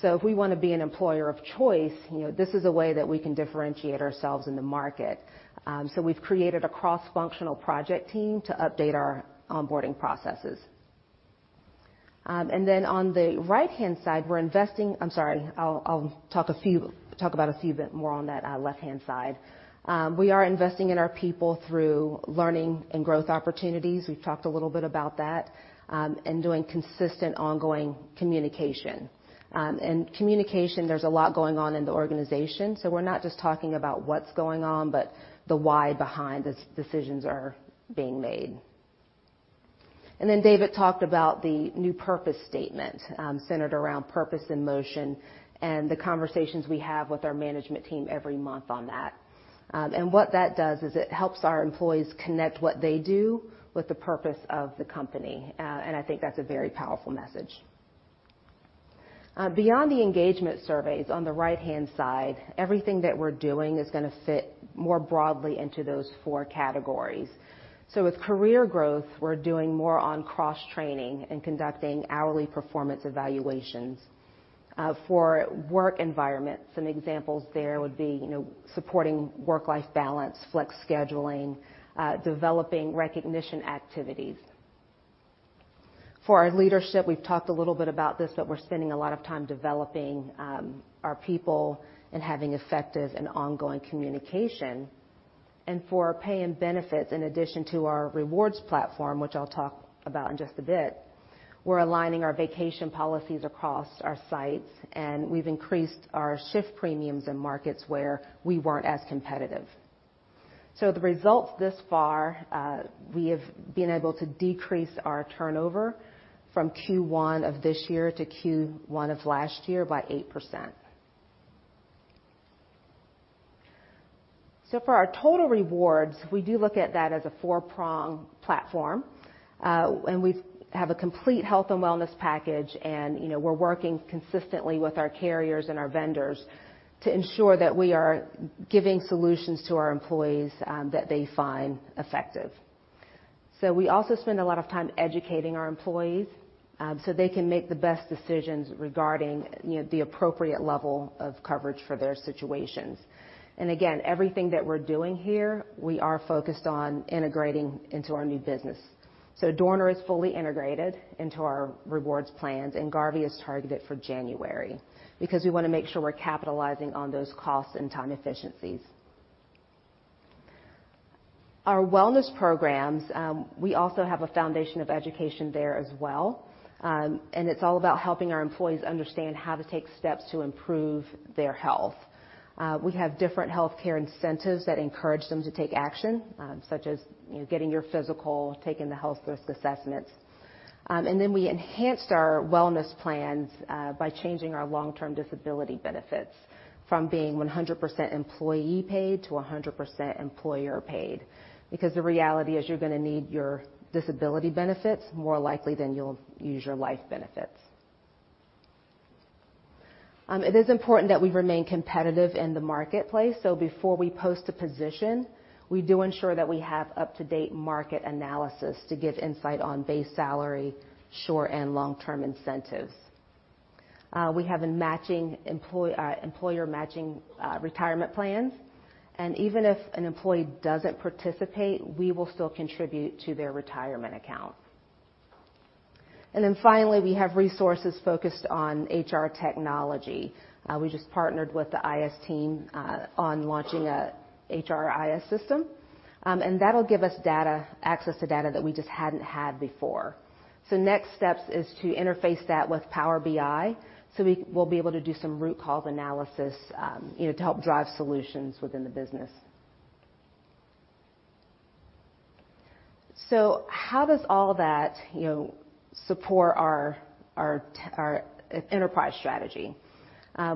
If we wanna be an employer of choice, you know, this is a way that we can differentiate ourselves in the market. We've created a cross-functional project team to update our onboarding processes. I'm sorry, I'll talk about a bit more on that left-hand side. We are investing in our people through learning and growth opportunities. We've talked a little bit about that, and doing consistent ongoing communication. Communication, there's a lot going on in the organization, so we're not just talking about what's going on, but the why behind decisions are being made. David talked about the new purpose statement, centered around purpose and motion, and the conversations we have with our management team every month on that. What that does is it helps our employees connect what they do with the purpose of the company. I think that's a very powerful message. Beyond the engagement surveys on the right-hand side, everything that we're doing is gonna fit more broadly into those four categories. With career growth, we're doing more on cross-training and conducting hourly performance evaluations. For work environment, some examples there would be, you know, supporting work-life balance, flex scheduling, developing recognition activities. For our leadership, we've talked a little bit about this, but we're spending a lot of time developing our people and having effective and ongoing communication. For our pay and benefits, in addition to our rewards platform, which I'll talk about in just a bit, we're aligning our vacation policies across our sites, and we've increased our shift premiums in markets where we weren't as competitive. The results thus far, we have been able to decrease our turnover from Q1 of this year to Q1 of last year by 8%. For our total rewards, we do look at that as a four-prong platform. We have a complete health and wellness package and, you know, we're working consistently with our carriers and our vendors to ensure that we are giving solutions to our employees, that they find effective. We also spend a lot of time educating our employees, so they can make the best decisions regarding, you know, the appropriate level of coverage for their situations. Again, everything that we're doing here, we are focused on integrating into our new business. Dorner is fully integrated into our rewards plans, and Garvey is targeted for January because we wanna make sure we're capitalizing on those costs and time efficiencies. Our wellness programs, we also have a foundation of education there as well. It's all about helping our employees understand how to take steps to improve their health. We have different healthcare incentives that encourage them to take action, such as, you know, getting your physical, taking the health risk assessments. We enhanced our wellness plans by changing our long-term disability benefits from being 100% employee-paid to 100% employer-paid because the reality is you're gonna need your disability benefits more likely than you'll use your life benefits. It is important that we remain competitive in the marketplace, so before we post a position, we do ensure that we have up-to-date market analysis to give insight on base salary, short- and long-term incentives. We have a matching employer-matching retirement plans, and even if an employee doesn't participate, we will still contribute to their retirement account. Finally, we have resources focused on HR technology. We just partnered with the IS team on launching a HRIS system. That'll give us access to data that we just hadn't had before. Next steps is to interface that with Power BI, so we will be able to do some root cause analysis, you know, to help drive solutions within the business. How does all that, you know, support our enterprise strategy?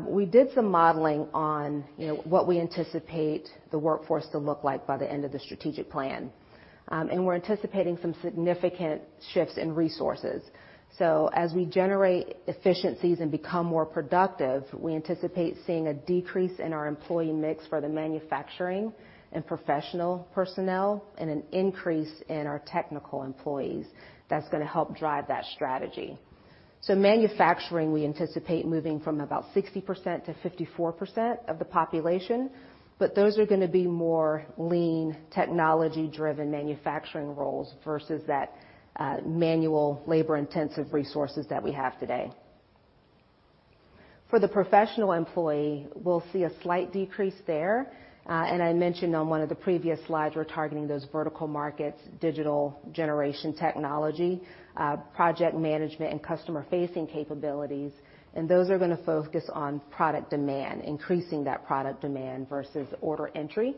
We did some modeling on, you know, what we anticipate the workforce to look like by the end of the strategic plan. We're anticipating some significant shifts in resources. As we generate efficiencies and become more productive, we anticipate seeing a decrease in our employee mix for the manufacturing and professional personnel and an increase in our technical employees that's gonna help drive that strategy. Manufacturing, we anticipate moving from about 60% to 54% of the population, but those are gonna be more lean, technology-driven manufacturing roles versus that, manual, labor-intensive resources that we have today. For the professional employee, we'll see a slight decrease there. I mentioned on one of the previous slides, we're targeting those vertical markets, digital generation technology, project management and customer-facing capabilities, and those are gonna focus on product demand, increasing that product demand versus order entry.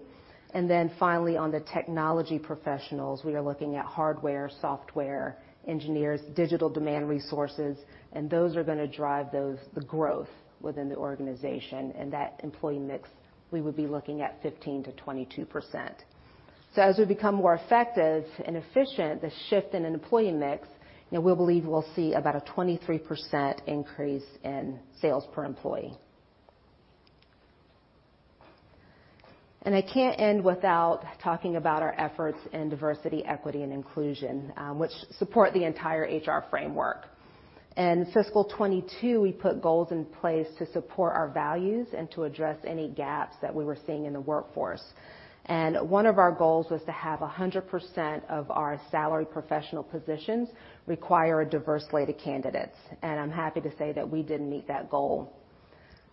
Then finally, on the technology professionals, we are looking at hardware, software, engineers, digital demand resources, and those are gonna drive those, the growth within the organization and that employee mix we would be looking at 15%-22%. As we become more effective and efficient, the shift in an employee mix, you know, we believe we'll see about a 23% increase in sales per employee. I can't end without talking about our efforts in diversity, equity, and inclusion, which support the entire HR framework. In fiscal 2022, we put goals in place to support our values and to address any gaps that we were seeing in the workforce. One of our goals was to have 100% of our salary professional positions require diverse slated candidates. I'm happy to say that we did meet that goal.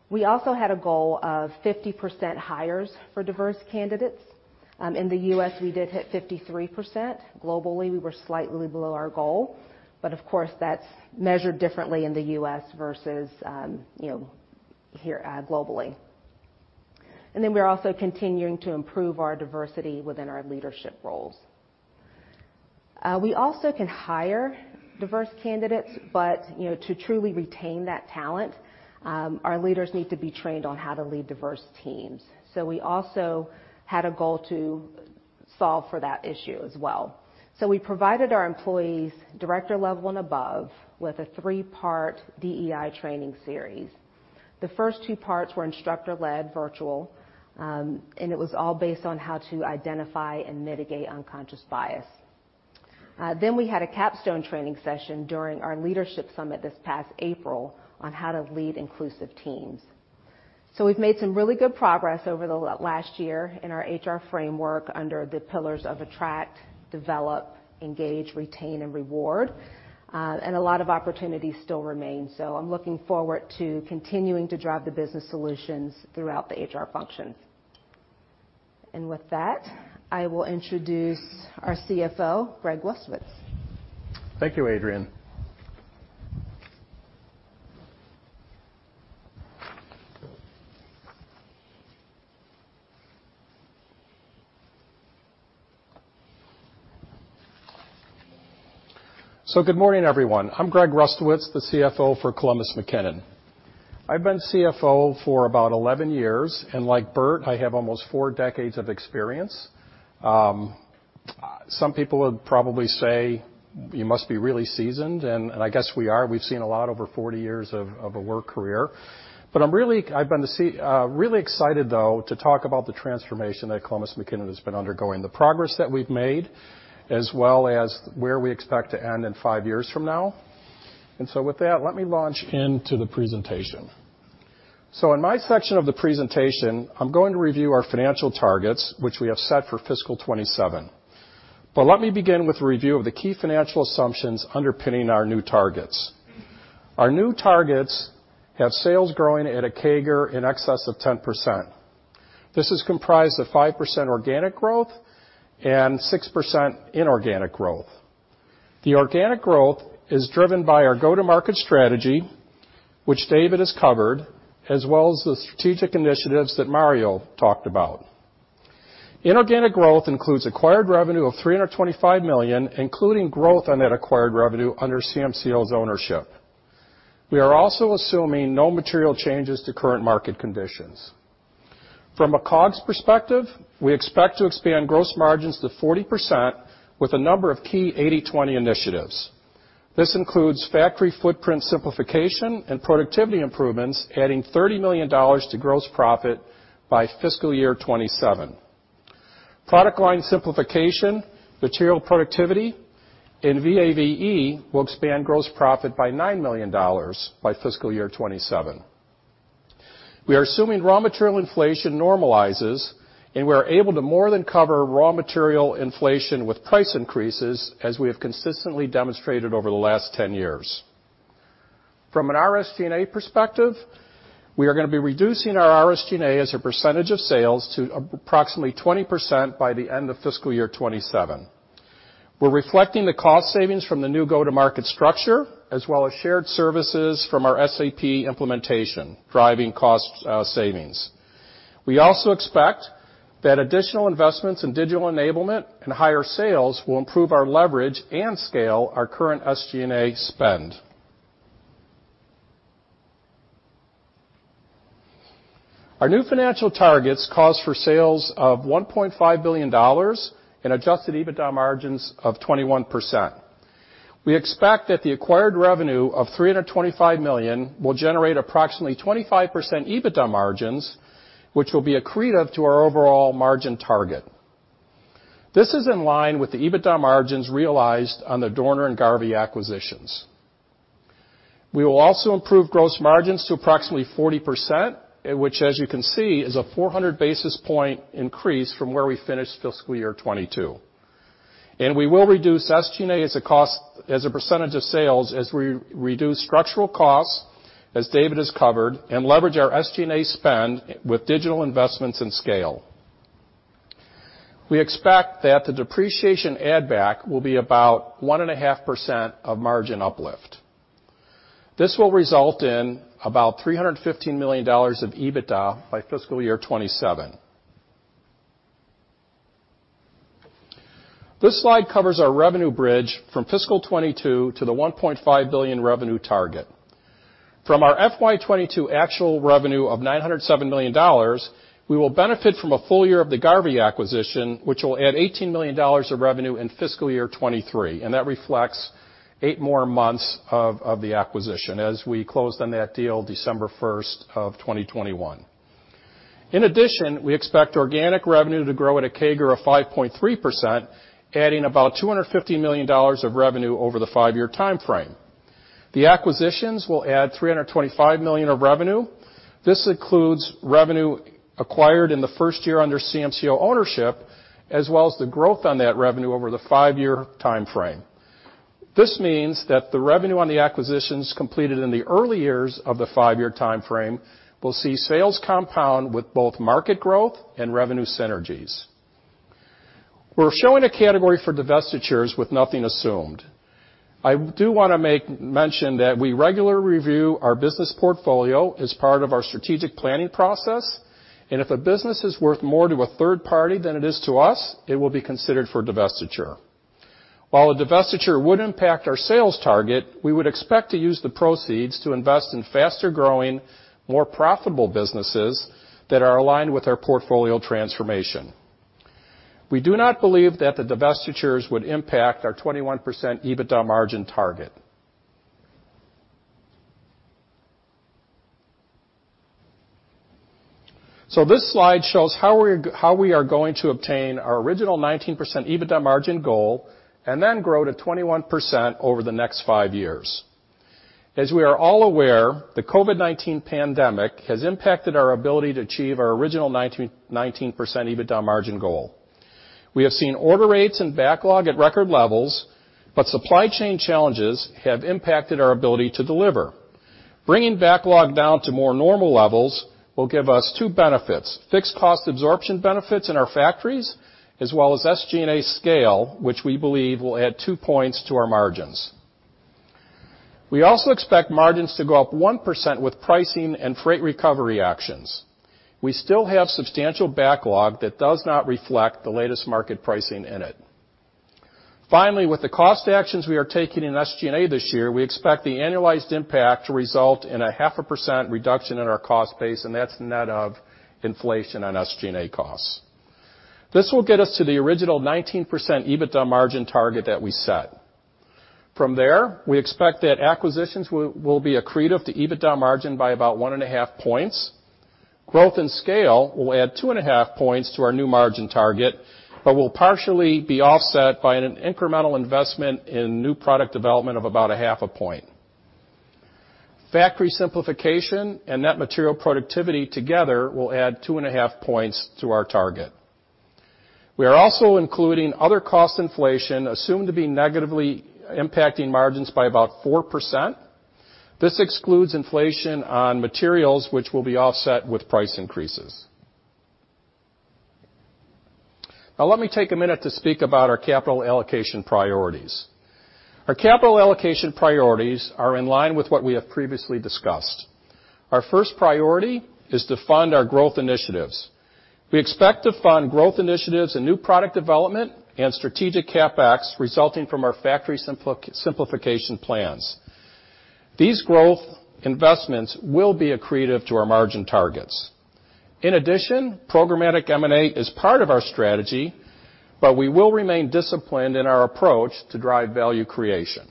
We also had a goal of 50% hires for diverse candidates. In the U.S., we did hit 53%. Globally, we were slightly below our goal, but of course, that's measured differently in the U.S. versus, you know, here, globally. We're also continuing to improve our diversity within our leadership roles. We also can hire diverse candidates, but, you know, to truly retain that talent, our leaders need to be trained on how to lead diverse teams. We also had a goal to solve for that issue as well. We provided our employees, director level and above, with a three-part DEI training series. The first two parts were instructor-led virtual, and it was all based on how to identify and mitigate unconscious bias. Then we had a capstone training session during our leadership summit this past April on how to lead inclusive teams. We've made some really good progress over the last year in our HR framework under the pillars of attract, develop, engage, retain, and reward. A lot of opportunities still remain. I'm looking forward to continuing to drive the business solutions throughout the HR functions. With that, I will introduce our CFO, Greg Rustowicz. Thank you, Adrienne. Good morning, everyone. I'm Greg Rustowicz, the CFO for Columbus McKinnon. I've been CFO for about 11 years, and like Bert, I have almost four decades of experience. Some people would probably say, "You must be really seasoned," and I guess we are. We've seen a lot over 40 years of a work career. I'm really excited, though, to talk about the transformation that Columbus McKinnon has been undergoing, the progress that we've made, as well as where we expect to end in five years from now. With that, let me launch into the presentation. In my section of the presentation, I'm going to review our financial targets, which we have set for fiscal 2027. Let me begin with a review of the key financial assumptions underpinning our new targets. Our new targets have sales growing at a CAGR in excess of 10%. This is comprised of 5% organic growth and 6% inorganic growth. The organic growth is driven by our go-to-market strategy, which David has covered, as well as the strategic initiatives that Mario talked about. Inorganic growth includes acquired revenue of $325 million, including growth on that acquired revenue under CMCO's ownership. We are also assuming no material changes to current market conditions. From a COGS perspective, we expect to expand gross margins to 40% with a number of key 80/20 initiatives. This includes factory footprint simplification and productivity improvements, adding $30 million to gross profit by fiscal year 2027. Product line simplification, material productivity, and VAVE will expand gross profit by $9 million by fiscal year 2027. We are assuming raw material inflation normalizes, and we're able to more than cover raw material inflation with price increases, as we have consistently demonstrated over the last 10 years. From an SG&A perspective, we are gonna be reducing our SG&A as a percentage of sales to approximately 20% by the end of fiscal year 2027. We're reflecting the cost savings from the new go-to-market structure, as well as shared services from our SAP implementation, driving cost savings. We also expect that additional investments in digital enablement and higher sales will improve our leverage and scale our current SG&A spend. Our new financial targets calls for sales of $1.5 billion and adjusted EBITDA margins of 21%. We expect that the acquired revenue of $325 million will generate approximately 25% EBITDA margins, which will be accretive to our overall margin target. This is in line with the EBITDA margins realized on the Dorner and Garvey acquisitions. We will also improve gross margins to approximately 40%, which as you can see, is a 400 basis point increase from where we finished fiscal year 2022. We will reduce SG&A as a percentage of sales as we reduce structural costs, as David has covered, and leverage our SG&A spend with digital investments and scale. We expect that the depreciation add back will be about 1.5% of margin uplift. This will result in about $315 million of EBITDA by fiscal year 2027. This slide covers our revenue bridge from fiscal 2022 to the $1.5 billion revenue target. From our FY 2022 actual revenue of $907 million, we will benefit from a full year of the Garvey acquisition, which will add $18 million of revenue in fiscal year 2023, and that reflects eight more months of the acquisition as we closed on that deal December 1, 2021. In addition, we expect organic revenue to grow at a CAGR of 5.3%, adding about $250 million of revenue over the five-year timeframe. The acquisitions will add $325 million of revenue. This includes revenue acquired in the first year under CMCO ownership, as well as the growth on that revenue over the five-year timeframe. This means that the revenue on the acquisitions completed in the early years of the five-year timeframe will see sales compound with both market growth and revenue synergies. We're showing a category for divestitures with nothing assumed. I do wanna mention that we regularly review our business portfolio as part of our strategic planning process, and if a business is worth more to a third party than it is to us, it will be considered for divestiture. While a divestiture would impact our sales target, we would expect to use the proceeds to invest in faster-growing, more profitable businesses that are aligned with our portfolio transformation. We do not believe that the divestitures would impact our 21% EBITDA margin target. This slide shows how we are going to obtain our original 19% EBITDA margin goal, and then grow to 21% over the next five years. As we are all aware, the COVID-19 pandemic has impacted our ability to achieve our original 19% EBITDA margin goal. We have seen order rates and backlog at record levels, but supply chain challenges have impacted our ability to deliver. Bringing backlog down to more normal levels will give us two benefits, fixed cost absorption benefits in our factories, as well as SG&A scale, which we believe will add 2 points to our margins. We also expect margins to go up 1% with pricing and freight recovery actions. We still have substantial backlog that does not reflect the latest market pricing in it. Finally, with the cost actions we are taking in SG&A this year, we expect the annualized impact to result in a 0.5% reduction in our cost base, and that's net of inflation on SG&A costs. This will get us to the original 19% EBITDA margin target that we set. From there, we expect that acquisitions will be accretive to EBITDA margin by about 1.5 points. Growth and scale will add 2.5 points to our new margin target, but will partially be offset by an incremental investment in new product development of about 0.5 point. Factory simplification and net material productivity together will add 2.5 points to our target. We are also including other cost inflation assumed to be negatively impacting margins by about 4%. This excludes inflation on materials, which will be offset with price increases. Now, let me take a minute to speak about our capital allocation priorities. Our capital allocation priorities are in line with what we have previously discussed. Our first priority is to fund our growth initiatives. We expect to fund growth initiatives and new product development and strategic CapEx resulting from our factory simplification plans. These growth investments will be accretive to our margin targets. In addition, programmatic M&A is part of our strategy, but we will remain disciplined in our approach to drive value creation.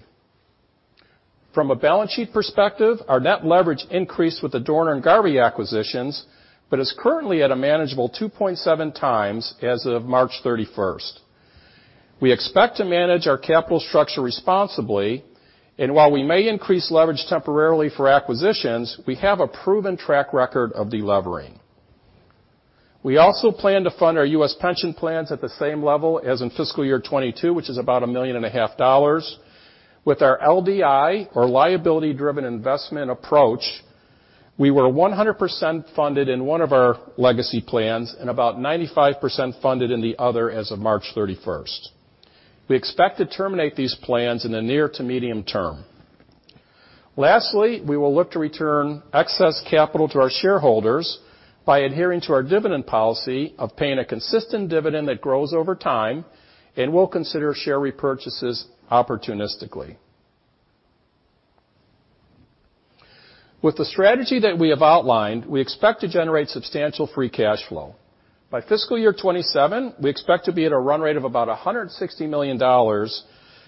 From a balance sheet perspective, our net leverage increased with the Dorner and Garvey acquisitions, but is currently at a manageable 2.7x as of March 31. We expect to manage our capital structure responsibly, and while we may increase leverage temporarily for acquisitions, we have a proven track record of delevering. We also plan to fund our U.S. pension plans at the same level as in fiscal year 2022, which is about $1.5 million. With our LDI or liability-driven investment approach, we were 100% funded in one of our legacy plans and about 95% funded in the other as of March 31. We expect to terminate these plans in the near to medium term. Lastly, we will look to return excess capital to our shareholders by adhering to our dividend policy of paying a consistent dividend that grows over time, and we'll consider share repurchases opportunistically. With the strategy that we have outlined, we expect to generate substantial free cash flow. By fiscal year 2027, we expect to be at a run rate of about $160 million,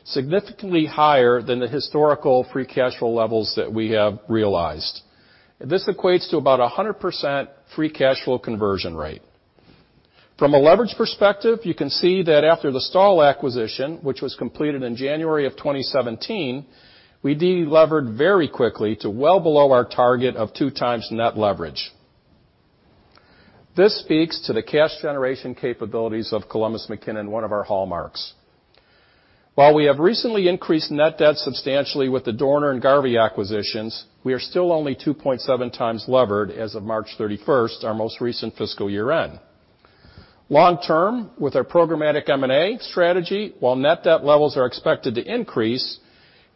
significantly higher than the historical free cash flow levels that we have realized. This equates to about 100% free cash flow conversion rate. From a leverage perspective, you can see that after the STAHL acquisition, which was completed in January 2017, we delevered very quickly to well below our target of 2x net leverage. This speaks to the cash generation capabilities of Columbus McKinnon, one of our hallmarks. While we have recently increased net debt substantially with the Dorner and Garvey acquisitions, we are still only 2.7x levered as of March 31, our most recent fiscal year end. Long term, with our programmatic M&A strategy, while net debt levels are expected to increase,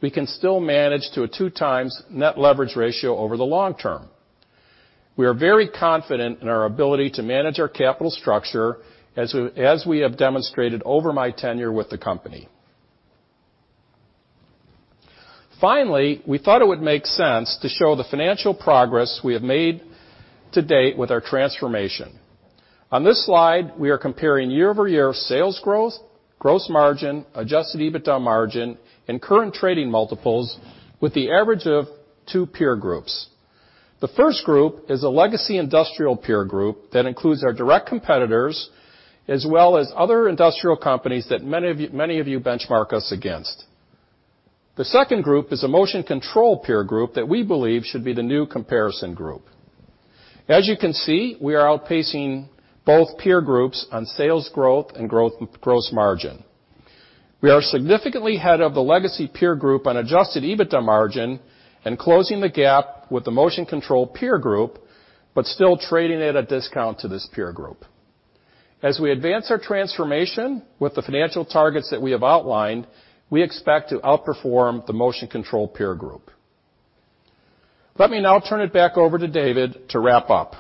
we can still manage to a 2x net leverage ratio over the long term. We are very confident in our ability to manage our capital structure as we have demonstrated over my tenure with the company. Finally, we thought it would make sense to show the financial progress we have made to date with our transformation. On this slide, we are comparing year-over-year sales growth, gross margin, adjusted EBITDA margin, and current trading multiples with the average of two peer groups. The first group is a legacy industrial peer group that includes our direct competitors, as well as other industrial companies that many of you benchmark us against. The second group is a motion control peer group that we believe should be the new comparison group. As you can see, we are outpacing both peer groups on sales growth and gross margin. We are significantly ahead of the legacy peer group on adjusted EBITDA margin and closing the gap with the motion control peer group, but still trading at a discount to this peer group. As we advance our transformation with the financial targets that we have outlined, we expect to outperform the motion control peer group. Let me now turn it back over to David to wrap up.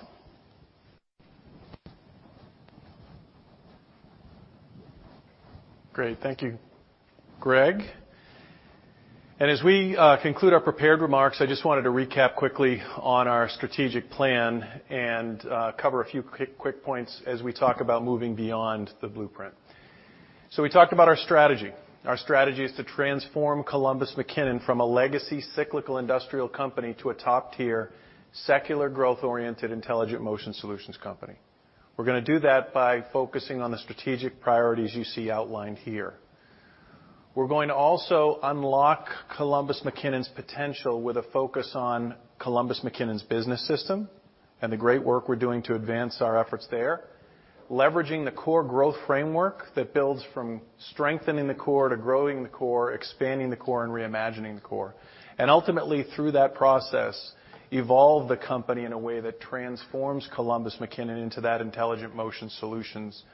Great. Thank you, Greg. As we conclude our prepared remarks, I just wanted to recap quickly on our strategic plan and cover a few quick points as we talk about moving beyond the blueprint. We talked about our strategy. Our strategy is to transform Columbus McKinnon from a legacy cyclical industrial company to a top-tier, secular growth-oriented intelligent motion solutions company. We're gonna do that by focusing on the strategic priorities you see outlined here. We're going to also unlock Columbus McKinnon's potential with a focus on Columbus McKinnon's business system and the great work we're doing to advance our efforts there, leveraging the core growth framework that builds from strengthening the core to growing the core, expanding the core, and reimagining the core. Ultimately, through that process, evolve the company in a way that transforms Columbus McKinnon into that intelligent motion solutions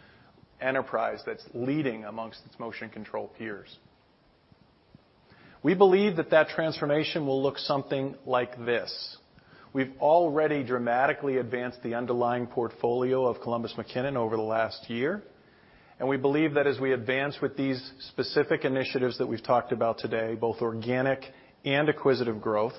enterprise that's leading amongst its motion control peers. We believe that transformation will look something like this. We've already dramatically advanced the underlying portfolio of Columbus McKinnon over the last year, and we believe that as we advance with these specific initiatives that we've talked about today, both organic and acquisitive growth,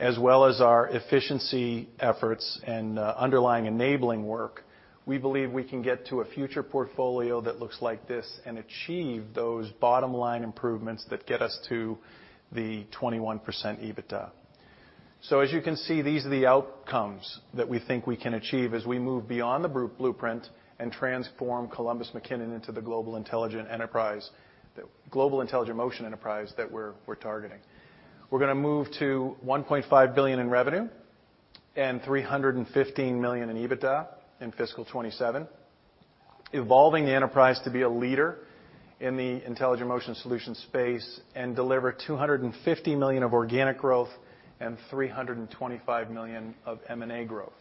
as well as our efficiency efforts and underlying enabling work, we believe we can get to a future portfolio that looks like this and achieve those bottom-line improvements that get us to the 21% EBITDA. As you can see, these are the outcomes that we think we can achieve as we move beyond the blueprint and transform Columbus McKinnon into the global intelligent motion enterprise that we're targeting. We're gonna move to $1.5 billion in revenue and $315 million in EBITDA in fiscal 2027, evolving the enterprise to be a leader in the intelligent motion solutions space and deliver $250 million of organic growth and $325 million of M&A growth.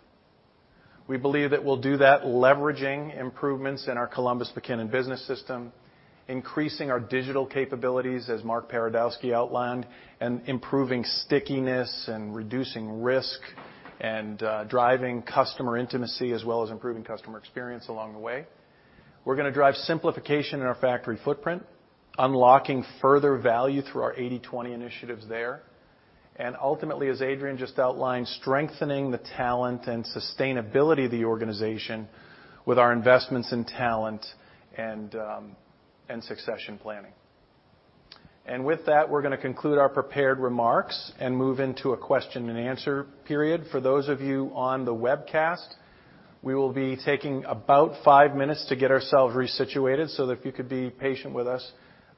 We believe that we'll do that leveraging improvements in our Columbus McKinnon business system, increasing our digital capabilities, as Mark Paradowski outlined, and improving stickiness and reducing risk and driving customer intimacy as well as improving customer experience along the way. We're gonna drive simplification in our factory footprint, unlocking further value through our 80/20 initiatives there. Ultimately, as Adrienne just outlined, strengthening the talent and sustainability of the organization with our investments in talent and succession planning. With that, we're gonna conclude our prepared remarks and move into a question and answer period. For those of you on the webcast, we will be taking about five minutes to get ourselves resituated, so if you could be patient with us,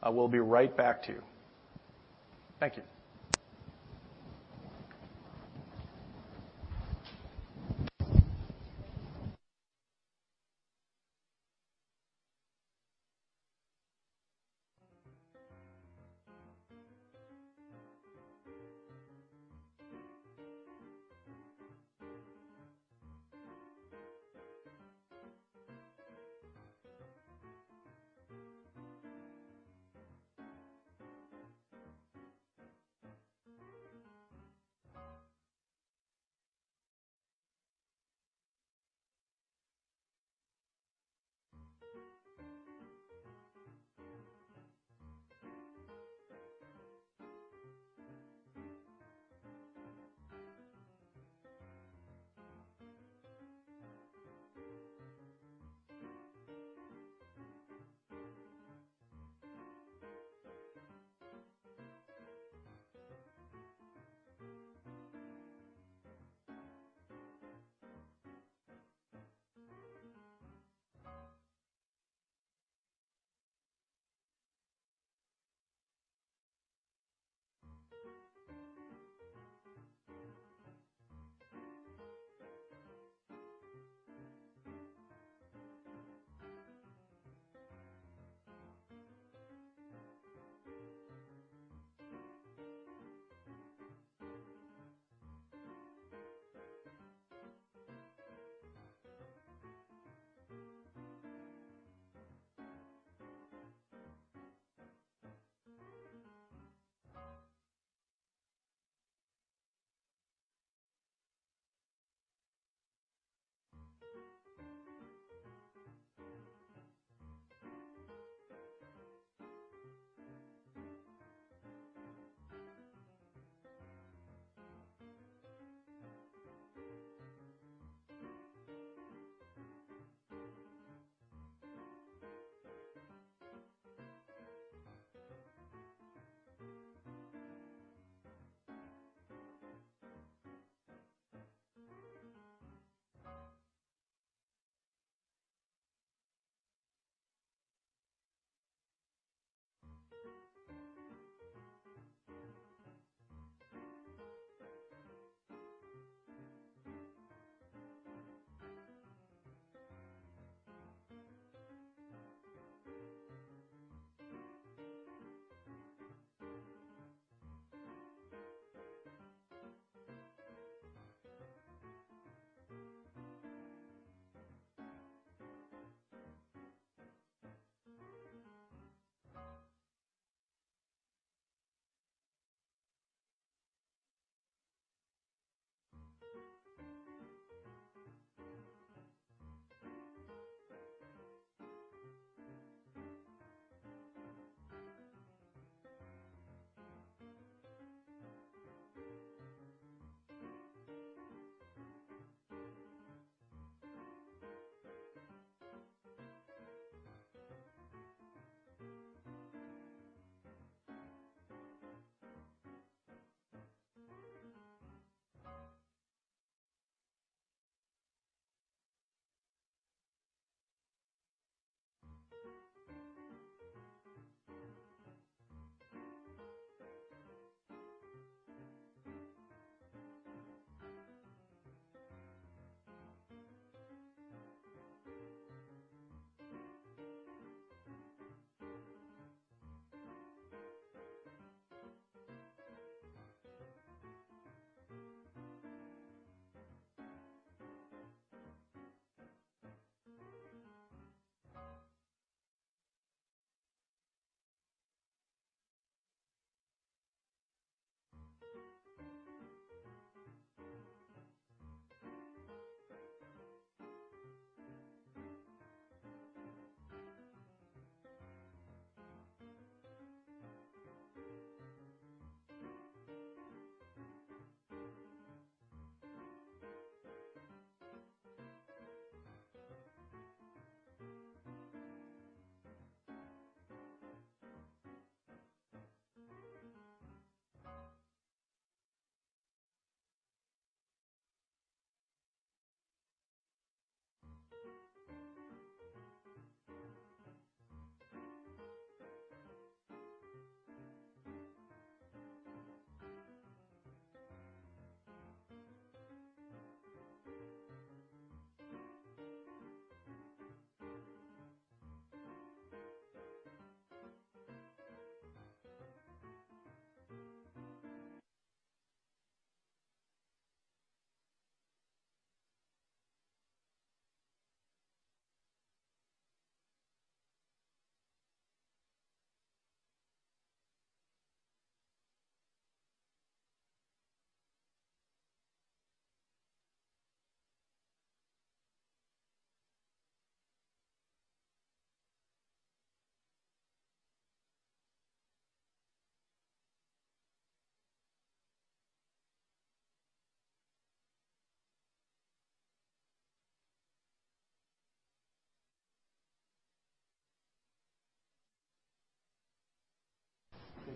we'll be right back to you. Thank you.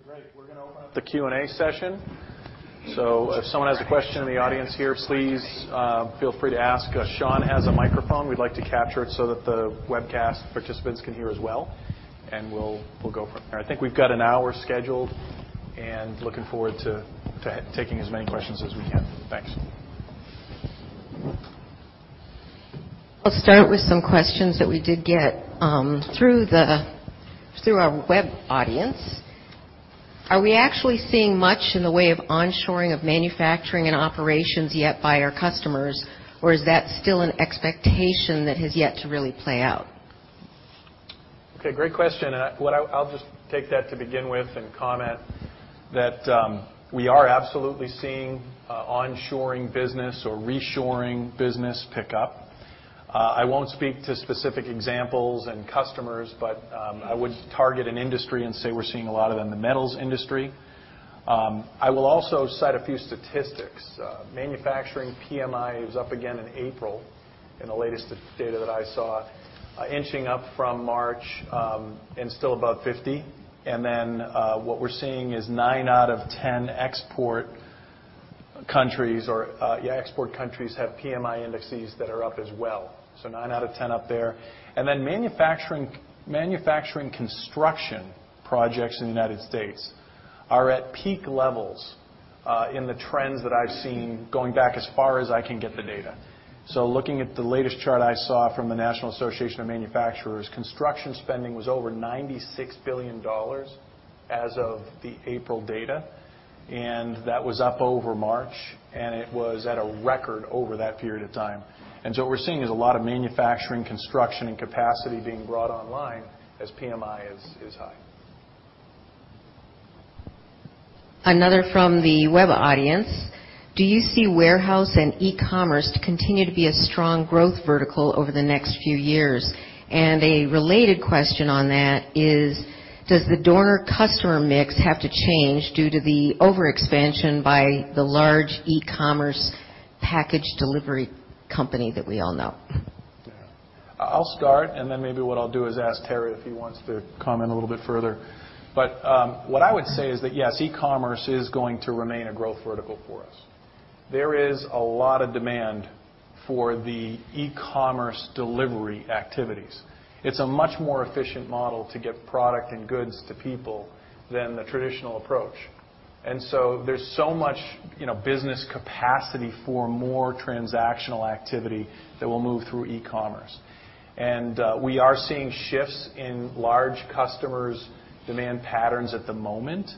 Okay, great. We're gonna open up the Q&A session. If someone has a question in the audience here, please, feel free to ask. Shawn has a microphone. We'd like to capture it so that the webcast participants can hear as well, and we'll go from there. I think we've got an hour scheduled, and looking forward to taking as many questions as we can. Thanks. I'll start with some questions that we did get, through our web audience. Are we actually seeing much in the way of onshoring of manufacturing and operations yet by our customers, or is that still an expectation that has yet to really play out? Okay, great question. I'll just take that to begin with and comment that we are absolutely seeing onshoring business or reshoring business pick up. I won't speak to specific examples and customers, but I would target an industry and say we're seeing a lot of them in the metals industry. I will also cite a few statistics. Manufacturing PMI is up again in April in the latest data that I saw, inching up from March, and still above 50%. What we're seeing is 9/10 export countries have PMI indexes that are up as well, so 9/10 up there. Manufacturing construction projects in the United States are at peak levels in the trends that I've seen going back as far as I can get the data. Looking at the latest chart I saw from the National Association of Manufacturers, construction spending was over $96 billion as of the April data, and that was up over March, and it was at a record over that period of time. What we're seeing is a lot of manufacturing construction and capacity being brought online as PMI is high. Another from the web audience: Do you see warehouse and e-commerce to continue to be a strong growth vertical over the next few years? A related question on that is, does the Dorner customer mix have to change due to the overexpansion by the large e-commerce package delivery company that we all know? Yeah. I'll start, and then maybe what I'll do is ask Terry if he wants to comment a little bit further. What I would say is that, yes, e-commerce is going to remain a growth vertical for us. There is a lot of demand for the e-commerce delivery activities. It's a much more efficient model to get product and goods to people than the traditional approach. There's so much, you know, business capacity for more transactional activity that will move through e-commerce. We are seeing shifts in large customers' demand patterns at the moment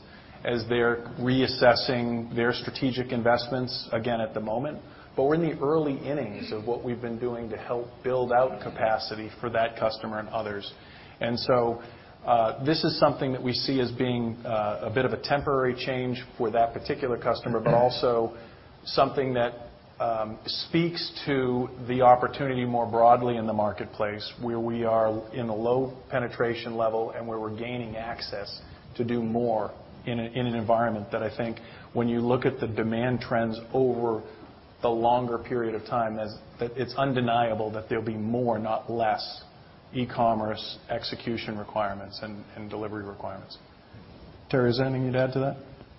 as they're reassessing their strategic investments, again, at the moment. We're in the early innings of what we've been doing to help build out capacity for that customer and others. This is something that we see as being a bit of a temporary change for that particular customer, but also something that speaks to the opportunity more broadly in the marketplace, where we are in a low penetration level and where we're gaining access to do more in an environment that I think when you look at the demand trends over the longer period of time that it's undeniable that there'll be more, not less e-commerce execution requirements and delivery requirements. Terry, is there anything you'd add to that?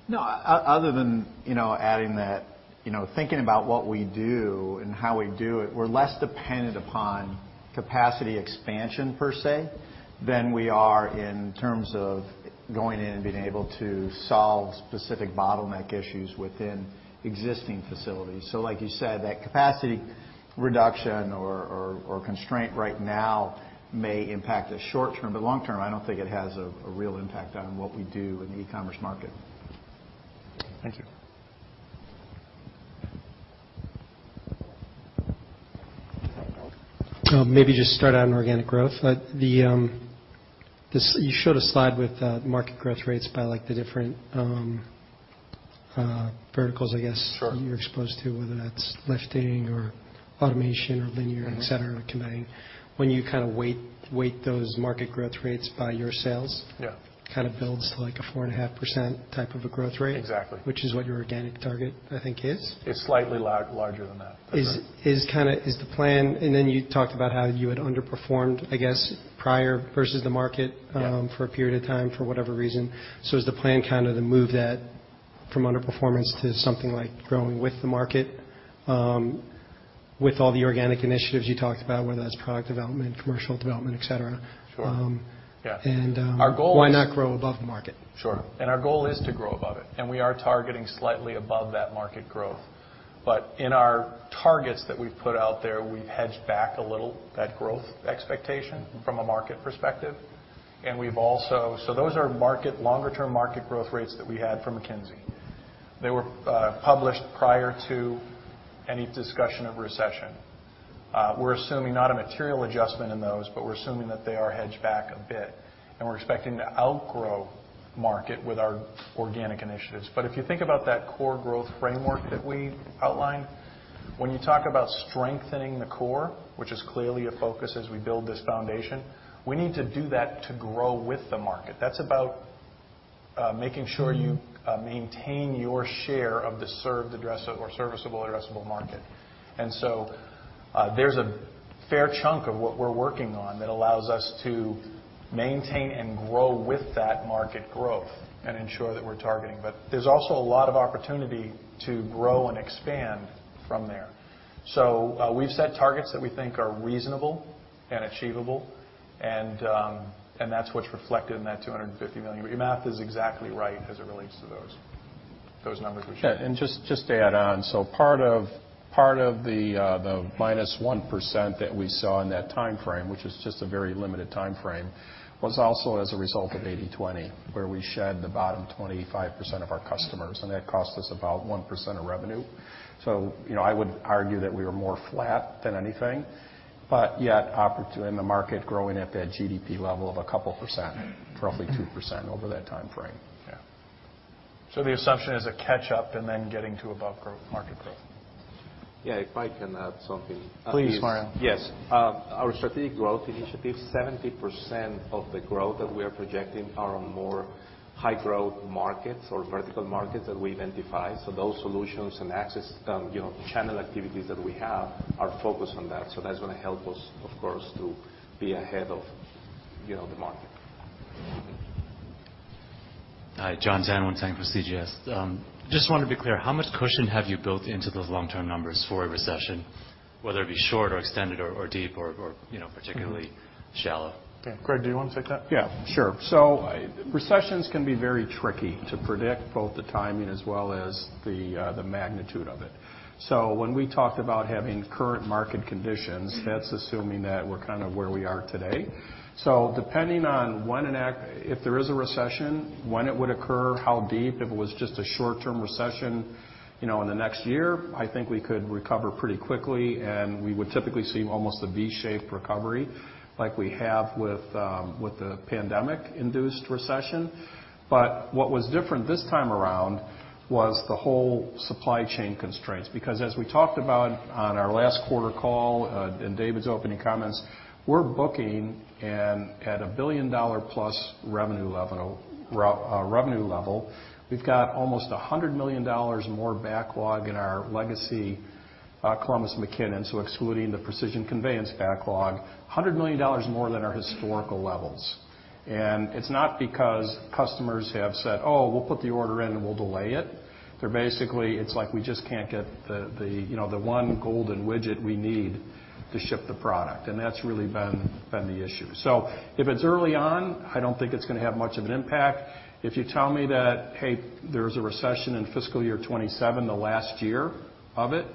No. Other than, you know, adding that, you know, thinking about what we do and how we do it, we're less dependent upon capacity expansion per se, than we are in terms of going in and being able to solve specific bottleneck issues within existing facilities. Like you said, that capacity reduction or constraint right now may impact the short term, but long term, I don't think it has a real impact on what we do in the e-commerce market. Thank you. Well, maybe just start on organic growth. You showed a slide with the market growth rates by like the different verticals, I guess. You're exposed to, whether that's lifting or automation or linear et cetera, conveying. When you kind of weigh those market growth rates by your sales. Kind of builds to like a 4.5% type of a growth rate. Exactly. Which is what your organic target, I think, is. It's slightly larger than that. Then you talked about how you had underperformed, I guess, prior versus the market. For a period of time for whatever reason. Is the plan kind of to move that from underperformance to something like growing with the market, with all the organic initiatives you talked about, whether that's product development, commercial development, et cetera? Why not grow above the market? Sure. Our goal is to grow above it, and we are targeting slightly above that market growth. In our targets that we've put out there, we've hedged back a little that growth expectation from a market perspective. We've also, so those are market, longer-term market growth rates that we had from McKinsey. They were published prior to any discussion of recession. We're assuming not a material adjustment in those, but we're assuming that they are hedged back a bit, and we're expecting to outgrow market with our organic initiatives. If you think about that core growth framework that we outlined, when you talk about strengthening the core, which is clearly a focus as we build this foundation, we need to do that to grow with the market. That's about making sure you maintain your share of the serviceable addressable market. There's a fair chunk of what we're working on that allows us to maintain and grow with that market growth and ensure that we're targeting. There's also a lot of opportunity to grow and expand from there. We've set targets that we think are reasonable and achievable, and that's what's reflected in that $250 million. Your math is exactly right as it relates to those numbers we shared. Yeah. Just to add on. Part of the -1% that we saw in that timeframe, which is just a very limited timeframe, was also as a result of 80/20, where we shed the bottom 25% of our customers, and that cost us about 1% of revenue. You know, I would argue that we were more flat than anything, but yet in the market growing at that GDP level of a couple percent, roughly 2% over that timeframe. Yeah. The assumption is a catch-up and then getting to above-market growth. Yeah, if I can add something. Please, Mario. Yes. Our strategic growth initiative, 70% of the growth that we are projecting are on more high growth markets or vertical markets that we identify. Those solutions and acquisitions, you know, channel activities that we have are focused on that. That's gonna help us, of course, to be ahead of, you know, the market. Hi. Jon Tanwanteng from CJS. Just wanted to be clear, how much cushion have you built into those long-term numbers for a recession, whether it be short or extended or deep or you know particularly shallow? Okay. Greg, do you wanna take that? Yeah, sure. Recessions can be very tricky to predict both the timing as well as the magnitude of it. When we talked about having current market conditions, that's assuming that we're kind of where we are today. Depending on when if there is a recession, when it would occur, how deep, if it was just a short-term recession, you know, in the next year, I think we could recover pretty quickly, and we would typically see almost a V-shaped recovery like we have with the pandemic-induced recession. But what was different this time around was the whole supply chain constraints. Because as we talked about on our last quarter call, in David's opening comments, we're booking and at $1 billion+ revenue level, revenue level. We've got almost $100 million more backlog in our legacy Columbus McKinnon, so excluding the Precision Conveyance backlog, $100 million more than our historical levels. It's not because customers have said, "Oh, we'll put the order in and we'll delay it. It's like we just can't get the you know the one golden widget we need to ship the product, and that's really been the issue. If it's early on, I don't think it's gonna have much of an impact. If you tell me that, "Hey, there's a recession in fiscal year 2027, the last year of it,"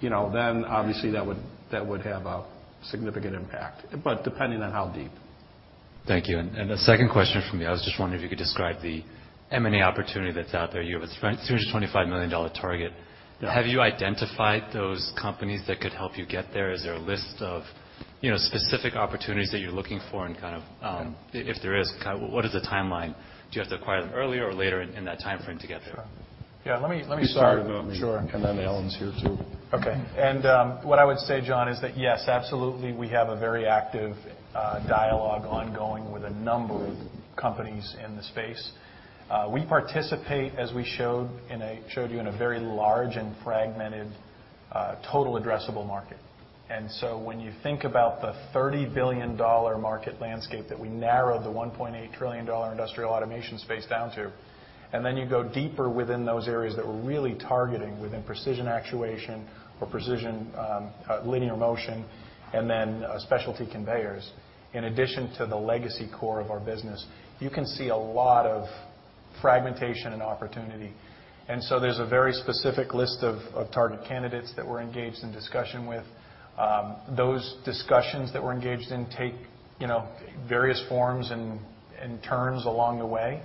you know, then obviously that would have a significant impact, but depending on how deep. Thank you. The second question from me, I was just wondering if you could describe the M&A opportunity that's out there. You have a $25 million target. Have you identified those companies that could help you get there? Is there a list of, you know, specific opportunities that you're looking for and kind of, if there is, kind of what is the timeline? Do you have to acquire them earlier or later in that timeframe to get there? Sure. Yeah, let me start. You start it, and then-- Sure. Alan's here too. Okay. What I would say, Jon, is that, yes, absolutely, we have a very active, dialogue ongoing with a number of companies in the space. We participate, as we showed you, in a very large and fragmented, total addressable market. When you think about the $30 billion market landscape that we narrowed the $1.8 trillion industrial automation space down to, and then you go deeper within those areas that we're really targeting within precision actuation or precision, linear motion and then, specialty conveyors, in addition to the legacy core of our business, you can see a lot of fragmentation and opportunity. There's a very specific list of target candidates that we're engaged in discussion with. Those discussions that we're engaged in take, you know, various forms and turns along the way.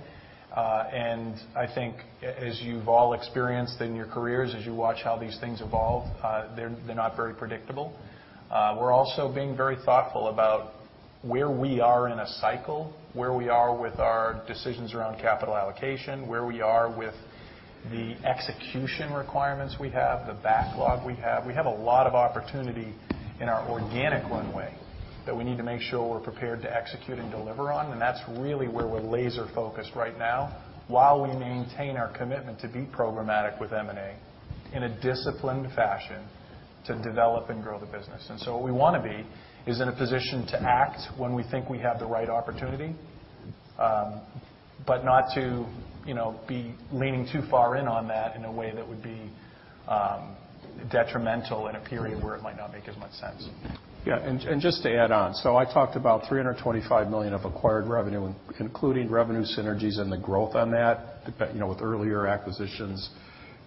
I think as you've all experienced in your careers, as you watch how these things evolve, they're not very predictable. We're also being very thoughtful about where we are in a cycle, where we are with our decisions around capital allocation, where we are with the execution requirements we have, the backlog we have. We have a lot of opportunity in our organic runway that we need to make sure we're prepared to execute and deliver on, and that's really where we're laser-focused right now while we maintain our commitment to be programmatic with M&A in a disciplined fashion to develop and grow the business. What we wanna be is in a position to act when we think we have the right opportunity, but not to, you know, be leaning too far in on that in a way that would be detrimental in a period where it might not make as much sense. Yeah. Just to add on. I talked about $325 million of acquired revenue, including revenue synergies and the growth on that, with earlier acquisitions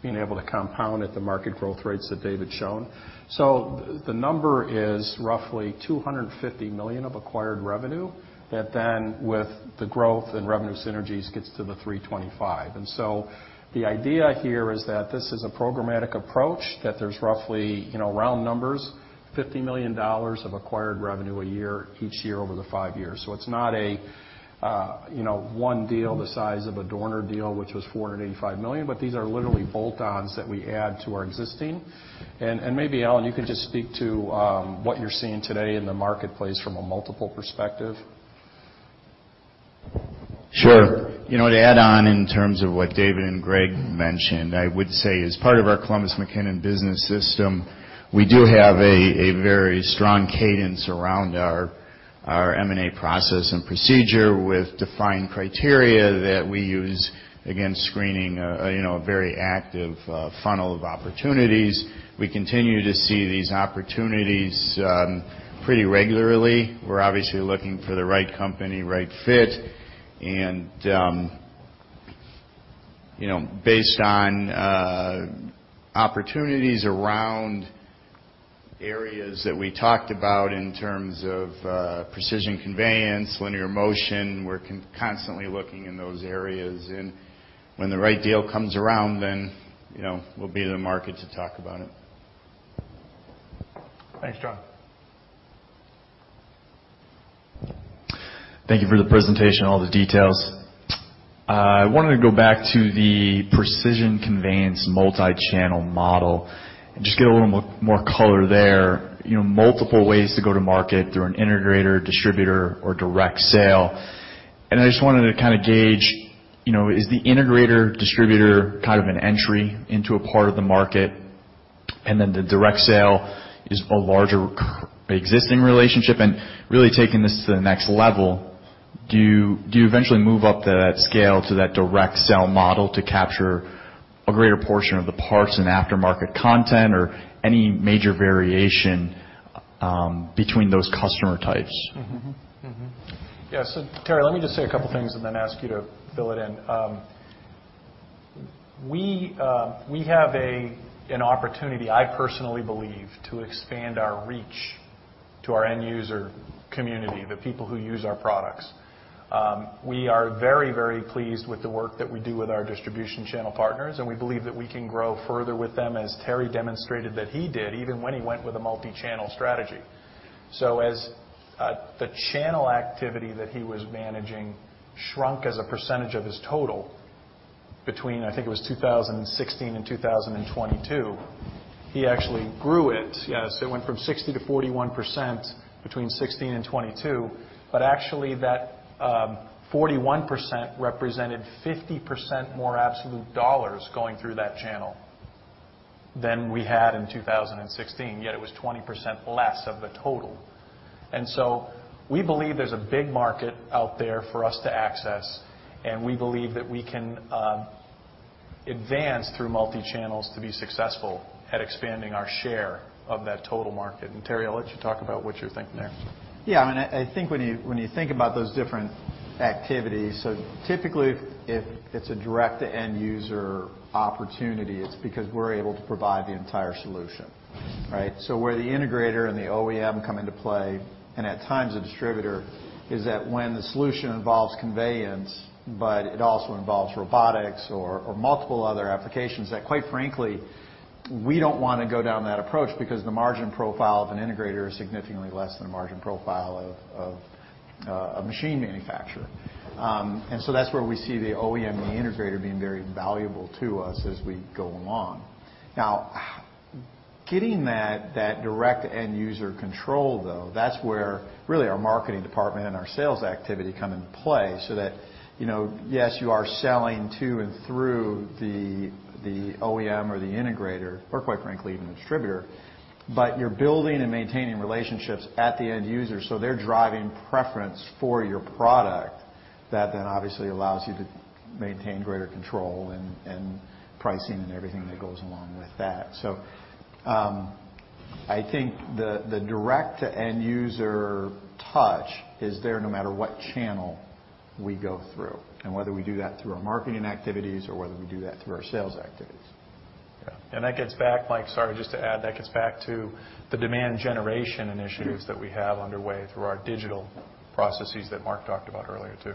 being able to compound at the market growth rates that David's shown. The number is roughly $250 million of acquired revenue that then, with the growth and revenue synergies, gets to the $325 million. The idea here is that this is a programmatic approach, that there's roughly, you know, round numbers, $50 million of acquired revenue a year each year over the five years. It's not a, one deal the size of a Dorner deal, which was $485 million, but these are literally bolt-ons that we add to our existing. Maybe, Alan, you can just speak to what you're seeing today in the marketplace from a multiple perspective. Sure. You know, to add on in terms of what David and Greg mentioned, I would say as part of our Columbus McKinnon business system, we do have a very strong cadence around our M&A process and procedure with defined criteria that we use against screening a very active funnel of opportunities. We continue to see these opportunities pretty regularly. We're obviously looking for the right company, right fit, and you know, based on opportunities around areas that we talked about in terms of Precision Conveyance, linear motion, we're constantly looking in those areas. When the right deal comes around, then you know, we'll be in the market to talk about it. Thanks, Jon. Thank you for the presentation, all the details. I wanted to go back to the Precision Conveyance multi-channel model and just get a little more color there. You know, multiple ways to go to market through an integrator, distributor or direct sale. I just wanted to kind of gauge, you know, is the integrator distributor kind of an entry into a part of the market, and then the direct sale is a larger existing relationship? Really taking this to the next level, do you eventually move up that scale to that direct sale model to capture a greater portion of the parts and aftermarket content or any major variation between those customer types? Yeah. Terry, let me just say a couple things and then ask you to fill it in. We have an opportunity, I personally believe, to expand our reach to our end user community, the people who use our products. We are very, very pleased with the work that we do with our distribution channel partners, and we believe that we can grow further with them, as Terry demonstrated that he did, even when he went with a multi-channel strategy. As the channel activity that he was managing shrunk as a percentage of his total between, I think it was 2016 and 2022, he actually grew it. Yes, it went from 60%-41% between 2016 and 2022, but actually, that 41% represented 50% more absolute dollars going through that channel than we had in 2016, yet it was 20% less of the total. We believe there's a big market out there for us to access, and we believe that we can advance through multi-channels to be successful at expanding our share of that total market. Terry, I'll let you talk about what you're thinking there. Yeah. I mean, I think when you think about those different activities, so typically if it's a direct-to-end user opportunity, it's because we're able to provide the entire solution, right? So where the integrator and the OEM come into play, and at times the distributor, is that when the solution involves conveyance, but it also involves robotics or multiple other applications that, quite frankly, we don't wanna go down that approach because the margin profile of an integrator is significantly less than the margin profile of a machine manufacturer. That's where we see the OEM and the integrator being very valuable to us as we go along. Getting that direct end user control, though, that's where really our marketing department and our sales activity come into play so that, you know, yes, you are selling to and through the OEM or the integrator or, quite frankly, even the distributor, but you're building and maintaining relationships at the end user, so they're driving preference for your product that then obviously allows you to maintain greater control and pricing and everything that goes along with that. I think the direct-to-end user touch is there no matter what channel we go through and whether we do that through our marketing activities or whether we do that through our sales activities. Yeah. Mike, sorry, just to add, that gets back to the demand generation initiatives that we have underway through our digital processes that Mark talked about earlier too.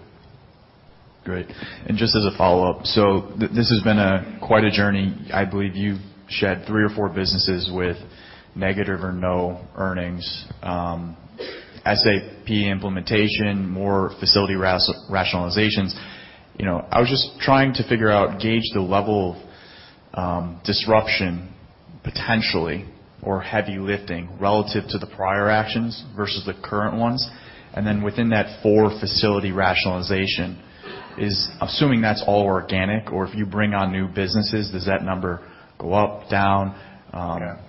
Great. Just as a follow-up, this has been quite a journey. I believe you've shed three or four businesses with negative or no earnings, SAP implementation, more facility rationalizations. You know, I was just trying to figure out, gauge the level of, disruption potentially or heavy lifting relative to the prior actions versus the current ones. Then within that four facility rationalization is assuming that's all organic, or if you bring on new businesses, does that number go up, down?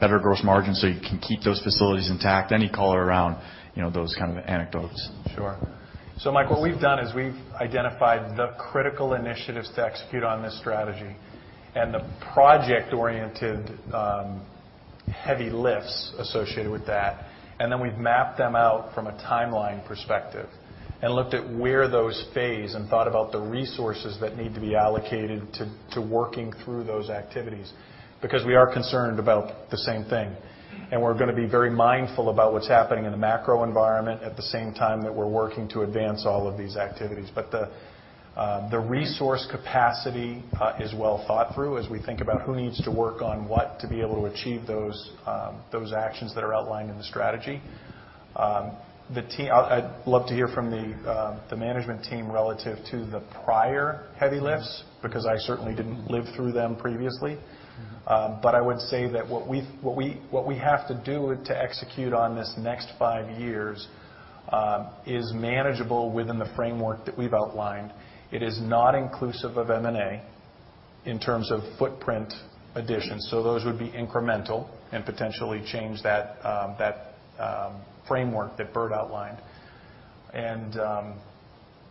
Better gross margin so you can keep those facilities intact? Any color around, you know, those kind of anecdotes. Sure. Michael, what we've done is we've identified the critical initiatives to execute on this strategy and the project-oriented heavy lifts associated with that, and then we've mapped them out from a timeline perspective and looked at where those phase and thought about the resources that need to be allocated to working through those activities because we are concerned about the same thing. We're gonna be very mindful about what's happening in the macro environment at the same time that we're working to advance all of these activities. The resource capacity is well thought through as we think about who needs to work on what to be able to achieve those actions that are outlined in the strategy. I'd love to hear from the management team relative to the prior heavy lifts because I certainly didn't live through them previously. I would say that what we have to do to execute on this next five years is manageable within the framework that we've outlined. It is not inclusive of M&A in terms of footprint additions, so those would be incremental and potentially change that framework that Bert outlined.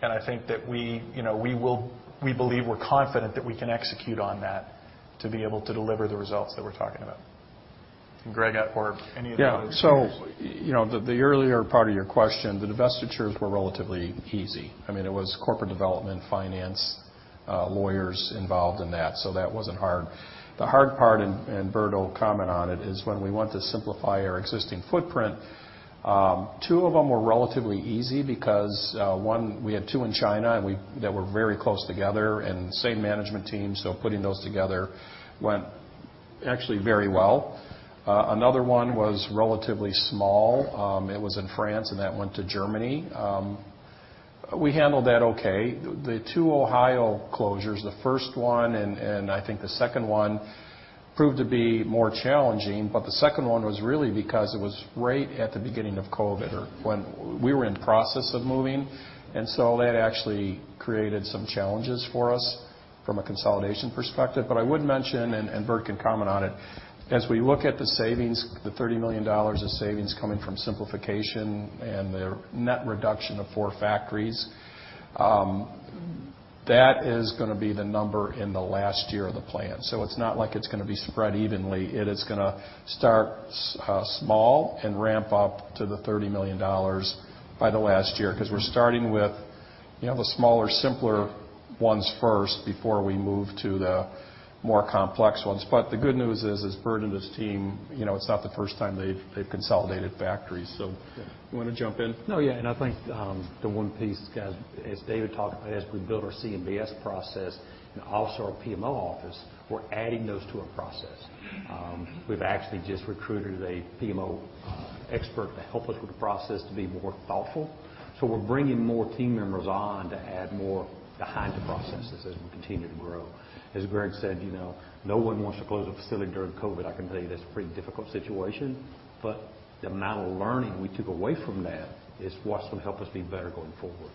I think that we, you know, we believe we're confident that we can execute on that to be able to deliver the results that we're talking about. Greg or any of the other leaders. Yeah. You know, the earlier part of your question, the divestitures were relatively easy. I mean, it was corporate development, finance, lawyers involved in that, so that wasn't hard. The hard part, and Bert will comment on it, is when we went to simplify our existing footprint. Two of them were relatively easy because, one, we had two in China that were very close together and same management team, so putting those together went actually very well. Another one was relatively small. It was in France, and that went to Germany. We handled that okay. The two Ohio closures, the first one and I think the second one proved to be more challenging, but the second one was really because it was right at the beginning of COVID or when we were in process of moving. That actually created some challenges for us from a consolidation perspective. I would mention, and Bert can comment on it, as we look at the savings, the $30 million of savings coming from simplification and the net reduction of four factories, that is gonna be the number in the last year of the plan. It's not like it's gonna be spread evenly. It is gonna start small and ramp up to the $30 million by the last year 'cause we're starting with, you know, the smaller, simpler ones first before we move to the more complex ones. The good news is, as Bert and his team, you know, it's not the first time they've consolidated factories. You wanna jump in? No, yeah, I think the one piece, guys, as David talked about, as we build our CMBS process and also our PMO office, we're adding those to a process. We've actually just recruited a PMO expert to help us with the process to be more thoughtful. We're bringing more team members on to add more behind the processes as we continue to grow. As Greg said, you know, no one wants to close a facility during COVID. I can tell you that's a pretty difficult situation. The amount of learning we took away from that is what's gonna help us be better going forward.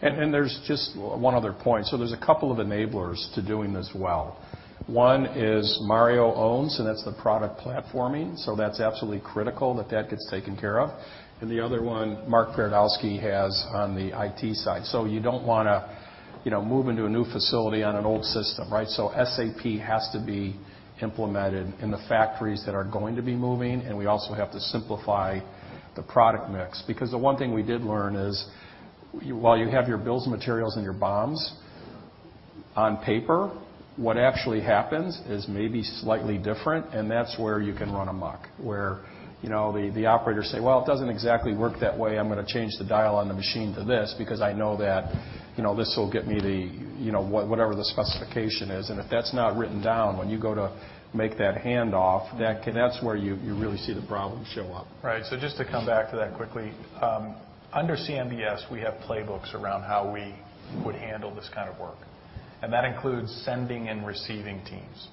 There's just one other point. There's a couple of enablers to doing this well. One is Mario owns, and that's the product platforming, so that's absolutely critical that that gets taken care of. The other one Mark Paradowski has on the IT side. You don't wanna, you know, move into a new facility on an old system, right? SAP has to be implemented in the factories that are going to be moving, and we also have to simplify the product mix. Because the one thing we did learn is while you have your bills of materials and your BOMs on paper, what actually happens is maybe slightly different, and that's where you can run amok, where, you know, the operators say, "Well, it doesn't exactly work that way. I'm gonna change the dial on the machine to this because I know that, you know, this will get me the, you know, whatever the specification is." If that's not written down, when you go to make that hand off, that can, that's where you really see the problem show up. Right. Just to come back to that quickly, under CMBS, we have playbooks around how we would handle this kind of work, and that includes sending and receiving teams.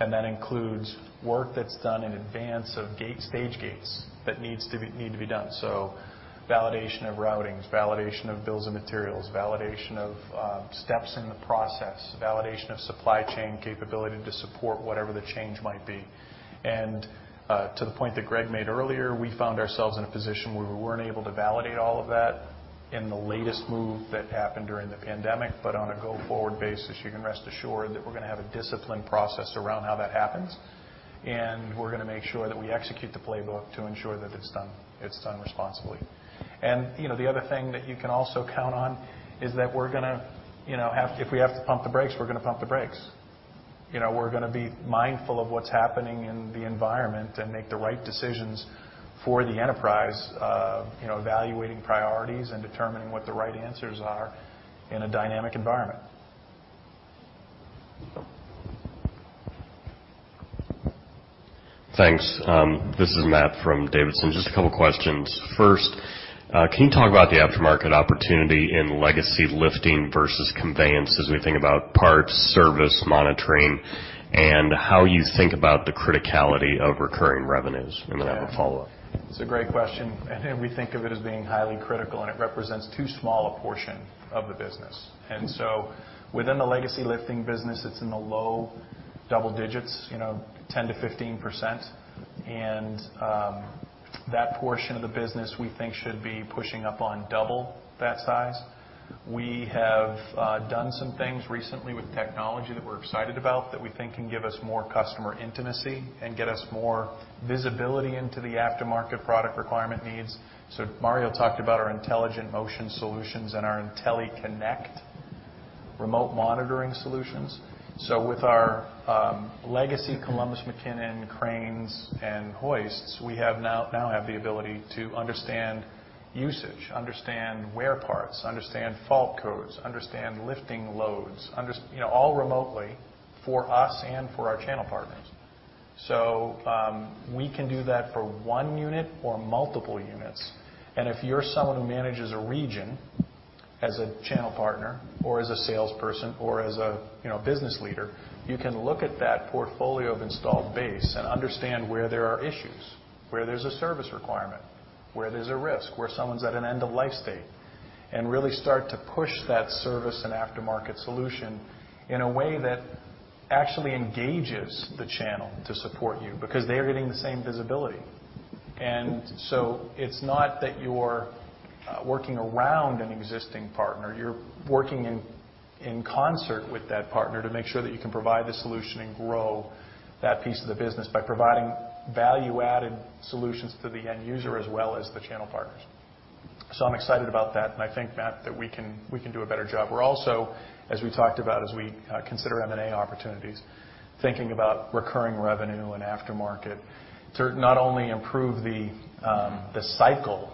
That includes work that's done in advance of stage gates that need to be done. Validation of routings, validation of bills of materials, validation of steps in the process, validation of supply chain capability to support whatever the change might be. To the point that Greg made earlier, we found ourselves in a position where we weren't able to validate all of that in the latest move that happened during the pandemic. On a go-forward basis, you can rest assured that we're gonna have a disciplined process around how that happens, and we're gonna make sure that we execute the playbook to ensure that it's done, it's done responsibly. You know, the other thing that you can also count on is that we're gonna, you know. If we have to pump the brakes, we're gonna pump the brakes. You know, we're gonna be mindful of what's happening in the environment and make the right decisions for the enterprise, you know, evaluating priorities and determining what the right answers are in a dynamic environment. Thanks. This is Matt from D.A. Davidson. Just a couple questions. First, can you talk about the aftermarket opportunity in legacy lifting versus conveyance as we think about parts, service, monitoring, and how you think about the criticality of recurring revenues? Then I have a follow-up. It's a great question, and we think of it as being highly critical, and it represents too small a portion of the business. Within the legacy lifting business, it's in the low double digits, you know, 10%-15%. That portion of the business we think should be pushing up on double that size. We have done some things recently with technology that we're excited about that we think can give us more customer intimacy and get us more visibility into the aftermarket product requirement needs. Mario talked about our intelligent motion solutions and our Intelli-Connect remote monitoring solutions. With our legacy Columbus McKinnon cranes and hoists, we now have the ability to understand usage, understand wear parts, understand fault codes, understand lifting loads, you know, all remotely for us and for our channel partners. We can do that for one unit or multiple units. If you're someone who manages a region as a channel partner or as a salesperson or as a, you know, business leader, you can look at that portfolio of installed base and understand where there are issues, where there's a service requirement, where there's a risk, where someone's at an end-of-life state, and really start to push that service and aftermarket solution in a way that actually engages the channel to support you because they're getting the same visibility. It's not that you're working around an existing partner, you're working in concert with that partner to make sure that you can provide the solution and grow that piece of the business by providing value-added solutions to the end user as well as the channel partners. I'm excited about that, and I think, Matt, that we can do a better job. We're also, as we talked about, consider M&A opportunities, thinking about recurring revenue and aftermarket to not only improve the cycle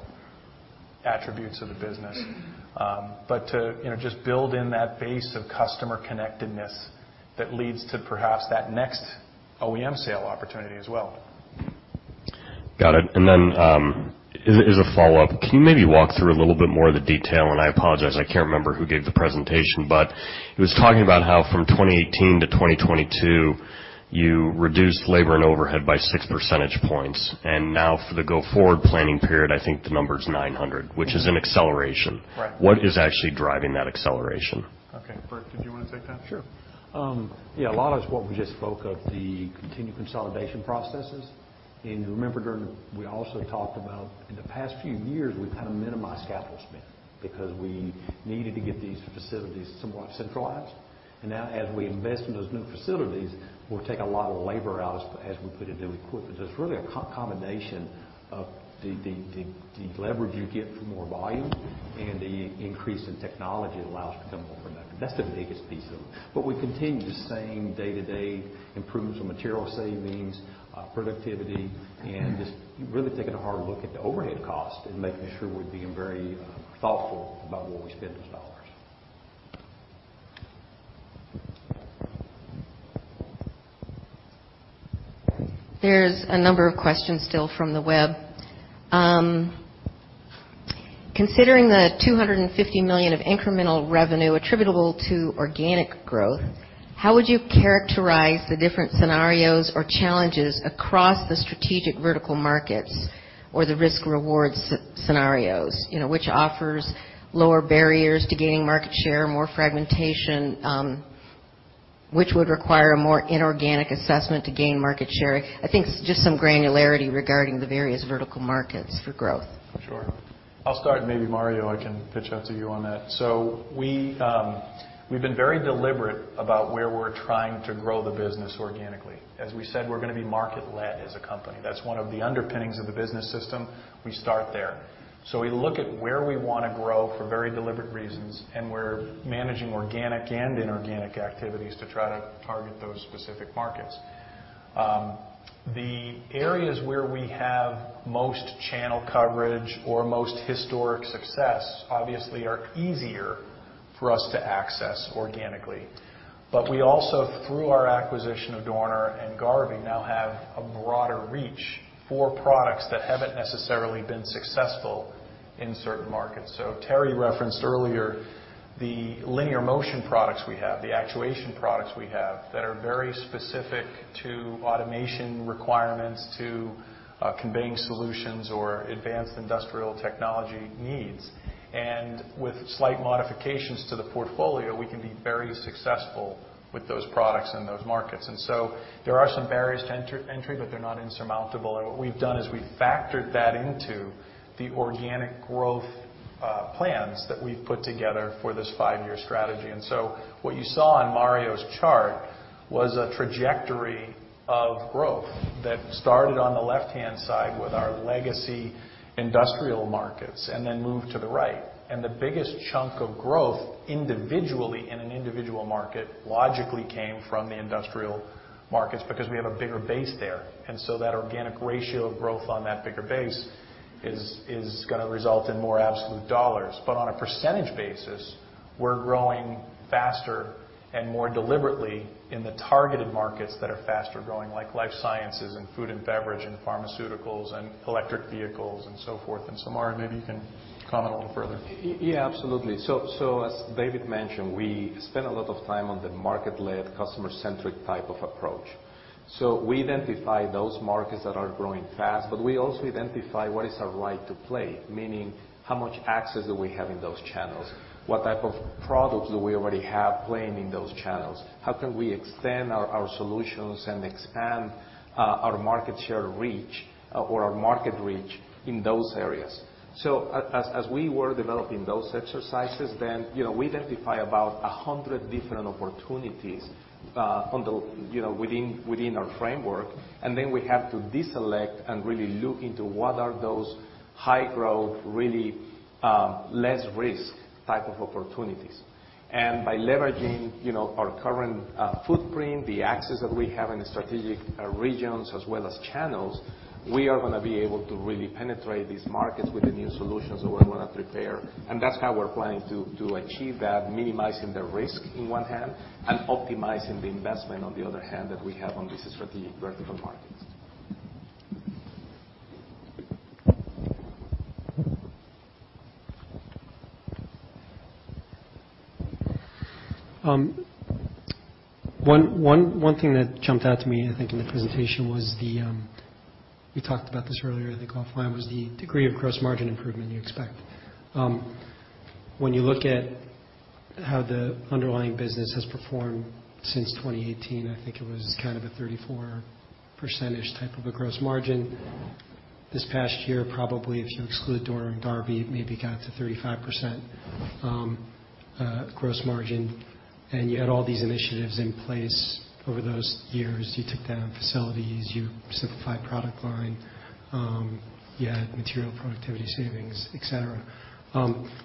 attributes of the business, but to, you know, just build in that base of customer connectedness that leads to perhaps that next OEM sale opportunity as well. Got it. As a follow-up, can you maybe walk through a little bit more of the detail? I apologize, I can't remember who gave the presentation, but it was talking about how from 2018 to 2022, you reduced labor and overhead by 6 percentage points. Now for the go-forward planning period, I think the number is $900 million, which is an acceleration. What is actually driving that acceleration? Okay. Bert, did you wanna take that? Sure. Yeah, a lot of it is what we just spoke of, the continued consolidation processes. Remember, we also talked about in the past few years, we've had to minimize capital spend because we needed to get these facilities somewhat centralized. Now as we invest in those new facilities, we'll take a lot of labor out as we put in new equipment. It's really a combination of the leverage you get from more volume and the increase in technology that allows you to become more productive. That's the biggest piece of it. We continue the same day-to-day improvements in material savings, productivity, and just really taking a hard look at the overhead cost and making sure we're being very thoughtful about where we spend those dollars. There's a number of questions still from the web. Considering the $250 million of incremental revenue attributable to organic growth, how would you characterize the different scenarios or challenges across the strategic vertical markets or the risk-reward scenarios? You know, which offers lower barriers to gaining market share, more fragmentation, which would require a more inorganic assessment to gain market share? I think it's just some granularity regarding the various vertical markets for growth. Sure. I'll start, and maybe Mario, I can pitch out to you on that. We’ve been very deliberate about where we're trying to grow the business organically. As we said, we're gonna be market-led as a company. That's one of the underpinnings of the business system. We start there. We look at where we wanna grow for very deliberate reasons, and we're managing organic and inorganic activities to try to target those specific markets. The areas where we have most channel coverage or most historic success obviously are easier for us to access organically. We also, through our acquisition of Dorner and Garvey, now have a broader reach for products that haven't necessarily been successful in certain markets. Terry referenced earlier the linear motion products we have, the actuation products we have that are very specific to automation requirements, to conveying solutions or advanced industrial technology needs. With slight modifications to the portfolio, we can be very successful with those products in those markets. There are some barriers to entry, but they're not insurmountable, and what we've done is we've factored that into the organic growth plans that we've put together for this five-year strategy. What you saw on Mario's chart was a trajectory of growth that started on the left-hand side with our legacy industrial markets and then moved to the right. The biggest chunk of growth individually in an individual market logically came from the industrial markets because we have a bigger base there. That organic ratio of growth on that bigger base is gonna result in more absolute dollars. On a percentage basis, we're growing faster and more deliberately in the targeted markets that are faster growing, like life sciences and food and beverage and pharmaceuticals and electric vehicles and so forth. Mario, maybe you can comment a little further. Yeah, absolutely. As David mentioned, we spent a lot of time on the market-led, customer-centric type of approach. We identify those markets that are growing fast, but we also identify what is our right to play, meaning how much access do we have in those channels? What type of products do we already have playing in those channels? How can we extend our solutions and expand our market share reach or our market reach in those areas? As we were developing those exercises, then, you know, we identify about 100 different opportunities, you know, within our framework, and then we have to deselect and really look into what are those high growth, really, less risk type of opportunities. By leveraging, you know, our current footprint, the access that we have in the strategic regions as well as channels, we are gonna be able to really penetrate these markets with the new solutions that we're gonna prepare. That's how we're planning to achieve that, minimizing the risk in one hand and optimizing the investment on the other hand that we have on these strategic vertical markets. One thing that jumped out to me, I think, in the presentation was the we talked about this earlier, I think, offline, was the degree of gross margin improvement you expect. When you look at how the underlying business has performed since 2018, I think it was kind of a 34% type of a gross margin. This past year, probably if you exclude Dorner and Garvey, it maybe got to 35%, gross margin. You had all these initiatives in place over those years. You took down facilities, you simplified product line, you had material productivity savings, et cetera.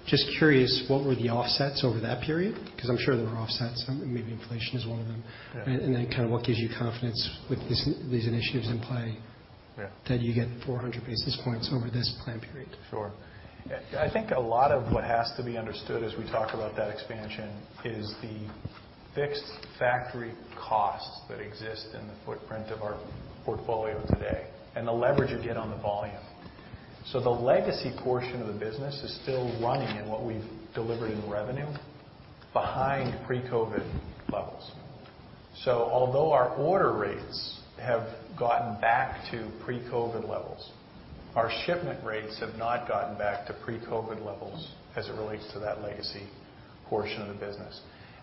Just curious, what were the offsets over that period? 'Cause I'm sure there were offsets. Maybe inflation is one of them. Kinda what gives you confidence with these initiatives in play that you get 400 basis points over this plan period? Sure. I think a lot of what has to be understood as we talk about that expansion is the fixed factory costs that exist in the footprint of our portfolio today and the leverage you get on the volume. The legacy portion of the business is still running at what we've delivered in revenue behind pre-COVID levels. Although our order rates have gotten back to pre-COVID levels, our shipment rates have not gotten back to pre-COVID levels as it relates to that legacy portion of the business.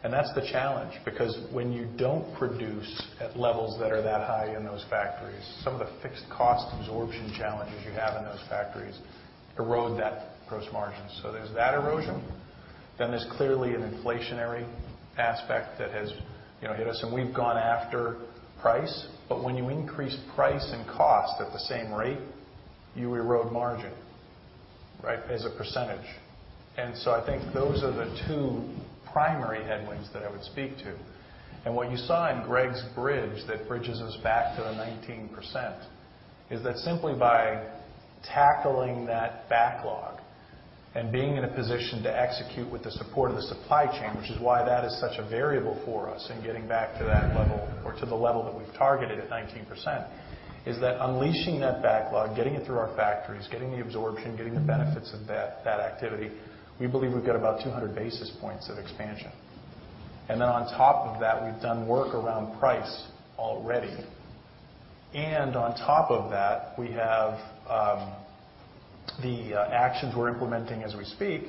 That's the challenge, because when you don't produce at levels that are that high in those factories, some of the fixed cost absorption challenges you have in those factories erode that gross margin. There's that erosion. There's clearly an inflationary aspect that has, you know, hit us, and we've gone after price. When you increase price and cost at the same rate, you erode margin, right, as a percentage. I think those are the two primary headwinds that I would speak to. What you saw in Greg's bridge that bridges us back to the 19% is that simply by tackling that backlog and being in a position to execute with the support of the supply chain, which is why that is such a variable for us in getting back to that level or to the level that we've targeted at 19%, is that unleashing that backlog, getting it through our factories, getting the absorption, getting the benefits of that activity, we believe we've got about 200 basis points of expansion. Then on top of that, we've done work around price already. On top of that, we have the actions we're implementing as we speak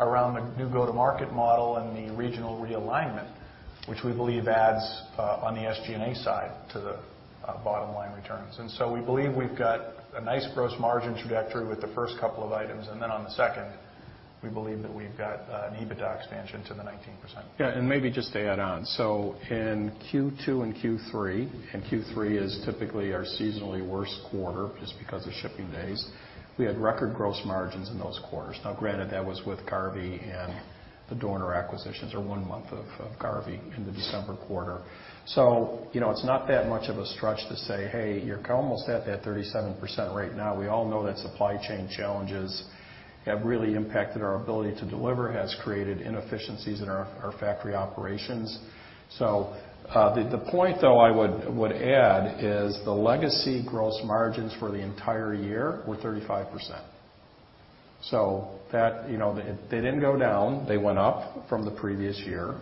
around the new go-to-market model and the regional realignment, which we believe adds on the SG&A side to the bottom line returns. We believe we've got a nice gross margin trajectory with the first couple of items. On the second, we believe that we've got an EBITDA expansion to the 19%. Yeah, maybe just to add on. In Q2 and Q3 is typically our seasonally worst quarter just because of shipping days, we had record gross margins in those quarters. Now granted, that was with Garvey and the Dorner acquisitions, one month of Garvey in the December quarter. You know, it's not that much of a stretch to say, "Hey, you're almost at that 37% rate now." We all know that supply chain challenges have really impacted our ability to deliver, has created inefficiencies in our factory operations. The point, though, I would add is the legacy gross margins for the entire year were 35%. That you know, they didn't go down. They went up from the previous year.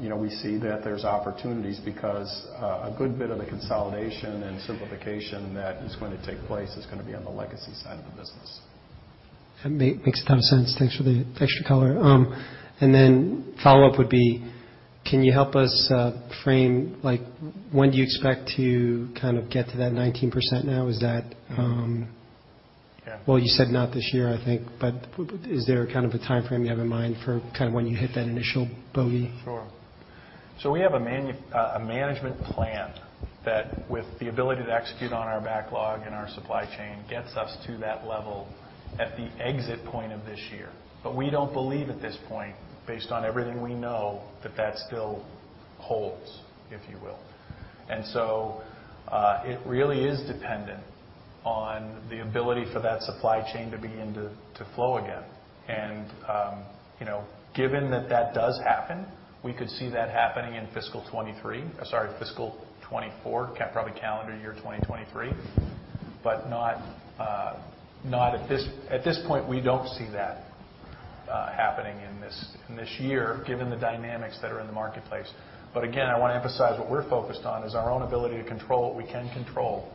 You know, we see that there's opportunities because a good bit of the consolidation and simplification that is going to take place is gonna be on the legacy side of the business. That makes a ton of sense. Thanks for the extra color. Follow-up would be, can you help us frame, like, when do you expect to kind of get to that 19% now? Is that-- Well, you said not this year, I think. Is there kind of a timeframe you have in mind for kind of when you hit that initial bogey? Sure. We have a management plan that, with the ability to execute on our backlog and our supply chain, gets us to that level at the exit point of this year. We don't believe at this point, based on everything we know, that that still holds, if you will. It really is dependent on the ability for that supply chain to begin to flow again. Given that that does happen, we could see that happening in fiscal 2024, calendar, probably calendar year 2023. Not at this point, we don't see that happening in this year, given the dynamics that are in the marketplace. Again, I wanna emphasize what we're focused on is our own ability to control what we can control.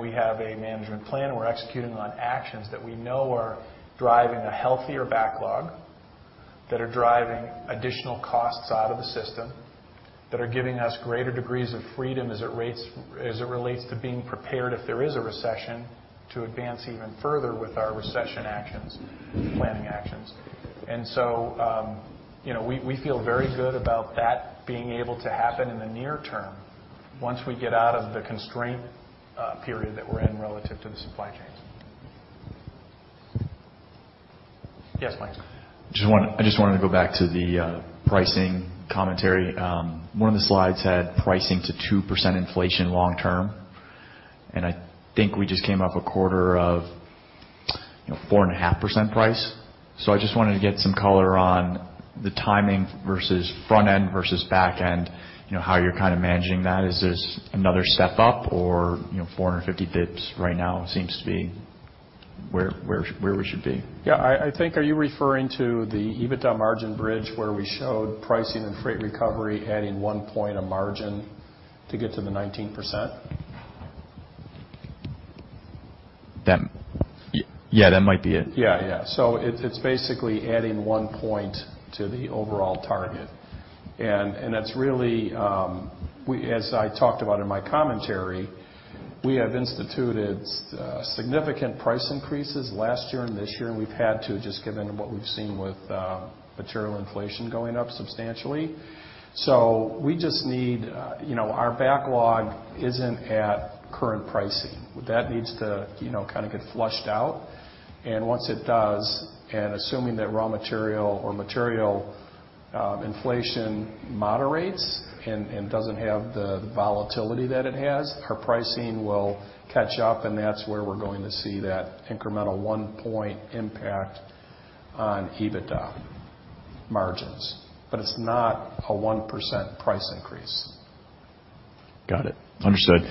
We have a management plan. We're executing on actions that we know are driving a healthier backlog, that are driving additional costs out of the system, that are giving us greater degrees of freedom as it relates to being prepared if there is a recession to advance even further with our recession actions, planning actions. You know, we feel very good about that being able to happen in the near term once we get out of the constraint period that we're in relative to the supply chain. Yes, Mike. I just wanted to go back to the pricing commentary. One of the slides had pricing to 2% inflation long term, and I think we just came off a quarter of, you know, 4.5% price. I just wanted to get some color on the timing versus front end versus back end, you know, how you're kind of managing that. Is this another step-up or, you know, 450 basis points right now seems to be where we should be? Yeah. I think, are you referring to the EBITDA margin bridge where we showed pricing and freight recovery adding 1 point of margin to get to the 19%? Yeah, that might be it. It's basically adding 1 point to the overall target. That's really, as I talked about in my commentary, we have instituted significant price increases last year and this year, and we've had to just given what we've seen with material inflation going up substantially. We just need you know, our backlog isn't at current pricing. That needs to you know, kind of get flushed out. Once it does, and assuming that raw material or material inflation moderates and doesn't have the volatility that it has, our pricing will catch up, and that's where we're going to see that incremental 1 point impact on EBITDA margins. It's not a 1% price increase. Got it. Understood.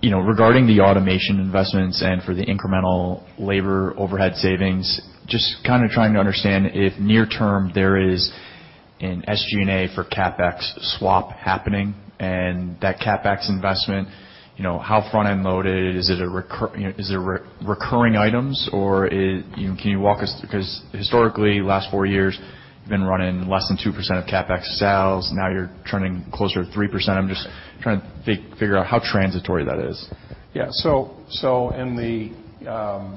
You know, regarding the automation investments and for the incremental labor overhead savings, just kind of trying to understand if near term there is an SG&A for CapEx swap happening. That CapEx investment, you know, how front-end loaded is it, you know, is it recurring items. You know, can you walk us? Because historically, last four years, you've been running less than 2% of CapEx sales. Now you're turning closer to 3%. I'm just trying to figure out how transitory that is. Yeah. In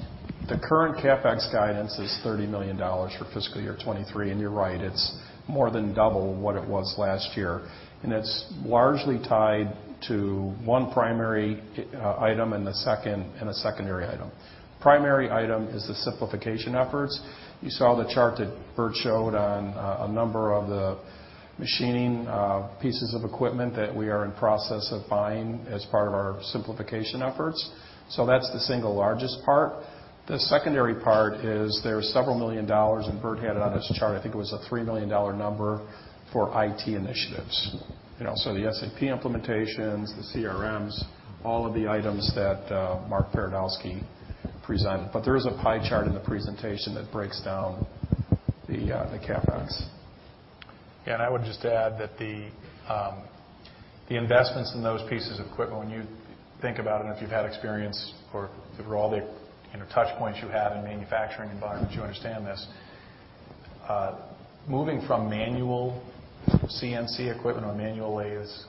the current CapEx guidance is $30 million for fiscal year 2023. You're right, it's more than double what it was last year. It's largely tied to one primary item and a secondary item. Primary item is the simplification efforts. You saw the chart that Bert showed on a number of the machining pieces of equipment that we are in process of buying as part of our simplification efforts. That's the single largest part. The secondary part is there are several million dollars, and Bert had it on his chart, I think it was a $3 million number, for IT initiatives. You know, the SAP implementations, the CRMs, all of the items that Mark Paradowski presented. There is a pie chart in the presentation that breaks down the CapEx. I would just add that the investments in those pieces of equipment, when you think about them, if you've had experience or through all the, you know, touch points you have in manufacturing environments, you understand this. Moving from manual CNC equipment or manual layers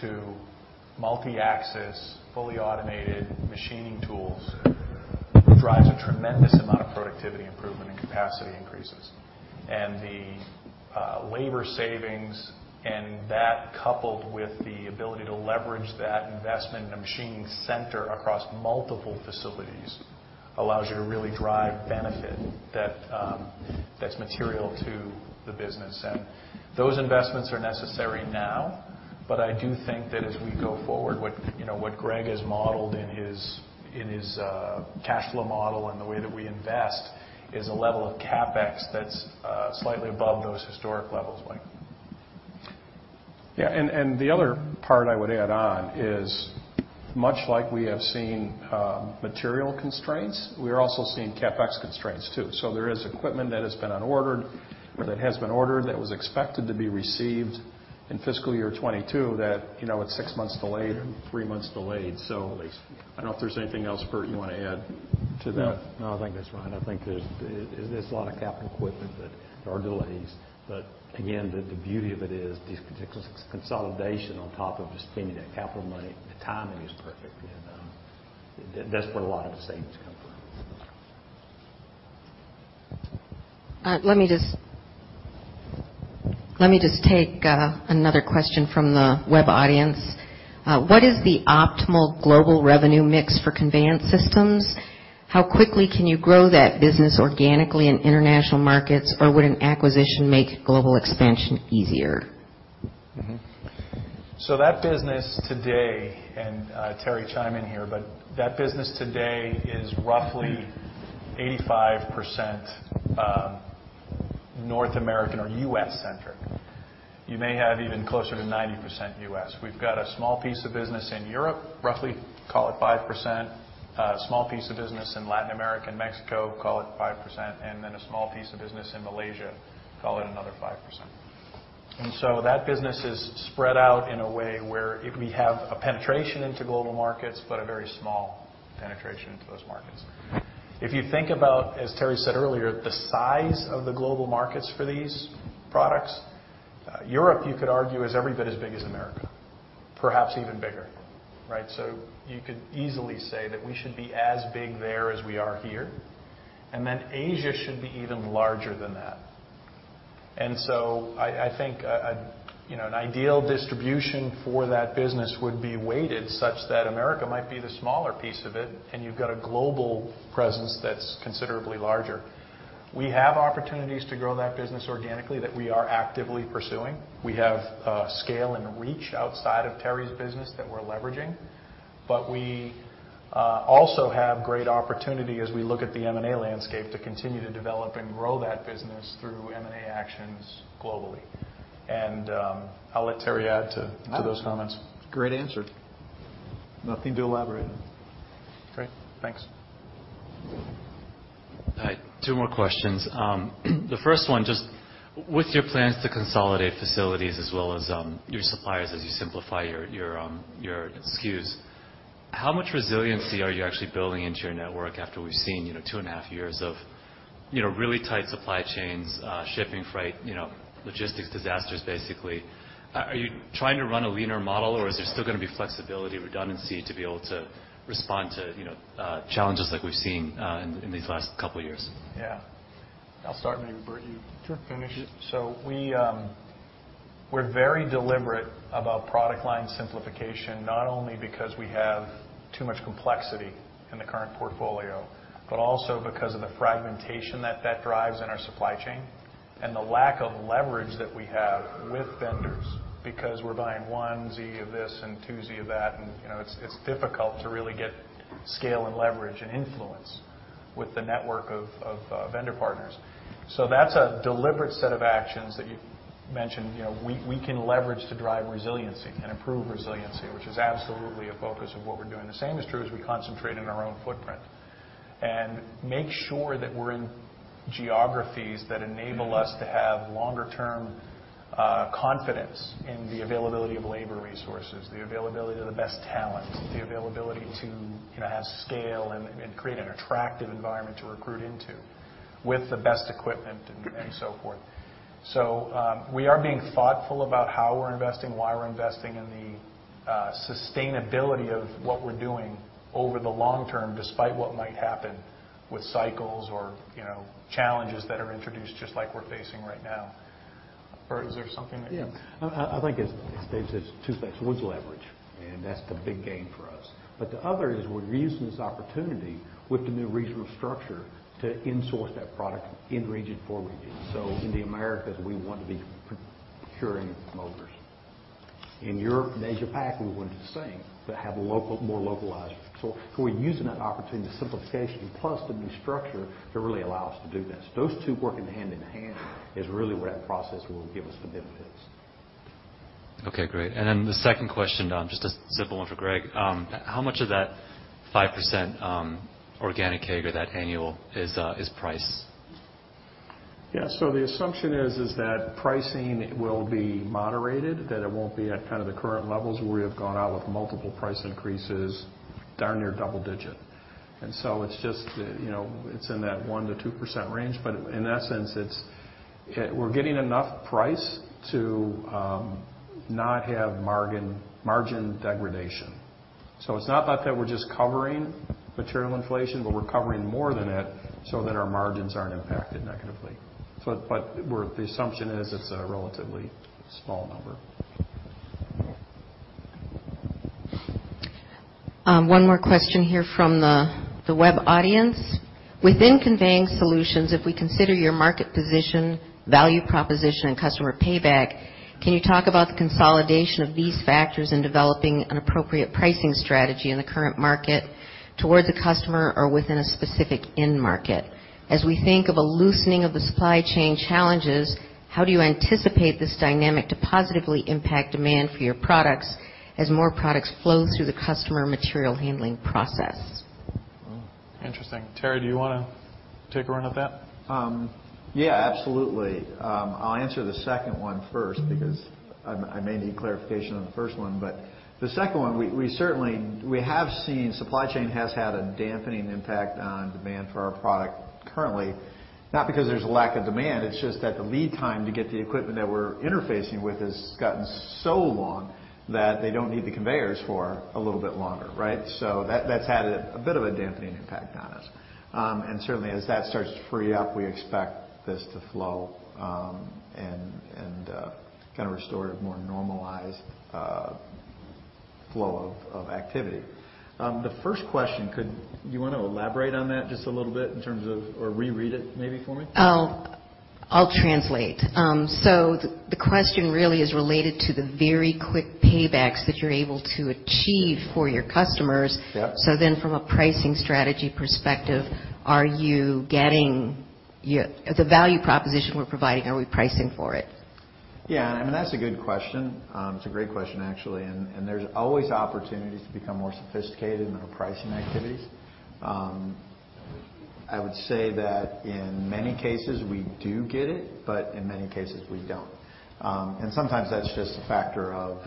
to multi-axis, fully automated machining tools drives a tremendous amount of productivity improvement and capacity increases. The labor savings, and that coupled with the ability to leverage that investment in a machining center across multiple facilities allows you to really drive benefit that's material to the business. Those investments are necessary now, but I do think that as we go forward with, you know, what Greg has modeled in his cash flow model and the way that we invest, is a level of CapEx that's slightly above those historic levels, Mike. The other part I would add on is much like we have seen material constraints, we are also seeing CapEx constraints too. There is equipment that has been unordered or that has been ordered that was expected to be received in fiscal year 2022 that, you know, it's six months delayed or three months delayed. I don't know if there's anything else, Bert, you wanna add to that. No, I think that's right. I think there's a lot of capital equipment that are delays. Again, the beauty of it is these consolidation on top of just spending that capital money, the timing is perfect. That's where a lot of the savings come from. Let me just take another question from the web audience. What is the optimal global revenue mix for conveyance systems? How quickly can you grow that business organically in international markets, or would an acquisition make global expansion easier? That business today, and, Terry chime in here, but that business today is roughly 85% North American or U.S.-centric. You may have even closer to 90% U.S. We've got a small piece of business in Europe, roughly call it 5%. A small piece of business in Latin America and Mexico, call it 5%. Then a small piece of business in Malaysia, call it another 5%. That business is spread out in a way where we have a penetration into global markets, but a very small penetration into those markets. If you think about, as Terry said earlier, the size of the global markets for these products, Europe, you could argue, is every bit as big as America, perhaps even bigger, right? You could easily say that we should be as big there as we are here, and then Asia should be even larger than that. I think you know an ideal distribution for that business would be weighted such that America might be the smaller piece of it, and you've got a global presence that's considerably larger. We have opportunities to grow that business organically that we are actively pursuing. We have scale and reach outside of Terry's business that we're leveraging. But we also have great opportunity as we look at the M&A landscape to continue to develop and grow that business through M&A actions globally. I'll let Terry add to those comments. Great answer. Nothing to elaborate on. Great. Thanks. Hi. Two more questions. The first one, just with your plans to consolidate facilities as well as your suppliers as you simplify your SKUs, how much resiliency are you actually building into your network after we've seen, you know, 2.5 years of, you know, really tight supply chains, shipping freight, you know, logistics disasters, basically? Are you trying to run a leaner model, or is there still gonna be flexibility redundancy to be able to respond to, you know, challenges like we've seen in these last couple years? Yeah. I'll start. Maybe, Bert, you can finish it. Sure. We're very deliberate about product line simplification, not only because we have too much complexity in the current portfolio, but also because of the fragmentation that that drives in our supply chain and the lack of leverage that we have with vendors because we're buying one of this and two of that and, you know, it's difficult to really get scale and leverage and influence with the network of vendor partners. That's a deliberate set of actions that you mentioned, you know, we can leverage to drive resiliency and improve resiliency, which is absolutely a focus of what we're doing. The same is true as we concentrate in our own footprint and make sure that we're in geographies that enable us to have longer term confidence in the availability of labor resources, the availability of the best talent, the availability to, you know, have scale and create an attractive environment to recruit into with the best equipment and so forth. We are being thoughtful about how we're investing, why we're investing, and the sustainability of what we're doing over the long term, despite what might happen with cycles or, you know, challenges that are introduced just like we're facing right now. Bert, is there something that you Yeah. I think it's two things. One's leverage, and that's the big gain for us. The other is we're using this opportunity with the new regional structure to insource that product in region for region. In the Americas, we want to be procuring motors. In Europe and Asia Pac, we want to do the same but have more localized. We're using that opportunity, the simplification, plus the new structure to really allow us to do this. Those two working hand in hand is really where that process will give us the benefits. Okay, great. The second question, just a simple one for Greg. How much of that 5% organic CAGR or that annual is price? Yeah. The assumption is that pricing will be moderated, that it won't be at kind of the current levels where we have gone out with multiple price increases darn near double-digit. It's just, you know, it's in that 1%-2% range. In essence, we're getting enough price to not have margin degradation. It's not about that we're just covering material inflation, but we're covering more than it so that our margins aren't impacted negatively. The assumption is it's a relatively small number. One more question here from the web audience. Within Conveying Solutions, if we consider your market position, value proposition, and customer payback, can you talk about the consolidation of these factors in developing an appropriate pricing strategy in the current market towards a customer or within a specific end market? As we think of a loosening of the supply chain challenges, how do you anticipate this dynamic to positively impact demand for your products as more products flow through the customer material handling process? Interesting. Terry, do you wanna take a run at that? Yeah, absolutely. I'll answer the second one first because I may need clarification on the first one. The second one, we certainly have seen supply chain has had a dampening impact on demand for our product currently, not because there's a lack of demand, it's just that the lead time to get the equipment that we're interfacing with has gotten so long that they don't need the conveyors for a little bit longer, right? That's had a bit of a dampening impact on us. Certainly as that starts to free up, we expect this to flow and kind of restore a more normalized flow of activity. The first question, could you wanna elaborate on that just a little bit in terms of or reread it maybe for me? Oh, I'll translate. The question really is related to the very quick paybacks that you're able to achieve for your customers. From a pricing strategy perspective, are you getting the value proposition we're providing, are we pricing for it? Yeah. I mean, that's a good question. It's a great question, actually, and there's always opportunities to become more sophisticated in our pricing activities. I would say that in many cases, we do get it, but in many cases we don't. Sometimes that's just a factor of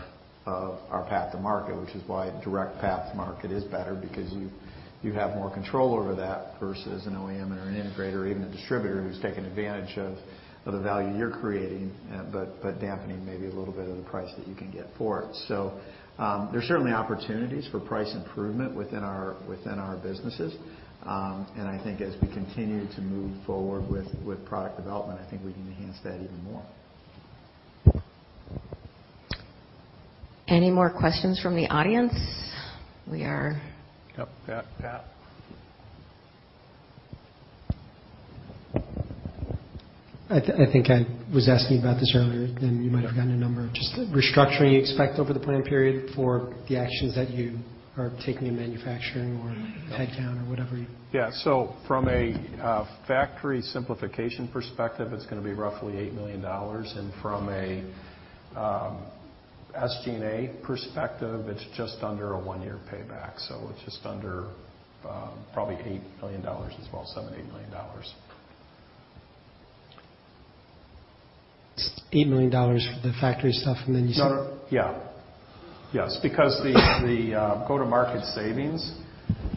our path to market, which is why direct path to market is better because you have more control over that versus an OEM or an integrator or even a distributor who's taking advantage of the value you're creating, but dampening maybe a little bit of the price that you can get for it. There's certainly opportunities for price improvement within our businesses. I think as we continue to move forward with product development, I think we can enhance that even more. Any more questions from the audience? Yep, yep. I think I was asking about this earlier, then you might have gotten a number. Just the restructuring you expect over the plan period for the actions that you are taking in manufacturing or headcount or whatever you. From a factory simplification perspective, it's gonna be roughly $8 million. From a SG&A perspective, it's just under a one-year payback. It's just under probably $8 million as well, $7 million-$8 million. $8 million for the factory stuff, and then you said-- Yes, because the go-to-market savings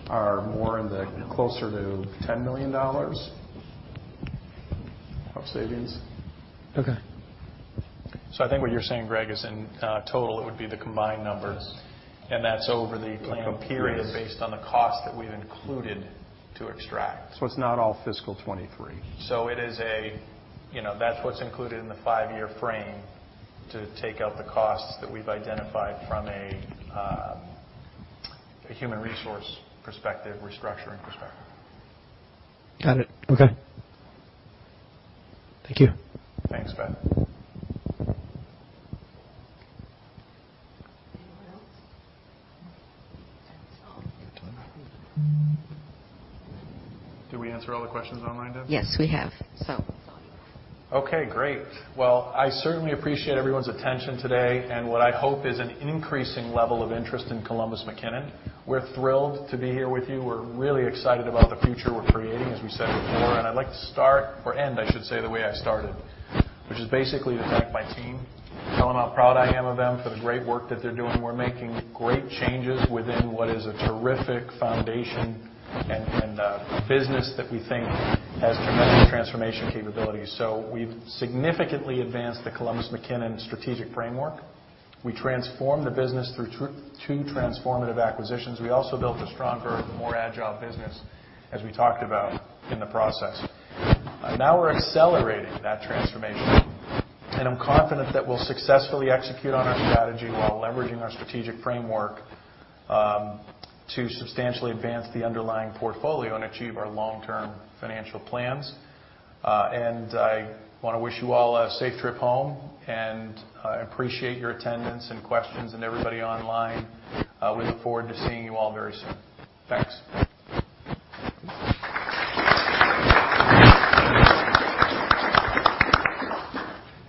are more in the closer to $10 million of savings. Okay. I think what you're saying, Greg, is in total, it would be the combined numbers. That's over the plan period based on the cost that we've included to extract. It's not all fiscal 2023. It is, you know, that's what's included in the five-year frame to take out the costs that we've identified from a human resource perspective, restructuring perspective. Got it. Okay. Thank you. Thanks, Ben. Anyone else? Did we answer all the questions online, Deb? Yes, we have. Okay, great. Well, I certainly appreciate everyone's attention today and what I hope is an increasing level of interest in Columbus McKinnon. We're thrilled to be here with you. We're really excited about the future we're creating, as we said before. I'd like to start or end, I should say, the way I started, which is basically to thank my team, tell them how proud I am of them for the great work that they're doing. We're making great changes within what is a terrific foundation and business that we think has tremendous transformation capabilities. We've significantly advanced the Columbus McKinnon strategic framework. We transformed the business through two transformative acquisitions. We also built a stronger, more agile business, as we talked about in the process. Now we're accelerating that transformation, and I'm confident that we'll successfully execute on our strategy while leveraging our strategic framework to substantially advance the underlying portfolio and achieve our long-term financial plans. I wanna wish you all a safe trip home, and I appreciate your attendance and questions and everybody online. We look forward to seeing you all very soon. Thanks.